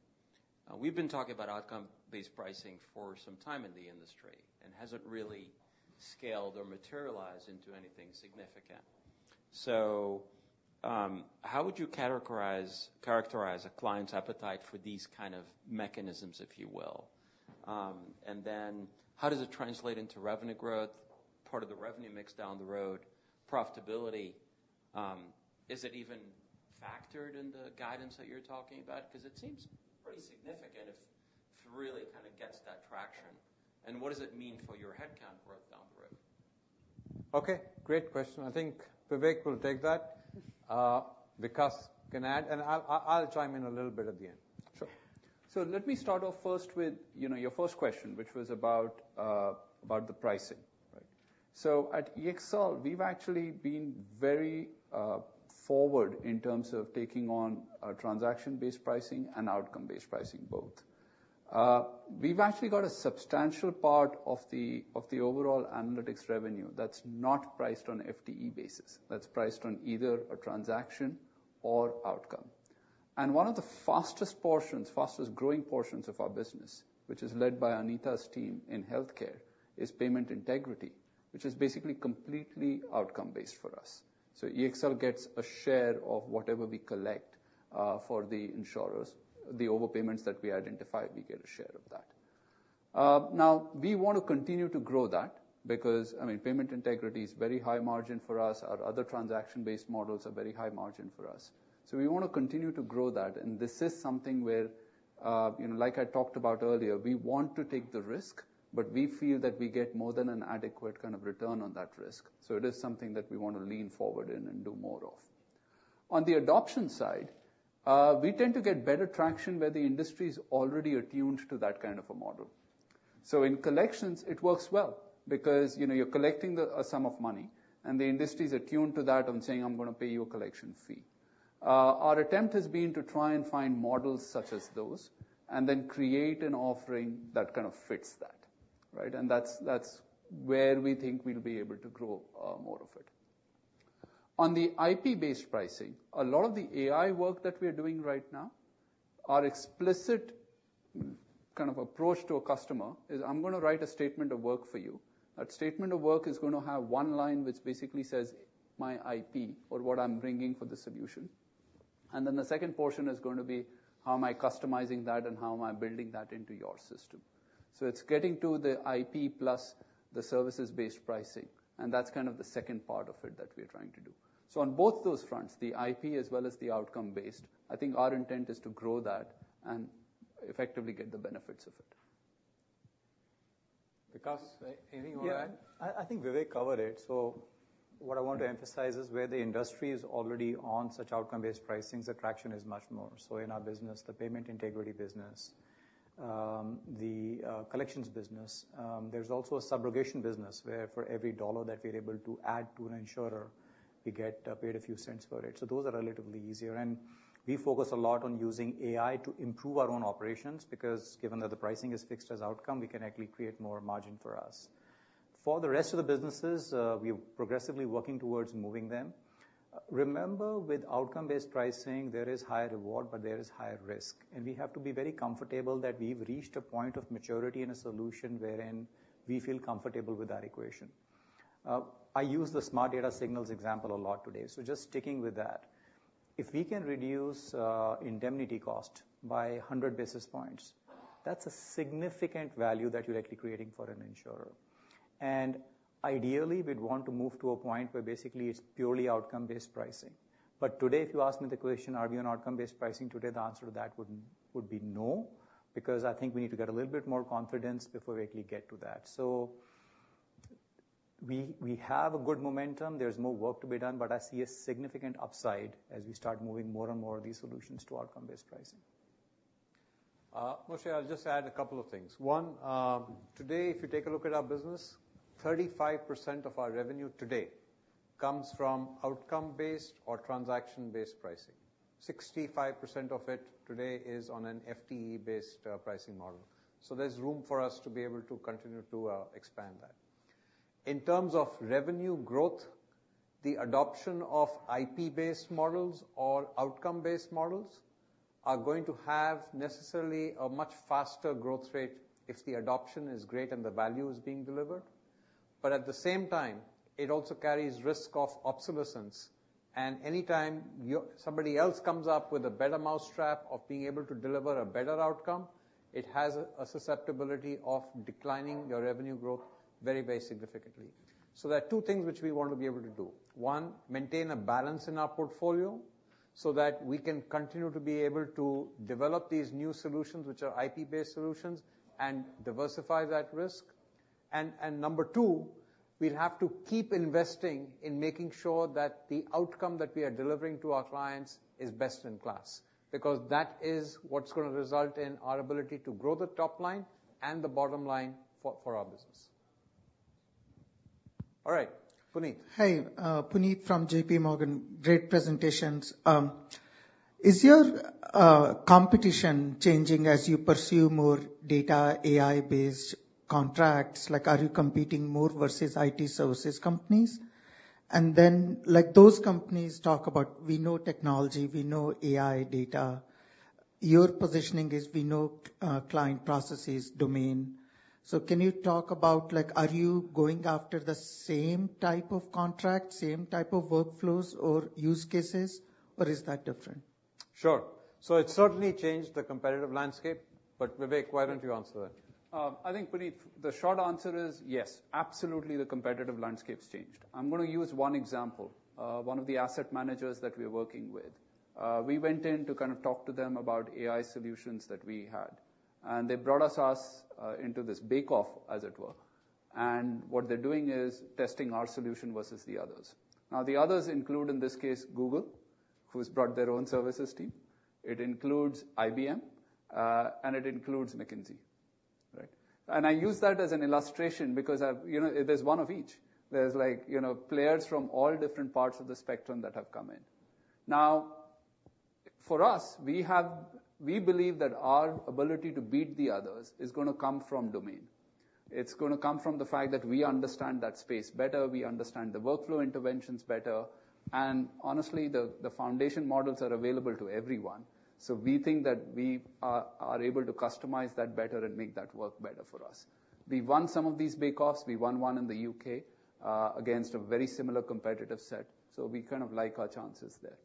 We've been talking about outcome-based pricing for some time in the industry, and hasn't really scaled or materialized into anything significant. So, how would you characterize a client's appetite for these kind of mechanisms, if you will? And then how does it translate into revenue growth, part of the revenue mix down the road, profitability? Is it even factored in the guidance that you're talking about? Because it seems pretty significant if it really kind of gets that traction. And what does it mean for your headcount growth down the road? Okay, great question. I think Vivek will take that. Vikas can add, and I'll chime in a little bit at the end. Sure. So let me start off first with, you know, your first question, which was about the pricing, right? So at EXL, we've actually been very forward in terms of taking on a transaction-based pricing and outcome-based pricing, both. We've actually got a substantial part of the overall analytics revenue that's not priced on FTE basis, that's priced on either a transaction or outcome. And one of the fastest portions, fastest-growing portions of our business, which is led by Anita's team in healthcare, is payment integrity, which is basically completely outcome-based for us. So EXL gets a share of whatever we collect for the insurers. The overpayments that we identify, we get a share of that. Now, we want to continue to grow that because, I mean, payment integrity is very high margin for us. Our other transaction-based models are very high margin for us. We want to continue to grow that. This is something where, you know, like I talked about earlier, we want to take the risk, but we feel that we get more than an adequate kind of return on that risk. It is something that we want to lean forward in and do more of. On the adoption side, we tend to get better traction where the industry is already attuned to that kind of a model. In collections, it works well because, you know, you're collecting a sum of money, and the industry is attuned to that and saying: I'm gonna pay you a collection fee. Our attempt has been to try and find models such as those, and then create an offering that kind of fits that, right? And that's, that's where we think we'll be able to grow, more of it. On the IP-based pricing, a lot of the AI work that we are doing right now, our explicit kind of approach to a customer is, I'm gonna write a statement of work for you. That statement of work is gonna have one line, which basically says, "My IP," or what I'm bringing for the solution. And then the second portion is gonna be, how am I customizing that and how am I building that into your system? So it's getting to the IP plus the services-based pricing, and that's kind of the second part of it that we're trying to do. So on both those fronts, the IP as well as the outcome-based, I think our intent is to grow that and effectively get the benefits of it. Vikas, anything you want to add? Yeah, I think Vivek covered it. So what I want to emphasize is, where the industry is already on such outcome-based pricings, the traction is much more. So in our business, the payment integrity business, the collections business, there's also a subrogation business, where for every dollar that we're able to add to an insurer, we get paid a few cents for it. So those are relatively easier, and we focus a lot on using AI to improve our own operations, because given that the pricing is fixed as outcome, we can actually create more margin for us. For the rest of the businesses, we're progressively working towards moving them. Remember, with outcome-based pricing, there is higher reward, but there is higher risk, and we have to be very comfortable that we've reached a point of maturity in a solution wherein we feel comfortable with that equation. I use the Smart Data Signals example a lot today, so just sticking with that. If we can reduce indemnity cost by 100 basis points, that's a significant value that you're actually creating for an insurer. And ideally, we'd want to move to a point where basically it's purely outcome-based pricing. But today, if you ask me the question, are we on outcome-based pricing today? The answer to that would be no, because I think we need to get a little bit more confidence before we actually get to that. So we have a good momentum. There's more work to be done, but I see a significant upside as we start moving more and more of these solutions to outcome-based pricing. Moshe, I'll just add a couple of things. One, today, if you take a look at our business, 35% of our revenue today comes from outcome-based or transaction-based pricing. 65% of it today is on an FTE-based pricing model. So there's room for us to be able to continue to expand that. In terms of revenue growth, the adoption of IP-based models or outcome-based models are going to have necessarily a much faster growth rate if the adoption is great and the value is being delivered. But at the same time, it also carries risk of obsolescence, and anytime somebody else comes up with a better mousetrap of being able to deliver a better outcome, it has a susceptibility of declining your revenue growth very, very significantly. So there are two things which we want to be able to do. One, maintain a balance in our portfolio so that we can continue to be able to develop these new solutions, which are IP-based solutions, and diversify that risk. And, and number two, we'll have to keep investing in making sure that the outcome that we are delivering to our clients is best in class, because that is what's gonna result in our ability to grow the top line and the bottom line for, for our business. All right, Puneet. Hi, Puneet from J.P. Morgan. Great presentations. Is your competition changing as you pursue more data AI-based contracts? Like, are you competing more versus IT services companies? And then, like those companies talk about, we know technology, we know AI data. Your positioning is we know, client processes, domain. So can you talk about, like, are you going after the same type of contract, same type of workflows or use cases, or is that different? Sure. So it certainly changed the competitive landscape, but Vivek, why don't you answer that? I think, Puneet, the short answer is yes, absolutely, the competitive landscape's changed. I'm gonna use one example. One of the asset managers that we are working with. We went in to kind of talk to them about AI solutions that we had, and they brought us into this bake-off, as it were. And what they're doing is testing our solution versus the others. Now, the others include, in this case, Google, who's brought their own services team. It includes IBM, and it includes McKinsey. Right? And I use that as an illustration because I've, you know, there's one of each. There's like, you know, players from all different parts of the spectrum that have come in. Now, for us, we have, we believe that our ability to beat the others is gonna come from domain. It's gonna come from the fact that we understand that space better, we understand the workflow interventions better, and honestly, the foundation models are available to everyone. So we think that we are able to customize that better and make that work better for us. We won some of these bake-offs. We won one in the U.K. against a very similar competitive set, so we kind of like our chances there.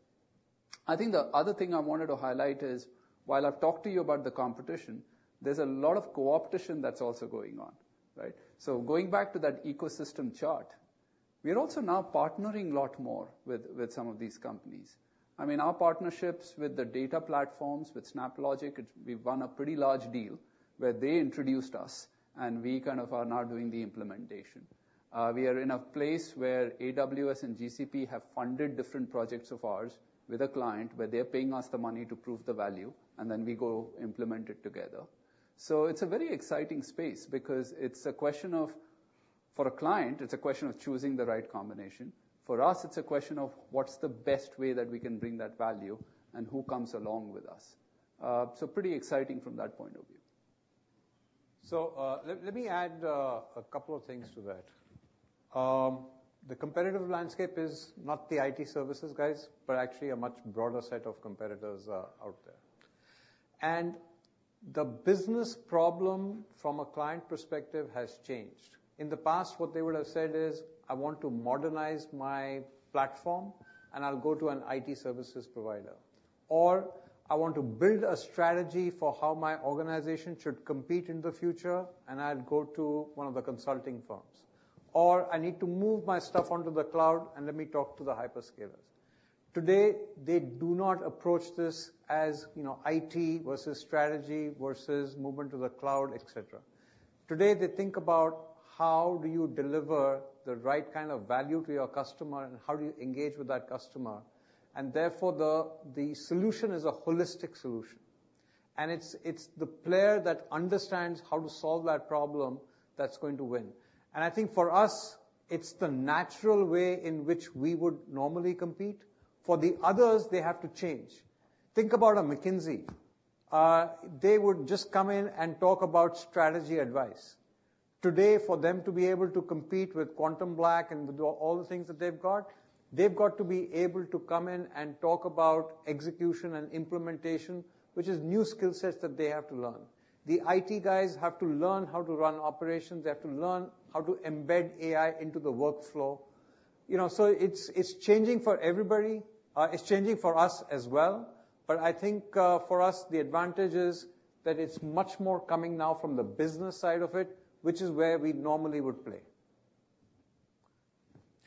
I think the other thing I wanted to highlight is, while I've talked to you about the competition, there's a lot of co-optation that's also going on, right? So going back to that ecosystem chart, we are also now partnering a lot more with some of these companies. I mean, our partnerships with the data platforms, with SnapLogic, it's we've won a pretty large deal where they introduced us, and we kind of are now doing the implementation. We are in a place where AWS and GCP have funded different projects of ours with a client, where they're paying us the money to prove the value, and then we go implement it together. So it's a very exciting space because it's a question of... For a client, it's a question of choosing the right combination. For us, it's a question of what's the best way that we can bring that value and who comes along with us. So pretty exciting from that point of view. So, let me add a couple of things to that. The competitive landscape is not the IT services guys, but actually a much broader set of competitors out there. And the business problem from a client perspective has changed. In the past, what they would have said is, "I want to modernize my platform, and I'll go to an IT services provider," or, "I want to build a strategy for how my organization should compete in the future, and I'll go to one of the consulting firms," or, "I need to move my stuff onto the cloud, and let me talk to the hyperscalers." Today, they do not approach this as, you know, IT versus strategy versus movement to the cloud, et cetera. Today, they think about: How do you deliver the right kind of value to your customer, and how do you engage with that customer? And therefore, the solution is a holistic solution. And it's the player that understands how to solve that problem that's going to win. And I think for us, it's the natural way in which we would normally compete. For the others, they have to change. Think about a McKinsey. .They would just come in and talk about strategy advice. Today, for them to be able to compete with QuantumBlack and with all the things that they've got, they've got to be able to come in and talk about execution and implementation, which is new skill sets that they have to learn. The IT guys have to learn how to run operations. They have to learn how to embed AI into the workflow. You know, so it's, it's changing for everybody, it's changing for us as well. But I think, for us, the advantage is that it's much more coming now from the business side of it, which is where we normally would play.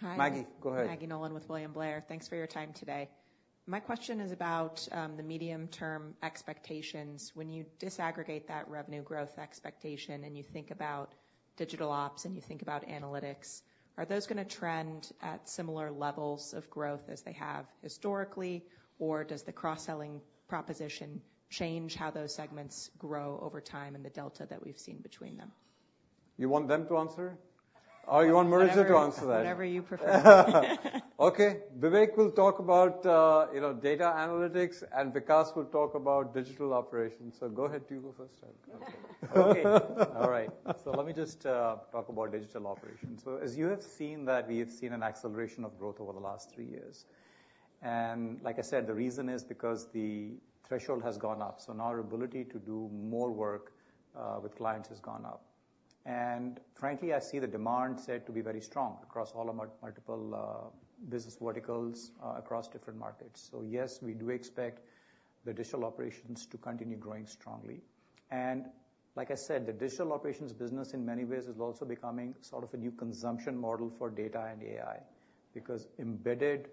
Hi. Maggie, go ahead. Maggie Nolan with William Blair. Thanks for your time today. My question is about the medium-term expectations. When you disaggregate that revenue growth expectation, and you think about digital ops, and you think about analytics, are those gonna trend at similar levels of growth as they have historically? Or does the cross-selling proposition change how those segments grow over time and the delta that we've seen between them? You want them to answer, or you want Maurizio to answer that? Whatever you prefer. Okay. Vivek will talk about, you know, data analytics, and Vikas will talk about digital operations. So go ahead, you go first. Okay. All right. So let me just talk about digital operations. So as you have seen that we have seen an acceleration of growth over the last three years. And like I said, the reason is because the threshold has gone up, so now our ability to do more work with clients has gone up. And frankly, I see the demand set to be very strong across all of our multiple business verticals across different markets. So yes, we do expect the digital operations to continue growing strongly. And like I said, the digital operations business, in many ways, is also becoming sort of a new consumption model for data and AI, because embedded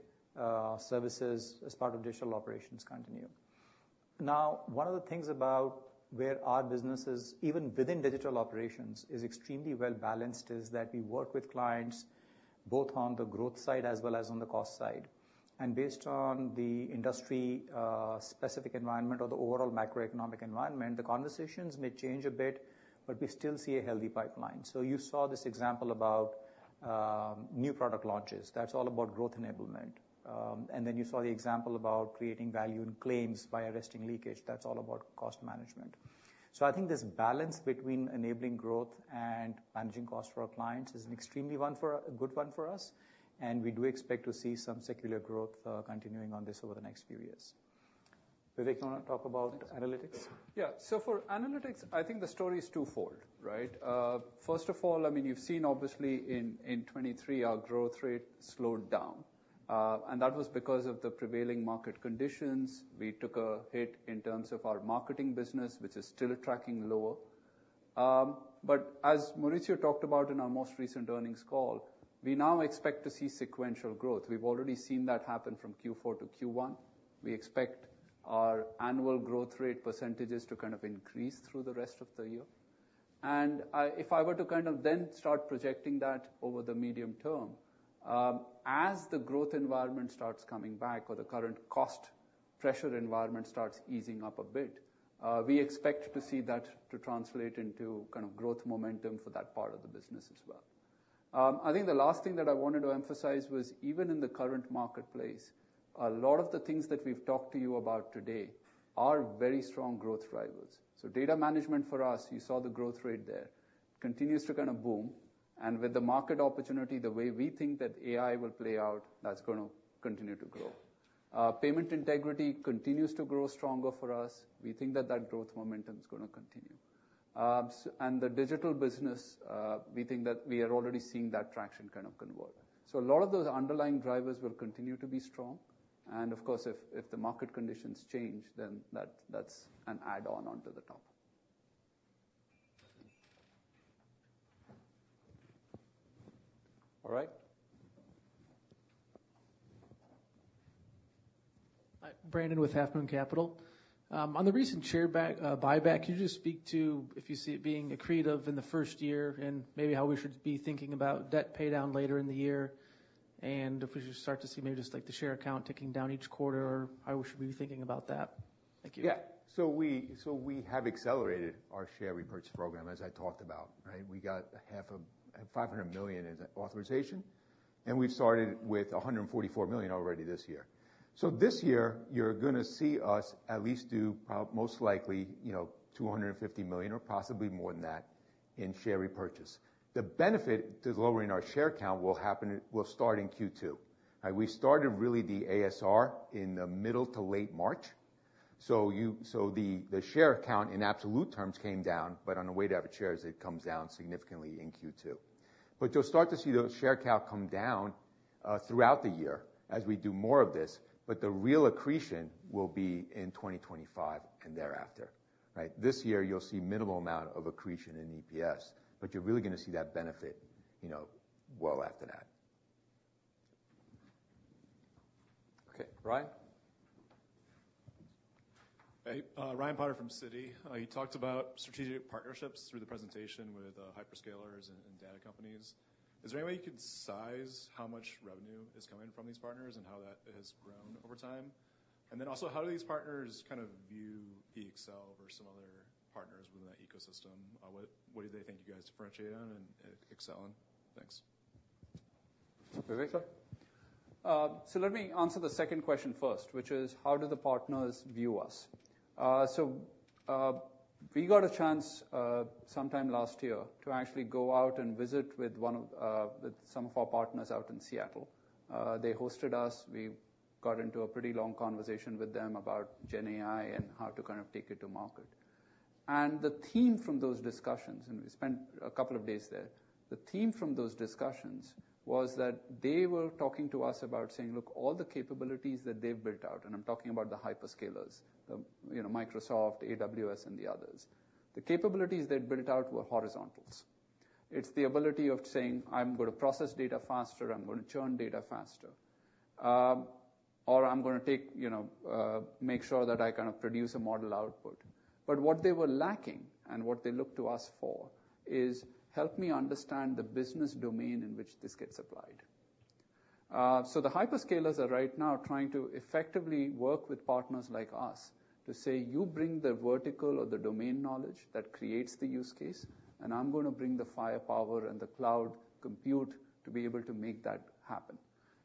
services as part of digital operations continue. Now, one of the things about where our businesses, even within digital operations, is extremely well-balanced, is that we work with clients both on the growth side as well as on the cost side. And based on the industry, specific environment or the overall macroeconomic environment, the conversations may change a bit, but we still see a healthy pipeline. So you saw this example about new product launches. That's all about growth enablement. And then you saw the example about creating value in claims by arresting leakage. That's all about cost management. So I think this balance between enabling growth and managing costs for our clients is an extremely good one for us, and we do expect to see some secular growth continuing on this over the next few years. Vivek, you wanna talk about analytics? Yeah. So for analytics, I think the story is twofold, right? First of all, I mean, you've seen obviously in, in 2023, our growth rate slowed down. That was because of the prevailing market conditions. We took a hit in terms of our marketing business, which is still tracking lower. As Maurizio talked about in our most recent earnings call, we now expect to see sequential growth. We've already seen that happen from Q4 to Q1. We expect our annual growth rate percentages to kind of increase through the rest of the year. If I were to kind of then start projecting that over the medium term, as the growth environment starts coming back or the current cost pressure environment starts easing up a bit, we expect to see that to translate into kind of growth momentum for that part of the business as well. I think the last thing that I wanted to emphasize was, even in the current marketplace, a lot of the things that we've talked to you about today are very strong growth drivers. So data management for us, you saw the growth rate there, continues to kind of boom. And with the market opportunity, the way we think that AI will play out, that's gonna continue to grow. payment integrity continues to grow stronger for us. We think that that growth momentum is gonna continue. The digital business, we think that we are already seeing that traction kind of convert. So a lot of those underlying drivers will continue to be strong. And of course, if the market conditions change, then that's an add-on onto the top. All right. Hi, Brandon with Half Moon Capital. On the recent share buyback, could you just speak to if you see it being accretive in the first year and maybe how we should be thinking about debt paydown later in the year, and if we should start to see maybe just like the share count ticking down each quarter, or how we should be thinking about that? Thank you. Yeah. So we have accelerated our share repurchase program, as I talked about, right? We got half of $500 million as authorization, and we've started with $144 million already this year. So this year, you're gonna see us at least do most likely, you know, $250 million or possibly more than that in share repurchase. The benefit to lowering our share count will happen will start in Q2. We started really the ASR in the middle to late March, so the share count in absolute terms came down, but on a weighted average shares, it comes down significantly in Q2. But you'll start to see those share count come down throughout the year as we do more of this, but the real accretion will be in 2025 and thereafter, right? This year, you'll see minimal amount of accretion in EPS, but you're really gonna see that benefit, you know, well after that. Okay, Ryan? Hey, Ryan Potter from Citi. You talked about strategic partnerships through the presentation with hyperscalers and data companies. Is there any way you could size how much revenue is coming from these partners and how that has grown over time? And then also, how do these partners kind of view the EXL over some other partners within that ecosystem? What do they think you guys differentiate on and excel in? Thanks. So Vivek, sir? So let me answer the second question first, which is: how do the partners view us? So, we got a chance, sometime last year to actually go out and visit with some of our partners out in Seattle. They hosted us. We got into a pretty long conversation with them about GenAI and how to kind of take it to market. And the theme from those discussions, and we spent a couple of days there, the theme from those discussions was that they were talking to us about saying, look, all the capabilities that they've built out, and I'm talking about the hyperscalers, the, you know, Microsoft, AWS, and the others. The capabilities they'd built out were horizontals. It's the ability of saying, "I'm going to process data faster, I'm going to churn data faster," or "I'm gonna take... You know, make sure that I kind of produce a model output." But what they were lacking and what they looked to us for is, "Help me understand the business domain in which this gets applied." So the hyperscalers are right now trying to effectively work with partners like us to say, "You bring the vertical or the domain knowledge that creates the use case, and I'm gonna bring the firepower and the cloud compute to be able to make that happen."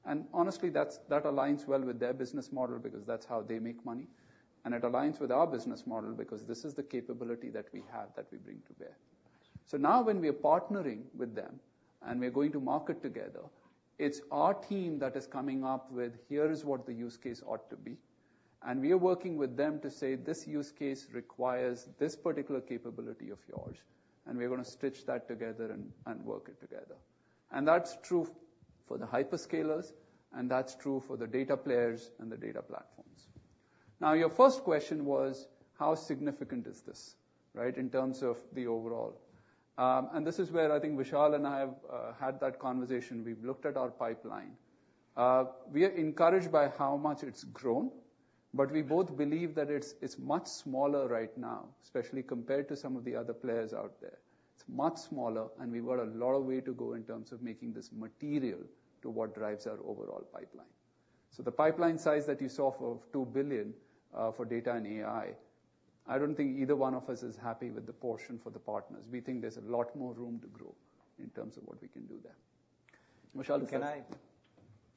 And honestly, that's- that aligns well with their business model because that's how they make money, and it aligns with our business model because this is the capability that we have that we bring to bear. So now when we are partnering with them, and we are going to market together, it's our team that is coming up with, "Here is what the use case ought to be." And we are working with them to say, "This use case requires this particular capability of yours, and we are gonna stitch that together and, and work it together." And that's true for the hyperscalers, and that's true for the data players and the data platforms. Now, your first question was: How significant is this, right? In terms of the overall. And this is where I think Vikas and I have had that conversation. We've looked at our pipeline. We are encouraged by how much it's grown, but we both believe that it's, it's much smaller right now, especially compared to some of the other players out there. It's much smaller, and we've got a lot of way to go in terms of making this material to what drives our overall pipeline. So the pipeline size that you saw of $2 billion for data and AI, I don't think either one of us is happy with the portion for the partners. We think there's a lot more room to grow in terms of what we can do there. Vikas Can I?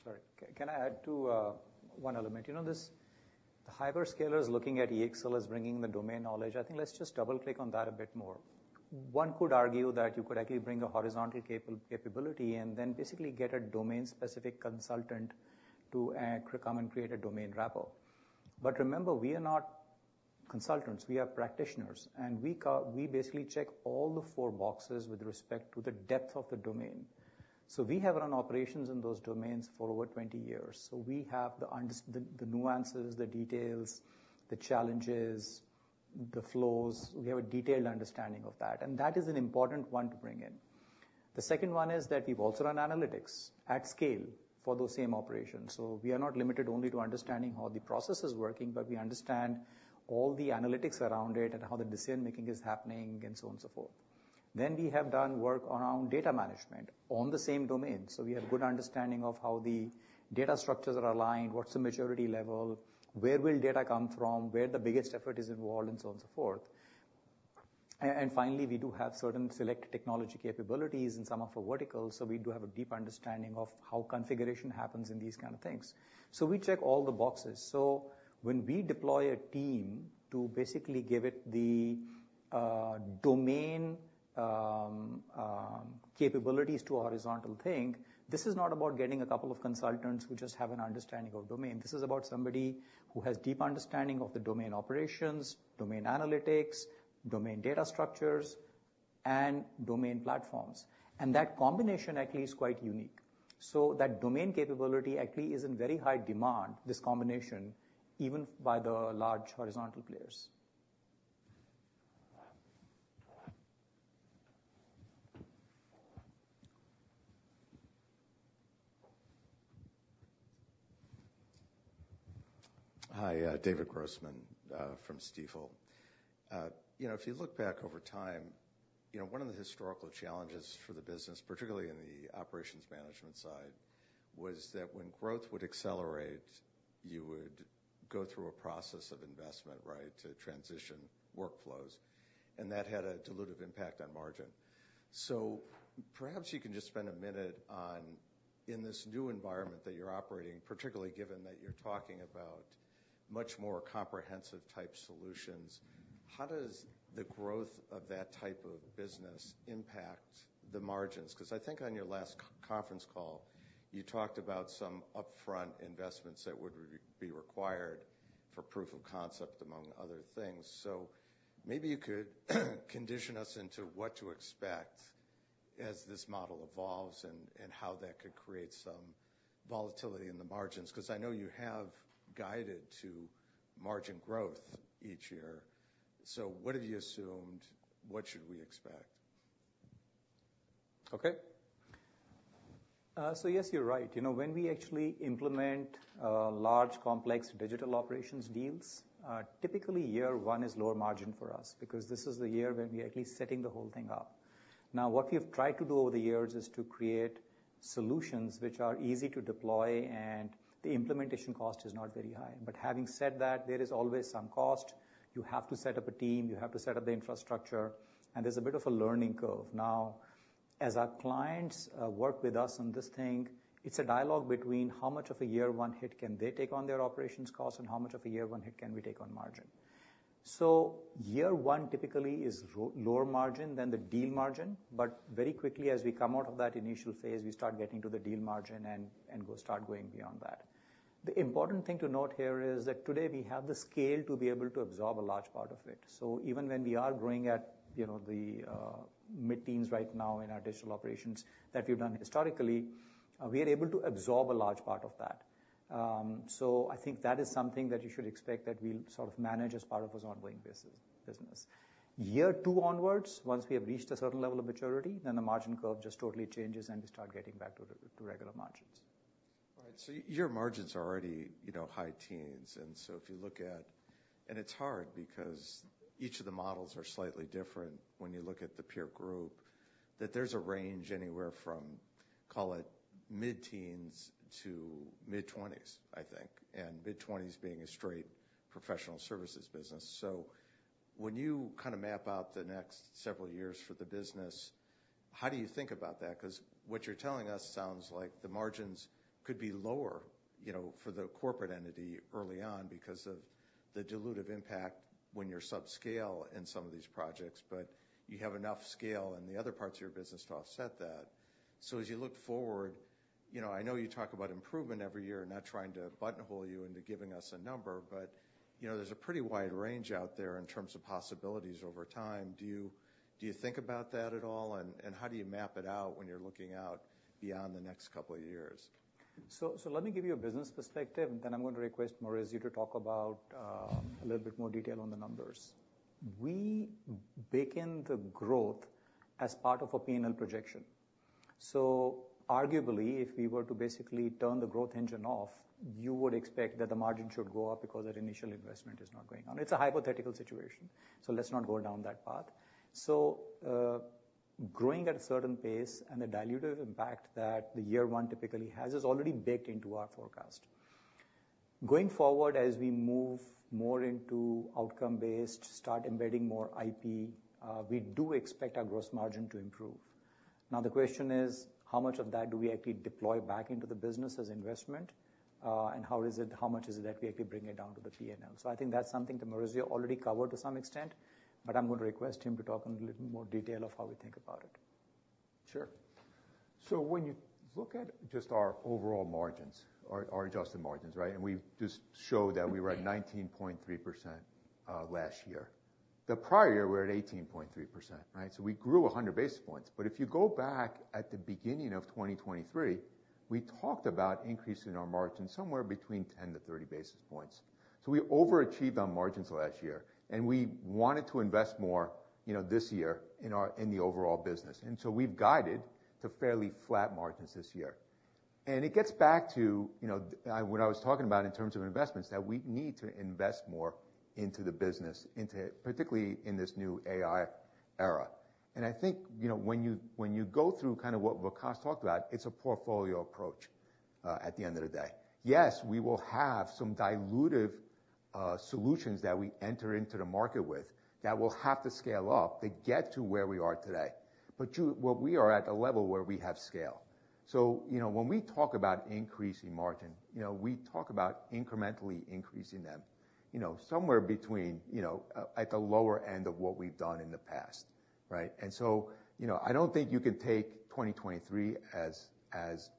Sorry, can I add to one element? You know, this, the hyperscalers looking at EXL as bringing the domain knowledge, I think let's just double-click on that a bit more. One could argue that you could actually bring a horizontal capability and then basically get a domain-specific consultant to come and create a domain wrapper. But remember, we are not consultants, we are practitioners, and we basically check all the four boxes with respect to the depth of the domain. So we have run operations in those domains for over 20 years. So we have the nuances, the details, the challenges, the flows. We have a detailed understanding of that, and that is an important one to bring in. The second one is that we've also run analytics at scale for those same operations, so we are not limited only to understanding how the process is working, but we understand all the analytics around it and how the decision-making is happening, and so on and so forth. Then we have done work around data management on the same domain, so we have a good understanding of how the data structures are aligned, what's the maturity level, where will data come from, where the biggest effort is involved, and so on and so forth. And finally, we do have certain select technology capabilities in some of our verticals, so we do have a deep understanding of how configuration happens in these kind of things. So we check all the boxes. So when we deploy a team to basically give it the domain capabilities to a horizontal thing, this is not about getting a couple of consultants who just have an understanding of domain. This is about somebody who has deep understanding of the domain operations, domain analytics, domain data structures, and domain platforms. And that combination actually is quite unique. So that domain capability actually is in very high demand, this combination, even by the large horizontal players. Hi, David Grossman, from Stifel. You know, if you look back over time, you know, one of the historical challenges for the business, particularly in the operations management side, was that when growth would accelerate, you would go through a process of investment, right, to transition workflows, and that had a dilutive impact on margin. So perhaps you can just spend a minute on, in this new environment that you're operating, particularly given that you're talking about much more comprehensive type solutions, how does the growth of that type of business impact the margins? 'Cause I think on your last conference call, you talked about some upfront investments that would be required for proof of concept, among other things. So maybe you could condition us into what to expect as this model evolves and how that could create some volatility in the margins. 'Cause I know you have guided to margin growth each year, so what have you assumed? What should we expect? Okay. So yes, you're right. You know, when we actually implement large, complex digital operations deals, typically year one is lower margin for us because this is the year when we are at least setting the whole thing up. Now, what we've tried to do over the years is to create solutions which are easy to deploy, and the implementation cost is not very high. But having said that, there is always some cost. You have to set up a team, you have to set up the infrastructure, and there's a bit of a learning curve. Now, as our clients work with us on this thing, it's a dialogue between how much of a year one hit can they take on their operations costs, and how much of a year one hit can we take on margin? So year one typically is lower margin than the deal margin, but very quickly as we come out of that initial phase, we start getting to the deal margin and start going beyond that. The important thing to note here is that today we have the scale to be able to absorb a large part of it. So even when we are growing at, you know, the mid-teens right now in our digital operations that we've done historically, we are able to absorb a large part of that. So I think that is something that you should expect that we'll sort of manage as part of this ongoing business. Year two onwards, once we have reached a certain level of maturity, then the margin curve just totally changes, and we start getting back to regular margins. All right. So your margins are already, you know, high teens, and so if you look at and it's hard because each of the models are slightly different when you look at the peer group, that there's a range anywhere from, call it, mid-teens to mid-twenties, I think, and mid-twenties being a straight professional services business. So when you kind of map out the next several years for the business, how do you think about that? 'Cause what you're telling us sounds like the margins could be lower, you know, for the corporate entity early on because of the dilutive impact when you're sub-scale in some of these projects, but you have enough scale in the other parts of your business to offset that. So as you look forward, you know, I know you talk about improvement every year, not trying to buttonhole you into giving us a number, but, you know, there's a pretty wide range out there in terms of possibilities over time. Do you, do you think about that at all, and, and how do you map it out when you're looking out beyond the next couple of years? So, let me give you a business perspective, and then I'm going to request Maurizio to talk about a little bit more detail on the numbers. We bake in the growth as part of a P&L projection. So arguably, if we were to basically turn the growth engine off, you would expect that the margin should go up because that initial investment is not going on. It's a hypothetical situation, so let's not go down that path. So, growing at a certain pace and the dilutive impact that the year one typically has, is already baked into our forecast. Going forward, as we move more into outcome-based, start embedding more IP, we do expect our gross margin to improve. Now, the question is, how much of that do we actually deploy back into the business as investment, and how much is it that we actually bring it down to the P&L? So I think that's something that Maurizio already covered to some extent, but I'm going to request him to talk in a little more detail of how we think about it. Sure. So when you look at just our overall margins, our, our adjusted margins, right? And we just showed that we were at 19.3%, last year. The prior year, we were at 18.3%, right? So we grew 100 basis points. But if you go back at the beginning of 2023, we talked about increasing our margin somewhere between 10-30 basis points. So we overachieved on margins last year, and we wanted to invest more, you know, this year in our, in the overall business. And so we've guided to fairly flat margins this year. And it gets back to, you know, what I was talking about in terms of investments, that we need to invest more into the business, into... particularly in this new AI era. And I think, you know, when you go through kind of what Kash talked about, it's a portfolio approach at the end of the day. Yes, we will have some dilutive solutions that we enter into the market with that will have to scale up to get to where we are today. But, well, we are at a level where we have scale. So you know, when we talk about increasing margin, you know, we talk about incrementally increasing them, you know, somewhere between, you know, at the lower end of what we've done in the past, right? And so, you know, I don't think you can take 2023 as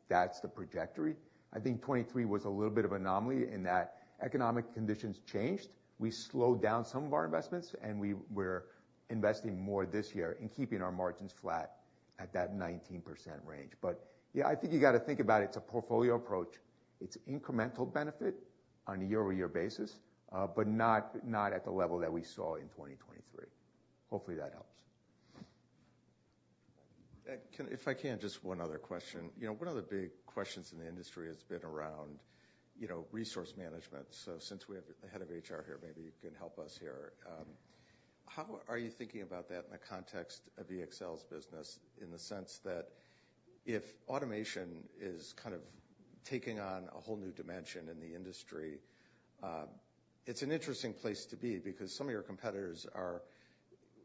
that's the trajectory. I think 2023 was a little bit of an anomaly in that economic conditions changed. We slowed down some of our investments, and we're investing more this year in keeping our margins flat at that 19% range. But yeah, I think you got to think about it's a portfolio approach. It's incremental benefit on a year-over-year basis, but not at the level that we saw in 2023. Hopefully, that helps. If I can, just one other question. You know, one of the big questions in the industry has been around, you know, resource management. So since we have the head of HR here, maybe you can help us here. How are you thinking about that in the context of EXL's business, in the sense that if automation is kind of taking on a whole new dimension in the industry, it's an interesting place to be because some of your competitors are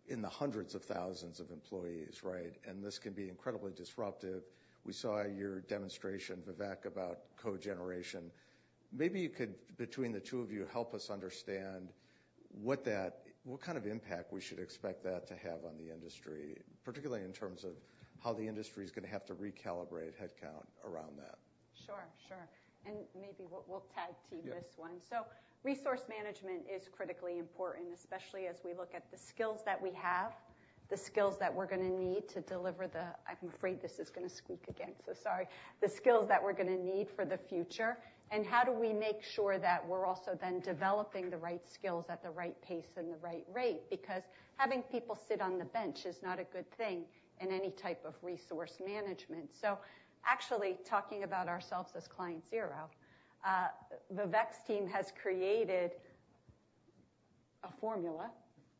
in the hundreds of thousands of employees, right? And this can be incredibly disruptive. We saw your demonstration, Vivek, about code generation. Maybe you could, between the two of you, help us understand what kind of impact we should expect that to have on the industry, particularly in terms of how the industry is gonna have to recalibrate headcount around that. Sure, sure, and maybe we'll, we'll tag team this one. Yeah. So resource management is critically important, especially as we look at the skills that we have, the skills that we're gonna need to deliver the, I'm afraid this is gonna squeak again, so sorry. The skills that we're gonna need for the future, and how do we make sure that we're also then developing the right skills at the right pace and the right rate? Because having people sit on the bench is not a good thing in any type of resource management. So actually, talking about ourselves as client zero, Vivek's team has created a formula,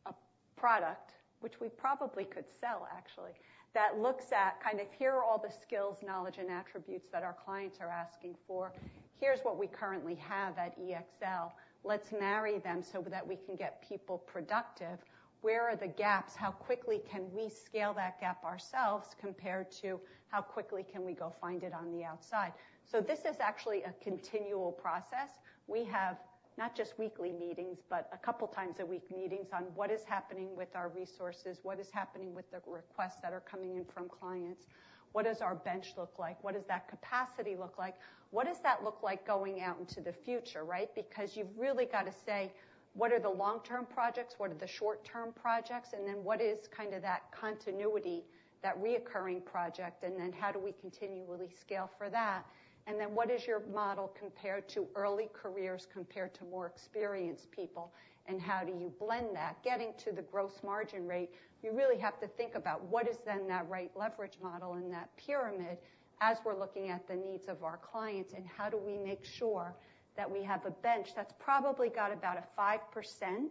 a product, which we probably could sell actually, that looks at kind of here are all the skills, knowledge, and attributes that our clients are asking for. Here's what we currently have at EXL. Let's marry them so that we can get people productive. Where are the gaps? How quickly can we scale that gap ourselves compared to how quickly can we go find it on the outside? So this is actually a continual process. We have not just weekly meetings, but a couple times a week meetings on what is happening with our resources, what is happening with the requests that are coming in from clients, what does our bench look like? What does that capacity look like? What does that look like going out into the future, right? Because you've really got to say, what are the long-term projects, what are the short-term projects, and then what is kind of that continuity, that recurring project, and then how do we continually scale for that? And then what is your model compared to early careers, compared to more experienced people, and how do you blend that? Getting to the gross margin rate, you really have to think about what is then that right leverage model in that pyramid as we're looking at the needs of our clients, and how do we make sure that we have a bench that's probably got about a 5%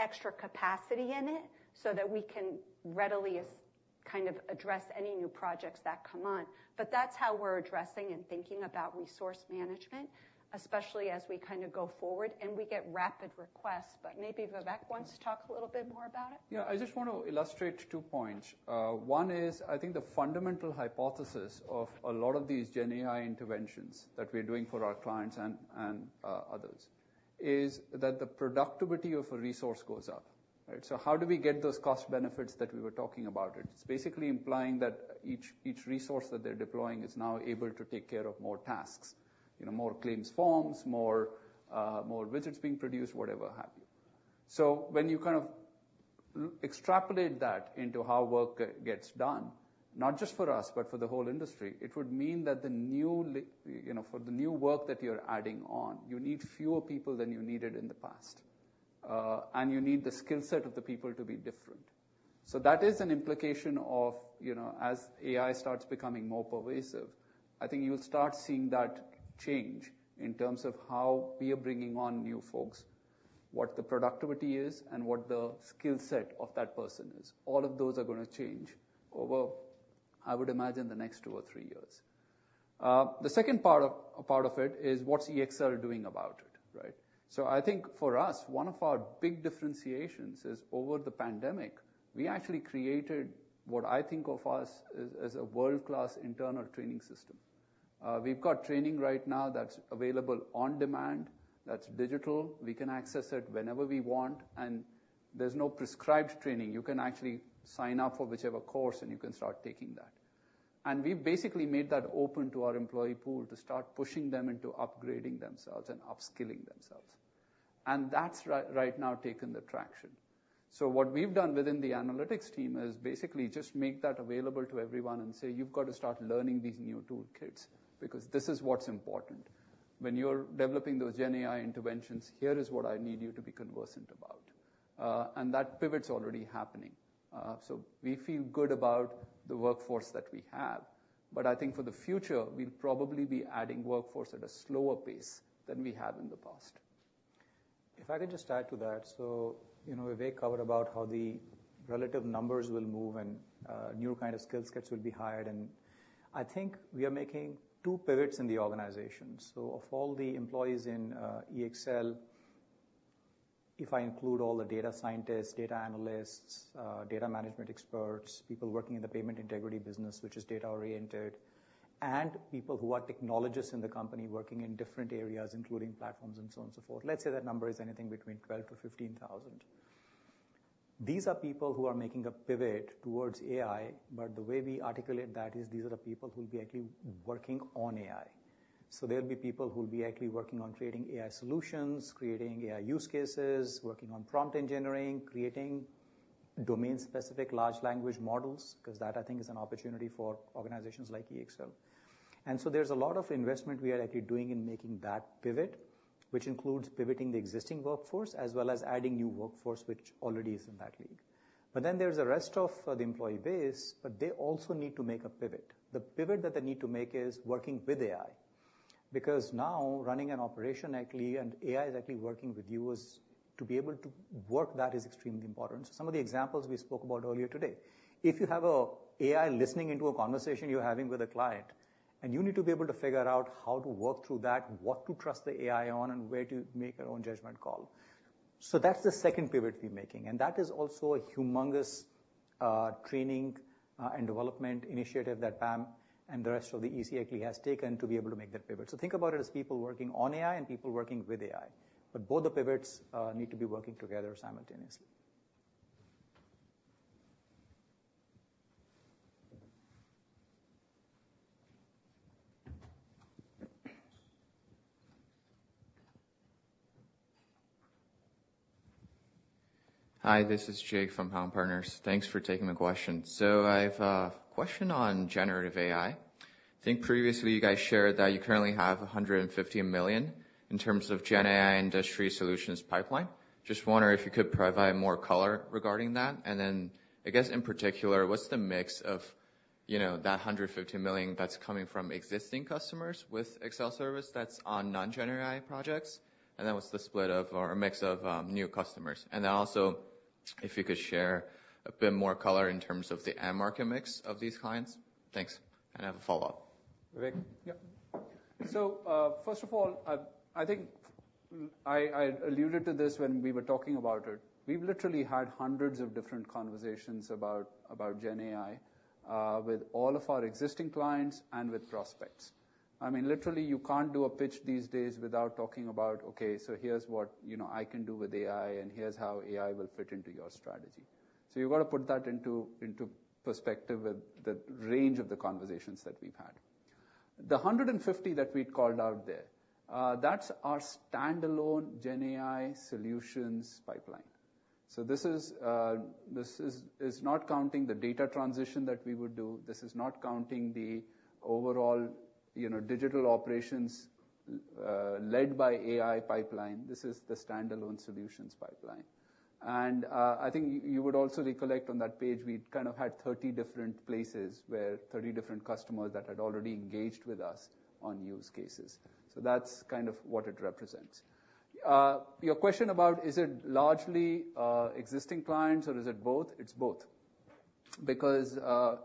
extra capacity in it so that we can readily kind of address any new projects that come on. But that's how we're addressing and thinking about resource management, especially as we kinda go forward and we get rapid requests. But maybe Vivek wants to talk a little bit more about it. Yeah, I just want to illustrate two points. One is, I think the fundamental hypothesis of a lot of these GenAI interventions that we're doing for our clients and others, is that the productivity of a resource goes up, right? So how do we get those cost benefits that we were talking about? It's basically implying that each resource that they're deploying is now able to take care of more tasks, you know, more claims forms, more widgets being produced, whatever have you. So when you kind of extrapolate that into how work gets done, not just for us, but for the whole industry, it would mean that the new, you know, for the new work that you're adding on, you need fewer people than you needed in the past, and you need the skill set of the people to be different. So that is an implication of, you know, as AI starts becoming more pervasive, I think you'll start seeing that change in terms of how we are bringing on new folks, what the productivity is, and what the skill set of that person is. All of those are gonna change over, I would imagine, the next two or three years. The second part of it is what's EXL doing about it, right? So I think for us, one of our big differentiations is over the pandemic, we actually created what I think of as a world-class internal training system. We've got training right now that's available on demand, that's digital. We can access it whenever we want, and there's no prescribed training. You can actually sign up for whichever course, and you can start taking that. We've basically made that open to our employee pool to start pushing them into upgrading themselves and upskilling themselves. That's right now gaining traction. So what we've done within the analytics team is basically just make that available to everyone and say: "You've got to start learning these new toolkits because this is what's important. When you're developing those GenAI interventions, here is what I need you to be conversant about." That pivot's already happening. So we feel good about the workforce that we have, but I think for the future, we'll probably be adding workforce at a slower pace than we have in the past. If I could just add to that. So, you know, Vivek covered about how the relative numbers will move and new kind of skill sets will be hired, and I think we are making two pivots in the organization. So of all the employees in EXL, if I include all the data scientists, data analysts, data management experts, people working in the payment integrity business, which is data-oriented, and people who are technologists in the company working in different areas, including platforms and so on, so forth, let's say that number is anything between 12-15,000. These are people who are making a pivot towards AI, but the way we articulate that is these are the people who will be actually working on AI. So there'll be people who will be actually working on creating AI solutions, creating AI use cases, working on prompt engineering, creating domain-specific large language models, because that, I think, is an opportunity for organizations like EXL. And so there's a lot of investment we are actually doing in making that pivot, which includes pivoting the existing workforce, as well as adding new workforce, which already is in that league. But then there's the rest of the employee base, but they also need to make a pivot. The pivot that they need to make is working with AI, because now running an operation actually, and AI is actually working with you, is to be able to work that is extremely important. So some of the examples we spoke about earlier today, if you have an AI listening into a conversation you're having with a client, and you need to be able to figure out how to work through that, what to trust the AI on, and where to make your own judgment call. So that's the second pivot we're making, and that is also a humongous, training, and development initiative that Pam and the rest of the EC actually has taken to be able to make that pivot. So think about it as people working on AI and people working with AI, but both the pivots, need to be working together simultaneously. Hi, this is Jake from Polen Capital. Thanks for taking the question. So I've a question on generative AI. I think previously you guys shared that you currently have $150 million in terms of GenAI industry solutions pipeline. Just wondering if you could provide more color regarding that. And then I guess, in particular, what's the mix of, you know, that $150 million that's coming from existing customers with EXL Service, that's on non-generative AI projects? And then what's the split of or a mix of, new customers? And then also, if you could share a bit more color in terms of the end market mix of these clients. Thanks. And I have a follow-up. Vivek? Yeah. So, first of all, I think I alluded to this when we were talking about it. We've literally had hundreds of different conversations about GenAI with all of our existing clients and with prospects. I mean, literally, you can't do a pitch these days without talking about, "Okay, so here's what, you know, I can do with AI, and here's how AI will fit into your strategy." So you've got to put that into perspective with the range of the conversations that we've had. The 150 that we'd called out there, that's our standalone GenAI solutions pipeline. So this is not counting the data transition that we would do. This is not counting the overall, you know, digital operations led by AI pipeline. This is the standalone solutions pipeline. I think you would also recollect on that page, we kind of had 30 different places where 30 different customers that had already engaged with us on use cases. So that's kind of what it represents. Your question about, is it largely existing clients or is it both? It's both. Because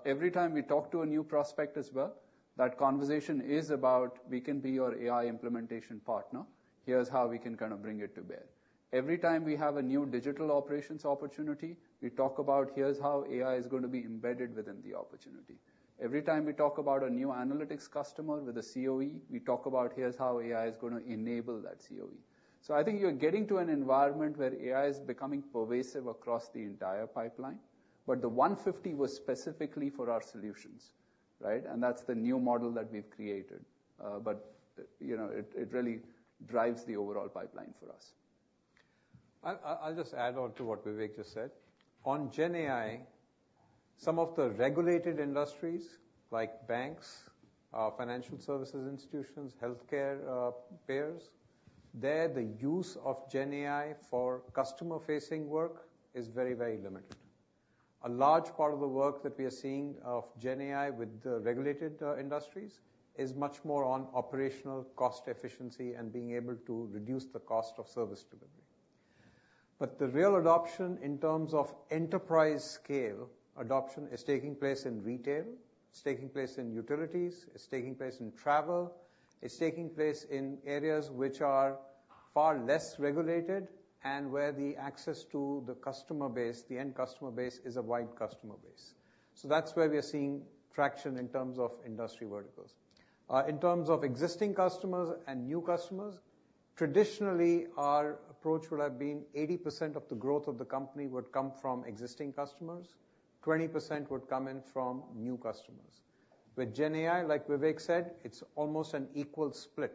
every time we talk to a new prospect as well, that conversation is about, we can be your AI implementation partner. Here's how we can kind of bring it to bear. Every time we have a new digital operations opportunity, we talk about here's how AI is gonna be embedded within the opportunity. Every time we talk about a new analytics customer with a COE, we talk about here's how AI is gonna enable that COE. So I think you're getting to an environment where AI is becoming pervasive across the entire pipeline, but the $150 was specifically for our solutions, right? And that's the new model that we've created. But, you know, it really drives the overall pipeline for us. I'll just add on to what Vivek just said. On GenAI, some of the regulated industries like banks, financial services institutions, healthcare, payers, the use of GenAI for customer-facing work is very, very limited. A large part of the work that we are seeing of GenAI with the regulated industries is much more on operational cost efficiency and being able to reduce the cost of service delivery. But the real adoption in terms of enterprise scale adoption is taking place in retail, it's taking place in utilities, it's taking place in travel, it's taking place in areas which are far less regulated and where the access to the customer base, the end customer base, is a wide customer base. So that's where we are seeing traction in terms of industry verticals. In terms of existing customers and new customers, traditionally, our approach would have been 80% of the growth of the company would come from existing customers, 20% would come in from new customers. With GenAI, like Vivek said, it's almost an equal split.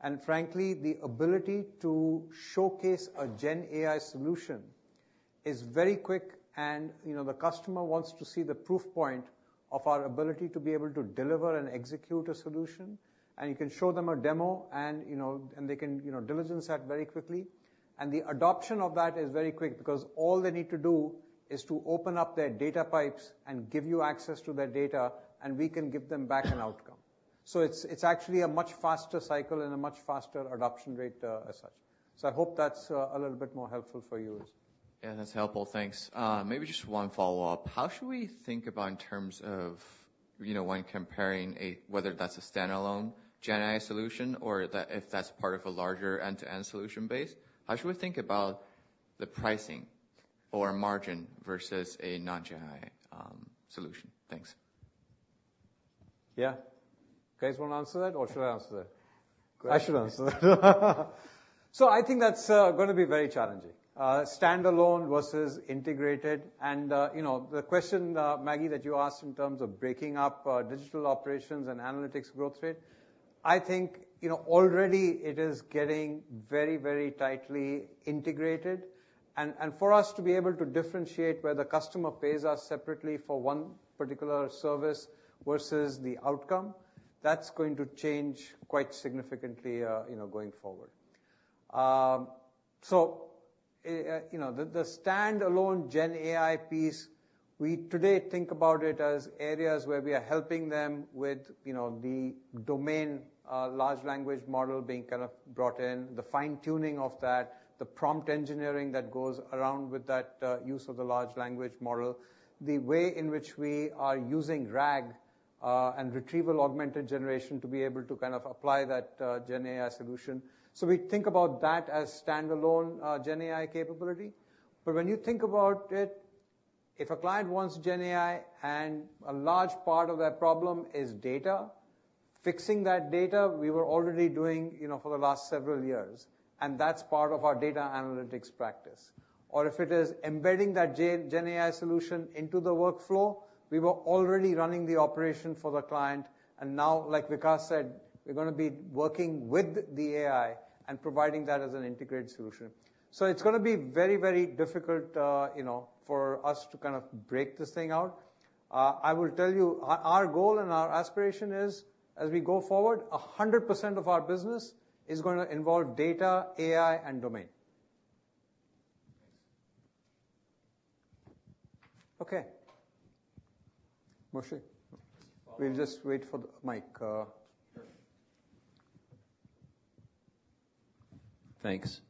And frankly, the ability to showcase a GenAI solution is very quick, and, you know, the customer wants to see the proof point of our ability to be able to deliver and execute a solution. You can show them a demo and, you know, and they can, you know, diligence that very quickly. And the adoption of that is very quick because all they need to do is to open up their data pipes and give you access to their data, and we can give them back an outcome. So it's, it's actually a much faster cycle and a much faster adoption rate, as such. So I hope that's a little bit more helpful for you. Yeah, that's helpful. Thanks. Maybe just one follow-up. How should we think about in terms of, you know, when comparing whether that's a standalone GenAI solution or if that's part of a larger end-to-end solution base, how should we think about the pricing or margin versus a non-GenAI solution? Thanks. Yeah. You guys wanna answer that, or should I answer that? I should answer that. So I think that's gonna be very challenging standalone versus integrated. And you know, the question, Maggie, that you asked in terms of breaking up digital operations and analytics growth rate, I think you know, already it is getting very, very tightly integrated. And for us to be able to differentiate where the customer pays us separately for one particular service versus the outcome, that's going to change quite significantly you know, going forward. So, you know, the standalone GenAI piece, we today think about it as areas where we are helping them with, you know, the domain, large language model being kind of brought in, the fine-tuning of that, the prompt engineering that goes around with that, use of the large language model, the way in which we are using RAG, and retrieval augmented generation to be able to kind of apply that, GenAI solution. So we think about that as standalone, GenAI capability. But when you think about it, if a client wants GenAI and a large part of their problem is data, fixing that data, we were already doing, you know, for the last several years, and that's part of our data analytics practice. Or if it is embedding that GenAI solution into the workflow, we were already running the operation for the client, and now, like Vikas said, we're gonna be working with the AI and providing that as an integrated solution. So it's gonna be very, very difficult, you know, for us to kind of break this thing out. I will tell you, our goal and our aspiration is, as we go forward, 100% of our business is gonna involve data, AI, and domain. Okay. Moshe? We'll just wait for the mic. Thanks.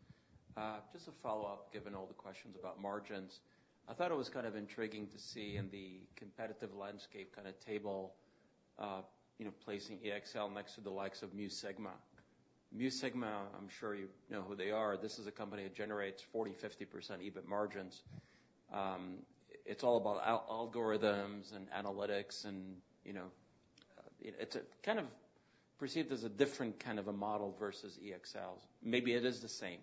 Just a follow-up, given all the questions about margins. I thought it was kind of intriguing to see in the competitive landscape kind of table, you know, placing EXL next to the likes of Mu Sigma. Mu Sigma, I'm sure you know who they are. This is a company that generates 40%-50% EBIT margins. It's all about algorithms and analytics and, you know, it's kind of perceived as a different kind of a model versus EXL's. Maybe it is the same,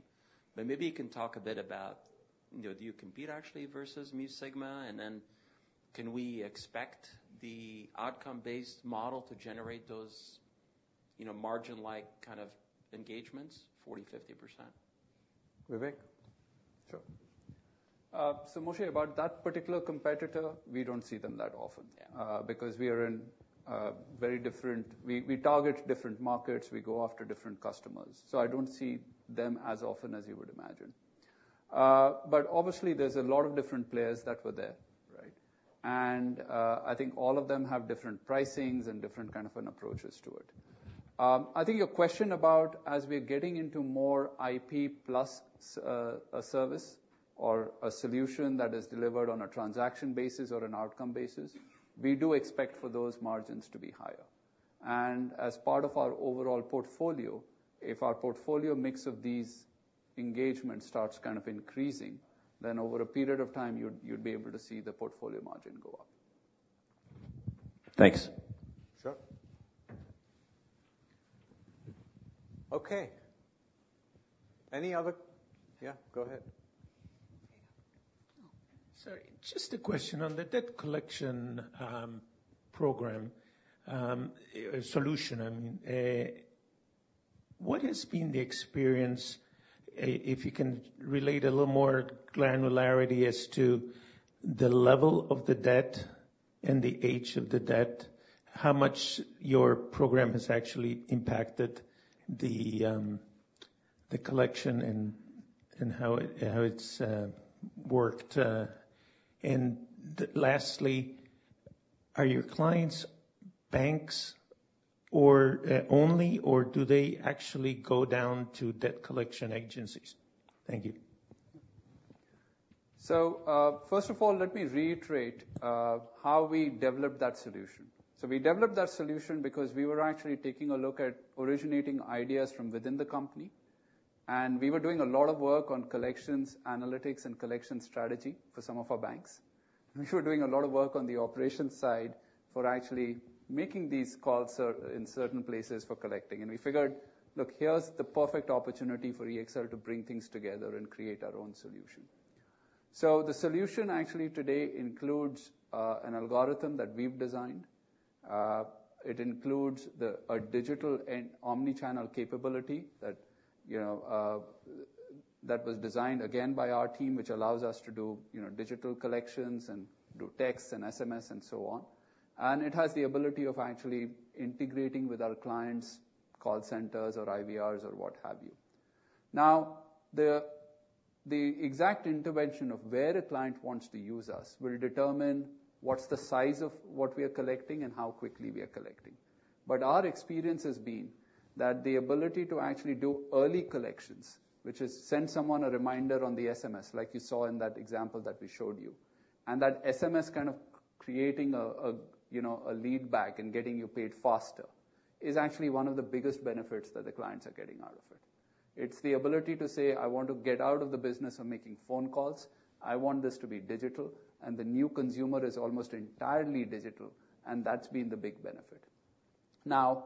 but maybe you can talk a bit about, you know, do you compete actually versus Mu Sigma? And then can we expect the outcome-based model to generate those, you know, margin-like kind of engagements, 40%-50%? Vivek? Sure. Moshe, about that particular competitor, we don't see them that often Yeah Because we are in very different, we target different markets, we go after different customers, so I don't see them as often as you would imagine. But obviously, there's a lot of different players that were there, right? And I think all of them have different pricings and different kind of an approaches to it. I think your question about, as we're getting into more IP plus a service or a solution that is delivered on a transaction basis or an outcome basis, we do expect for those margins to be higher. And as part of our overall portfolio, if our portfolio mix of these engagements starts kind of increasing, then over a period of time, you'd be able to see the portfolio margin go up. Thanks. Sure. Okay. Any other. Yeah, go ahead. Sorry, just a question on the debt collection program solution, I mean. What has been the experience, if you can relate a little more granularity as to the level of the debt and the age of the debt, how much your program has actually impacted the collection and how it's worked? And lastly, are your clients banks or only, or do they actually go down to debt collection agencies? Thank you. So, first of all, let me reiterate how we developed that solution. So we developed that solution because we were actually taking a look at originating ideas from within the company, and we were doing a lot of work on collections, analytics, and collection strategy for some of our banks. We were doing a lot of work on the operations side for actually making these calls in certain places for collecting. And we figured, look, here's the perfect opportunity for EXL to bring things together and create our own solution. So the solution actually today includes an algorithm that we've designed. It includes the digital and omni-channel capability that, you know, that was designed, again, by our team, which allows us to do, you know, digital collections and do texts and SMS and so on. It has the ability of actually integrating with our clients' call centers or IVRs or what have you. Now, the exact intervention of where a client wants to use us will determine what's the size of what we are collecting and how quickly we are collecting. But our experience has been that the ability to actually do early collections, which is send someone a reminder on the SMS, like you saw in that example that we showed you, and that SMS kind of creating a, you know, a lead back and getting you paid faster, is actually one of the biggest benefits that the clients are getting out of it. It's the ability to say: I want to get out of the business of making phone calls. I want this to be digital. The new consumer is almost entirely digital, and that's been the big benefit. Now,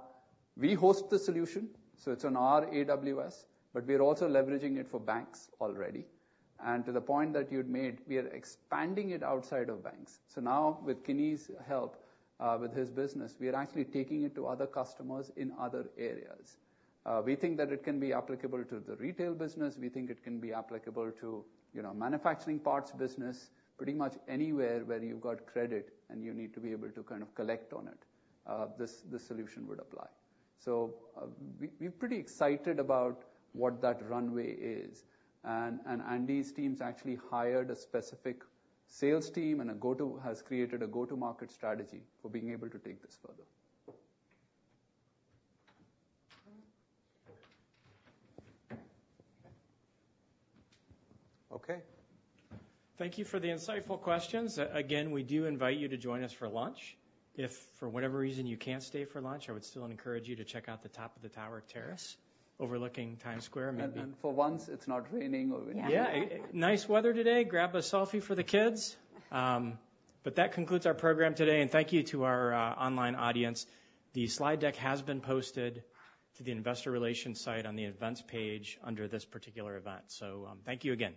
we host the solution, so it's on our AWS, but we are also leveraging it for banks already. And to the point that you'd made, we are expanding it outside of banks. So now with Kini's help, with his business, we are actually taking it to other customers in other areas. We think that it can be applicable to the retail business. We think it can be applicable to, you know, manufacturing parts business. Pretty much anywhere where you've got credit and you need to be able to kind of collect on it, this solution would apply. So, we're pretty excited about what that runway is, and Andy's teams actually hired a specific sales team, and a go-to has created a go-to-market strategy for being able to take this further. Okay. Thank you for the insightful questions. Again, we do invite you to join us for lunch. If for whatever reason you can't stay for lunch, I would still encourage you to check out the top of the tower terrace overlooking Times Square, maybe And for once, it's not raining or windy. Yeah, nice weather today. Grab a selfie for the kids. But that concludes our program today, and thank you to our online audience. The slide deck has been posted to the investor relations site on the events page under this particular event. So, thank you again.